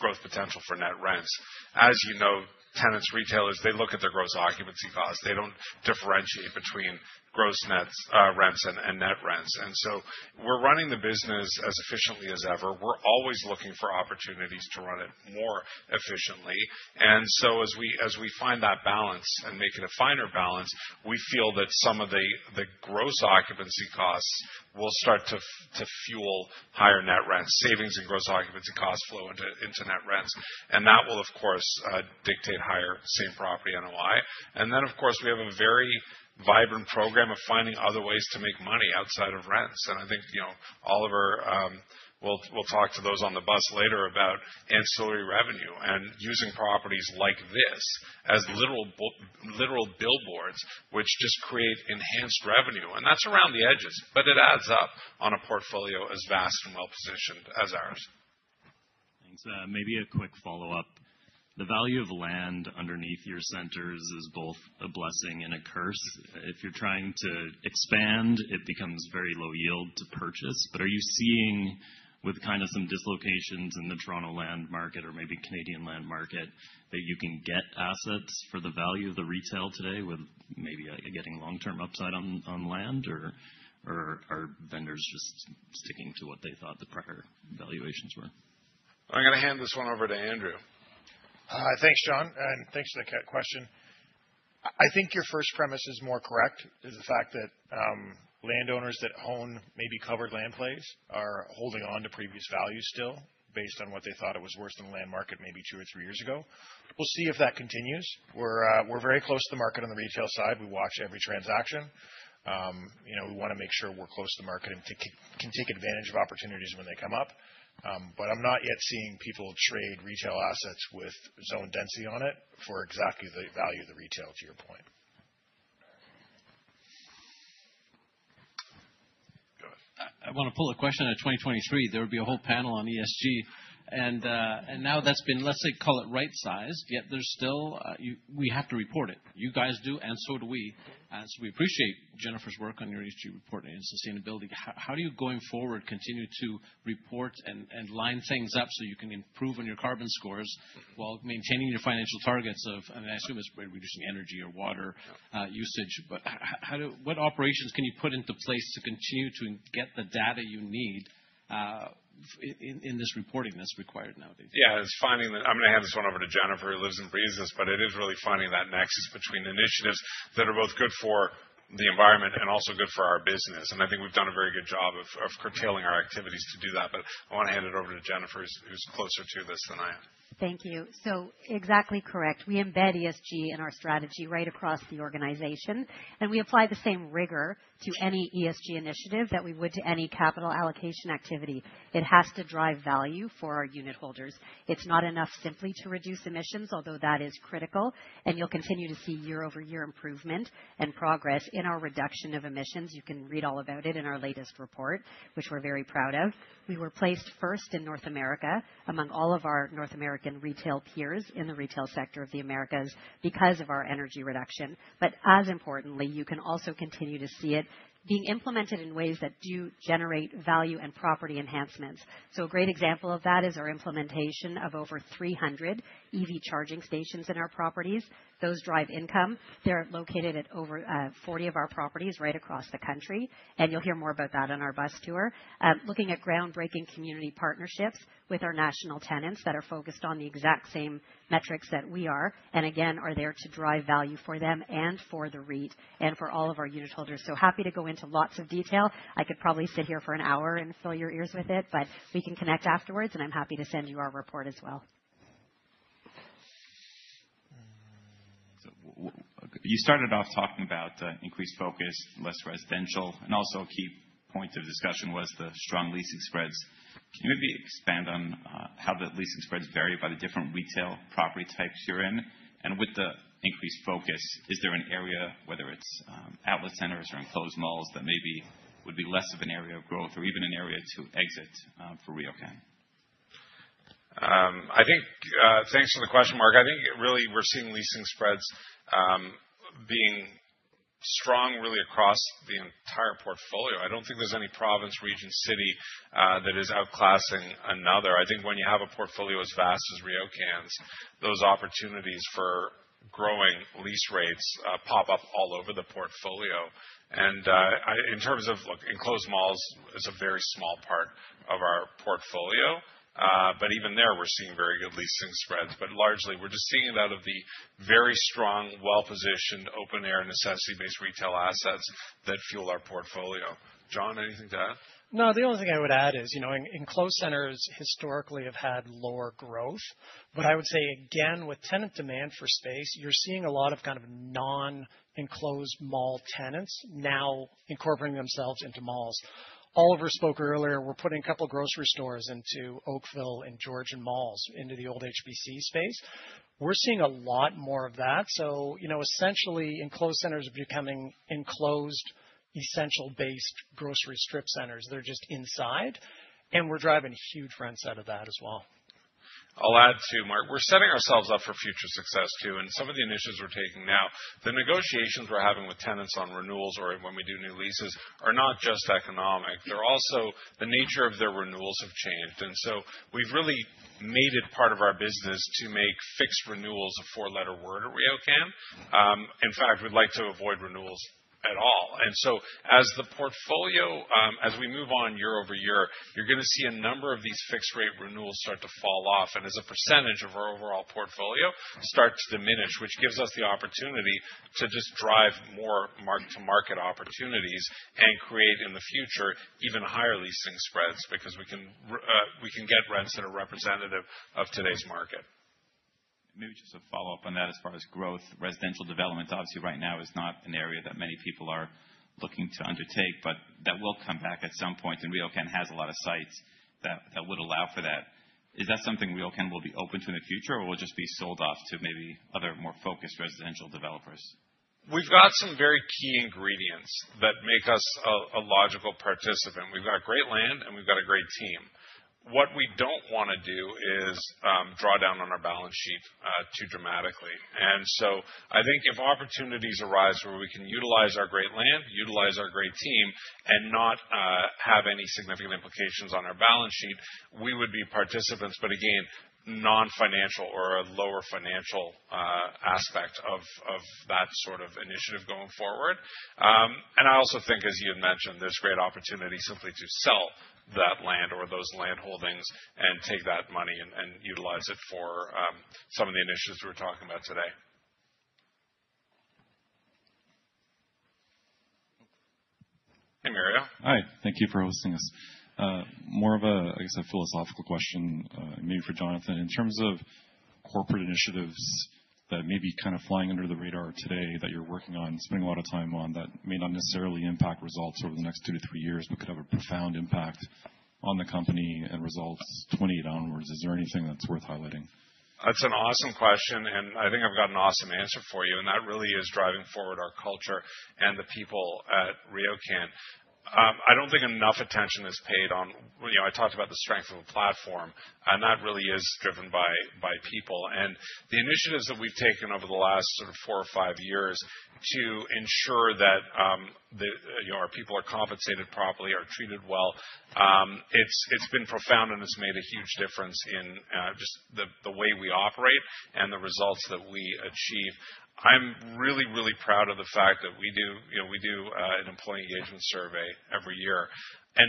growth potential for net rents. As you know, tenants, retailers, they look at their gross occupancy costs. They do not differentiate between gross rents and net rents. We're running the business as efficiently as ever. We're always looking for opportunities to run it more efficiently. As we find that balance and make it a finer balance, we feel that some of the gross occupancy costs will start to fuel higher net rents. Savings and gross occupancy costs flow into net rents. That will, of course, dictate higher same property NOI. Of course, we have a very vibrant program of finding other ways to make money outside of rents. I think Oliver will talk to those on the bus later about ancillary revenue and using properties like this as literal billboards, which just create enhanced revenue. That is around the edges, but it adds up on a portfolio as vast and well-positioned as ours. Thanks. Maybe a quick follow-up. The value of land underneath your centers is both a blessing and a curse. If you are trying to expand, it becomes very low yield to purchase. Are you seeing, with kind of some dislocations in the Toronto land market or maybe Canadian land market, that you can get assets for the value of the retail today with maybe getting long-term upside on land, or are vendors just sticking to what they thought the prior valuations were? I'm going to hand this one over to Andrew. Thanks, John. Thanks for the question. I think your first premise is more correct, is the fact that landowners that own maybe covered land plays are holding on to previous values still based on what they thought it was worth in the land market maybe two or three years ago. We'll see if that continues. We're very close to the market on the retail side. We watch every transaction. We want to make sure we're close to the market and can take advantage of opportunities when they come up. I'm not yet seeing people trade retail assets with zone density on it for exactly the value of the retail, to your point. I want to pull a question out of 2023. There would be a whole panel on ESG. Now that's been, let's say, call it right-sized, yet there's still we have to report it. You guys do, and so do we. As we appreciate Jennifer's work on your ESG reporting and sustainability, how do you going forward continue to report and line things up so you can improve on your carbon scores while maintaining your financial targets of, and I assume it's by reducing energy or water usage, but what operations can you put into place to continue to get the data you need in this reporting that's required nowadays? Yeah, it's finding that I'm going to hand this one over to Jennifer, who lives and breathes this, but it is really finding that nexus between initiatives that are both good for the environment and also good for our business. I think we've done a very good job of curtailing our activities to do that. I want to hand it over to Jennifer, who's closer to this than I am. Thank you. Exactly correct. We embed ESG in our strategy right across the organization. We apply the same rigor to any ESG initiative that we would to any capital allocation activity. It has to drive value for our unit holders. It's not enough simply to reduce emissions, although that is critical. You'll continue to see year-over-year improvement and progress in our reduction of emissions. You can read all about it in our latest report, which we're very proud of. We were placed first in North America among all of our North American retail peers in the retail sector of the Americas because of our energy reduction. As importantly, you can also continue to see it being implemented in ways that do generate value and property enhancements. A great example of that is our implementation of over 300 EV charging stations in our properties. Those drive income. They're located at over 40 of our properties right across the country. You'll hear more about that on our bus tour. Looking at groundbreaking community partnerships with our national tenants that are focused on the exact same metrics that we are, and again, are there to drive value for them and for the REIT and for all of our unit holders. Happy to go into lots of detail. I could probably sit here for an hour and fill your ears with it, but we can connect afterwards, and I'm happy to send you our report as well. You started off talking about increased focus, less residential, and also a key point of discussion was the strong leasing spreads. Can you maybe expand on how the leasing spreads vary by the different retail property types you're in? With the increased focus, is there an area, whether it's outlet centers or enclosed malls, that maybe would be less of an area of growth or even an area to exit for RioCan? Thanks for the question, Mark. I think really we're seeing leasing spreads being strong really across the entire portfolio. I do not think there's any province, region, city that is outclassing another. I think when you have a portfolio as vast as RioCan's, those opportunities for growing lease rates pop up all over the portfolio. In terms of enclosed malls, it's a very small part of our portfolio. Even there, we're seeing very good leasing spreads. Largely, we're just seeing it out of the very strong, well-positioned, open-air, necessity-based retail assets that fuel our portfolio. John, anything to add? No, the only thing I would add is enclosed centers historically have had lower growth. I would say, again, with tenant demand for space, you're seeing a lot of kind of non-enclosed mall tenants now incorporating themselves into malls. Oliver spoke earlier. We're putting a couple of grocery stores into Oakville and Georgian Malls, into the old HBC space. We're seeing a lot more of that. Essentially, enclosed centers are becoming enclosed, essential-based grocery strip centers. They're just inside. We're driving huge rents out of that as well. I'll add too, Mark. We're setting ourselves up for future success too. Some of the initiatives we're taking now, the negotiations we're having with tenants on renewals or when we do new leases are not just economic. The nature of their renewals has changed. We've really made it part of our business to make fixed renewals a four-letter word at RioCan. In fact, we'd like to avoid renewals at all. As the portfolio, as we move on year over year, you're going to see a number of these fixed-rate renewals start to fall off and as a percentage of our overall portfolio start to diminish, which gives us the opportunity to just drive more mark-to-market opportunities and create in the future even higher leasing spreads because we can get rents that are representative of today's market. Maybe just a follow-up on that as far as growth. Residential development, obviously, right now is not an area that many people are looking to undertake, but that will come back at some point. RioCan has a lot of sites that would allow for that. Is that something RioCan will be open to in the future, or will it just be sold off to maybe other more focused residential developers? We've got some very key ingredients that make us a logical participant. We've got great land, and we've got a great team. What we do not want to do is draw down on our balance sheet too dramatically. I think if opportunities arise where we can utilize our great land, utilize our great team, and not have any significant implications on our balance sheet, we would be participants, but again, non-financial or a lower financial aspect of that sort of initiative going forward. I also think, as you had mentioned, there is great opportunity simply to sell that land or those land holdings and take that money and utilize it for some of the initiatives we were talking about today. Hey, Mario. Hi. Thank you for hosting us. More of a, I guess, a philosophical question maybe for Jonathan. In terms of corporate initiatives that may be kind of flying under the radar today that you're working on, spending a lot of time on that may not necessarily impact results over the next two to three years, but could have a profound impact on the company and results 20 downwards. Is there anything that's worth highlighting? That's an awesome question, and I think I've got an awesome answer for you. That really is driving forward our culture and the people at RioCan. I don't think enough attention is paid on, I talked about the strength of a platform, and that really is driven by people. The initiatives that we've taken over the last four or five years to ensure that our people are compensated properly, are treated well, it's been profound, and it's made a huge difference in just the way we operate and the results that we achieve. I'm really, really proud of the fact that we do an employee engagement survey every year.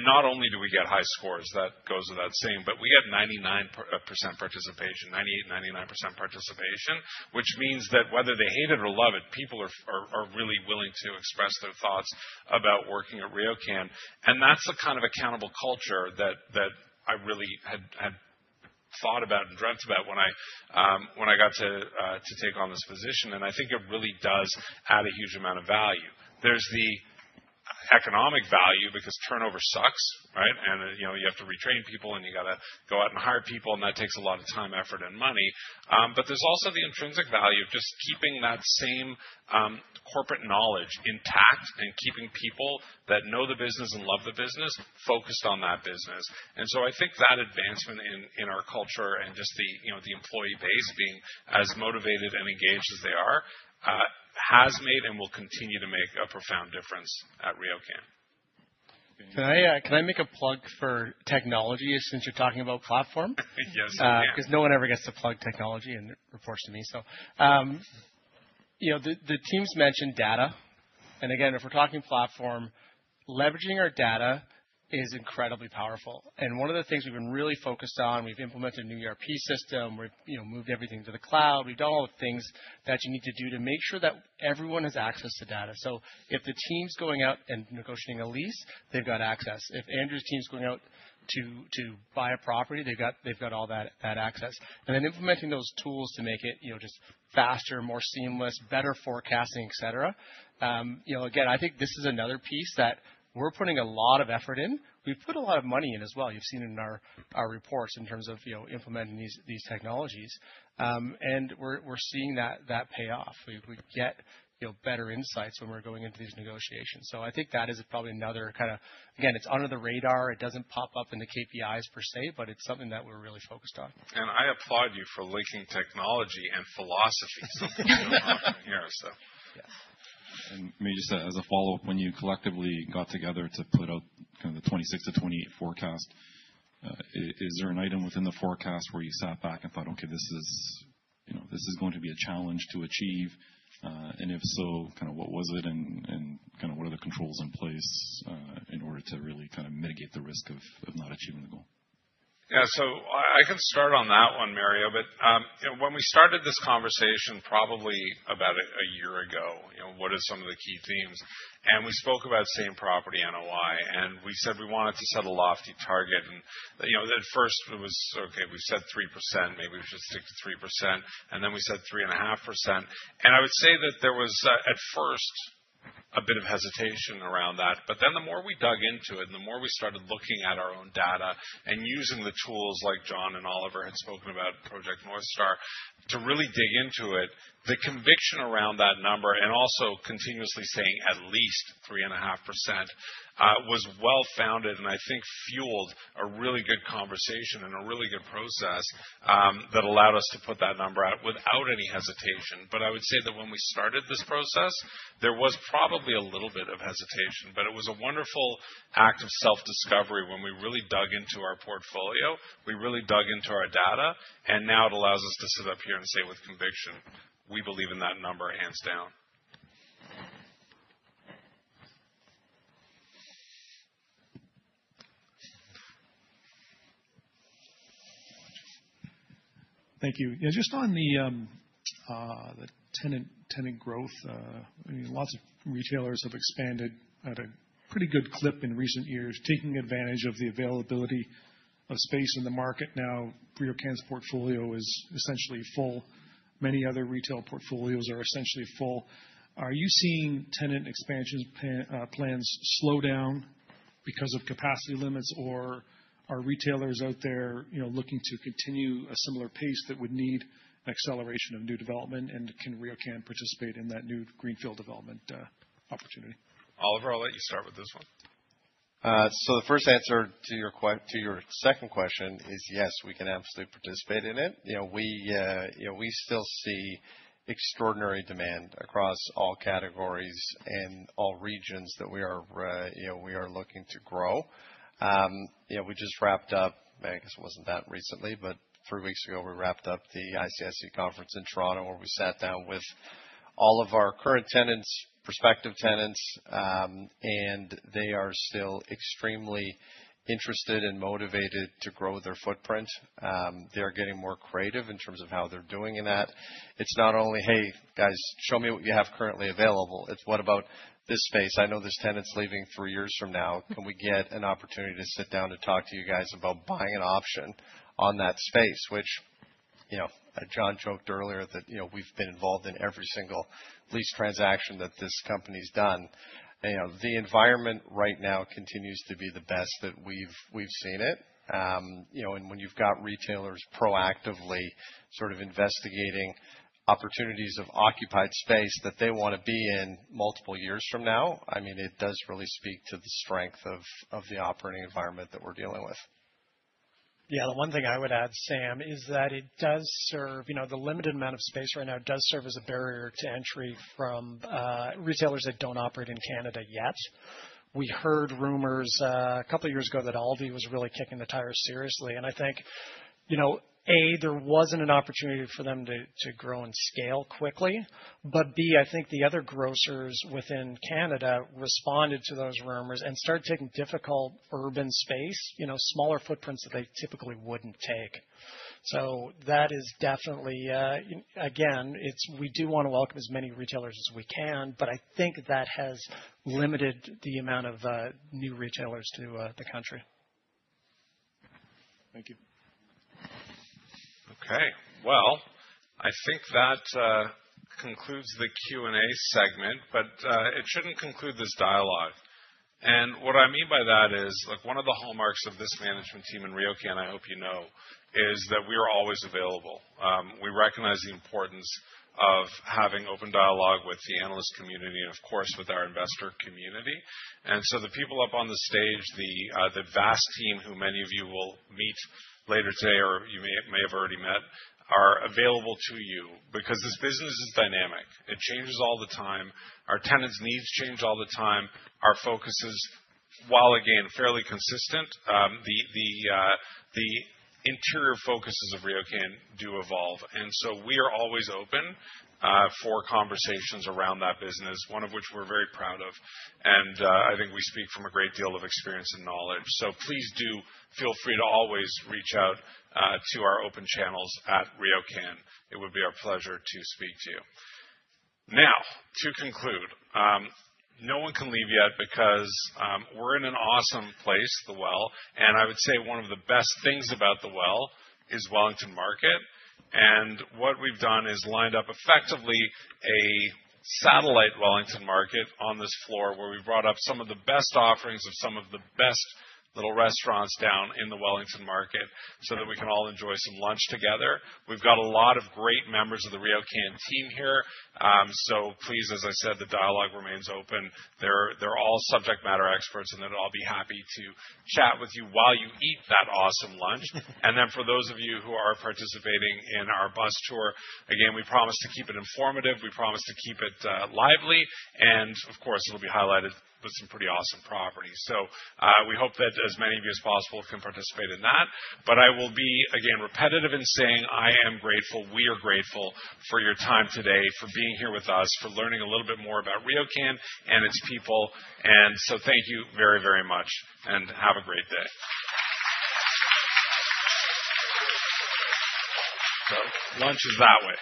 Not only do we get high scores, that goes to that same, but we get 99% participation, 98%, 99% participation, which means that whether they hate it or love it, people are really willing to express their thoughts about working at RioCan. That's the kind of accountable culture that I really had thought about and dreamt about when I got to take on this position. I think it really does add a huge amount of value. There's the economic value because turnover sucks, right? You have to retrain people, and you got to go out and hire people, and that takes a lot of time, effort, and money. There is also the intrinsic value of just keeping that same corporate knowledge intact and keeping people that know the business and love the business focused on that business. I think that advancement in our culture and just the employee base being as motivated and engaged as they are has made and will continue to make a profound difference at RioCan. Can I make a plug for technology since you are talking about platform? Yes, you can. Because no one ever gets to plug technology and reports to me. The teams mentioned data. Again, if we are talking platform, leveraging our data is incredibly powerful. One of the things we've been really focused on, we've implemented a new ERP system, we've moved everything to the cloud, we've done all the things that you need to do to make sure that everyone has access to data. If the team's going out and negotiating a lease, they've got access. If Andrew's team's going out to buy a property, they've got all that access. Implementing those tools makes it just faster, more seamless, better forecasting, et cetera. I think this is another piece that we're putting a lot of effort in. We've put a lot of money in as well. You've seen it in our reports in terms of implementing these technologies. We're seeing that pay off. We get better insights when we're going into these negotiations. I think that is probably another kind of, again, it's under the radar. It does not pop up in the KPIs per se, but it is something that we are really focused on. I applaud you for linking technology and philosophy to something that we are talking here. Maybe just as a follow-up, when you collectively got together to put out kind of the 2026 to 2028 forecast, is there an item within the forecast where you sat back and thought, "Okay, this is going to be a challenge to achieve"? If so, what was it and what are the controls in place in order to really mitigate the risk of not achieving the goal? Yeah, I can start on that one, Mario. When we started this conversation probably about a year ago, what are some of the key themes? We spoke about same property NOI, and we said we wanted to set a lofty target. At first, it was, "Okay, we've said 3%, maybe we should stick to 3%." We said 3.5%. I would say that there was at first a bit of hesitation around that. The more we dug into it and the more we started looking at our own data and using the tools like John and Oliver had spoken about, Project Northstar, to really dig into it, the conviction around that number and also continuously saying at least 3.5% was well-founded. I think it fueled a really good conversation and a really good process that allowed us to put that number out without any hesitation. I would say that when we started this process, there was probably a little bit of hesitation, but it was a wonderful act of self-discovery when we really dug into our portfolio, we really dug into our data, and now it allows us to sit up here and say with conviction, "We believe in that number hands down." Thank you. Yeah, just on the tenant growth, lots of retailers have expanded at a pretty good clip in recent years, taking advantage of the availability of space in the market. Now, RioCan's portfolio is essentially full. Many other retail portfolios are essentially full. Are you seeing tenant expansion plans slow down because of capacity limits, or are retailers out there looking to continue a similar pace that would need an acceleration of new development, and can RioCan participate in that new greenfield development opportunity? Oliver, I'll let you start with this one. The first answer to your second question is yes, we can absolutely participate in it. We still see extraordinary demand across all categories and all regions that we are looking to grow. We just wrapped up, I guess it wasn't that recently, but three weeks ago, we wrapped up the ICSE conference in Toronto where we sat down with all of our current tenants, prospective tenants, and they are still extremely interested and motivated to grow their footprint. They are getting more creative in terms of how they're doing in that. It's not only, "Hey, guys, show me what you have currently available." It's, "What about this space? I know there's tenants leaving three years from now. Can we get an opportunity to sit down and talk to you guys about buying an option on that space?" Which John joked earlier that we've been involved in every single lease transaction that this company's done. The environment right now continues to be the best that we've seen it. When you've got retailers proactively sort of investigating opportunities of occupied space that they want to be in multiple years from now, I mean, it does really speak to the strength of the operating environment that we're dealing with. Yeah, the one thing I would add, Sam, is that the limited amount of space right now does serve as a barrier to entry from retailers that don't operate in Canada yet. We heard rumors a couple of years ago that Aldi was really kicking the tires seriously. I think, A, there was not an opportunity for them to grow and scale quickly. B, I think the other grocers within Canada responded to those rumors and started taking difficult urban space, smaller footprints that they typically would not take. That is definitely, again, we do want to welcome as many retailers as we can, but I think that has limited the amount of new retailers to the country. Thank you. I think that concludes the Q&A segment, but it should not conclude this dialogue. What I mean by that is, look, one of the hallmarks of this management team in RioCan, I hope you know, is that we are always available. We recognize the importance of having open dialogue with the analyst community and, of course, with our investor community. The people up on the stage, the vast team who many of you will meet later today or you may have already met, are available to you because this business is dynamic. It changes all the time. Our tenants' needs change all the time. Our focus is, while again, fairly consistent, the interior focuses of RioCan do evolve. We are always open for conversations around that business, one of which we are very proud of. I think we speak from a great deal of experience and knowledge. Please do feel free to always reach out to our open channels at RioCan. It would be our pleasure to speak to you. Now, to conclude, no one can leave yet because we are in an awesome place, The Well. I would say one of the best things about The Well is Wellington Market. What we have done is lined up effectively a satellite Wellington Market on this floor where we have brought up some of the best offerings of some of the best little restaurants down in the Wellington Market so that we can all enjoy some lunch together. We have a lot of great members of the RioCan team here. Please, as I said, the dialogue remains open. They are all subject matter experts, and they would all be happy to chat with you while you eat that awesome lunch. For those of you who are participating in our bus tour, again, we promise to keep it informative. We promise to keep it lively. Of course, it will be highlighted with some pretty awesome properties. We hope that as many of you as possible can participate in that. I will be, again, repetitive in saying I am grateful, we are grateful for your time today, for being here with us, for learning a little bit more about RioCan and its people. Thank you very, very much, and have a great day. Lunch is that way.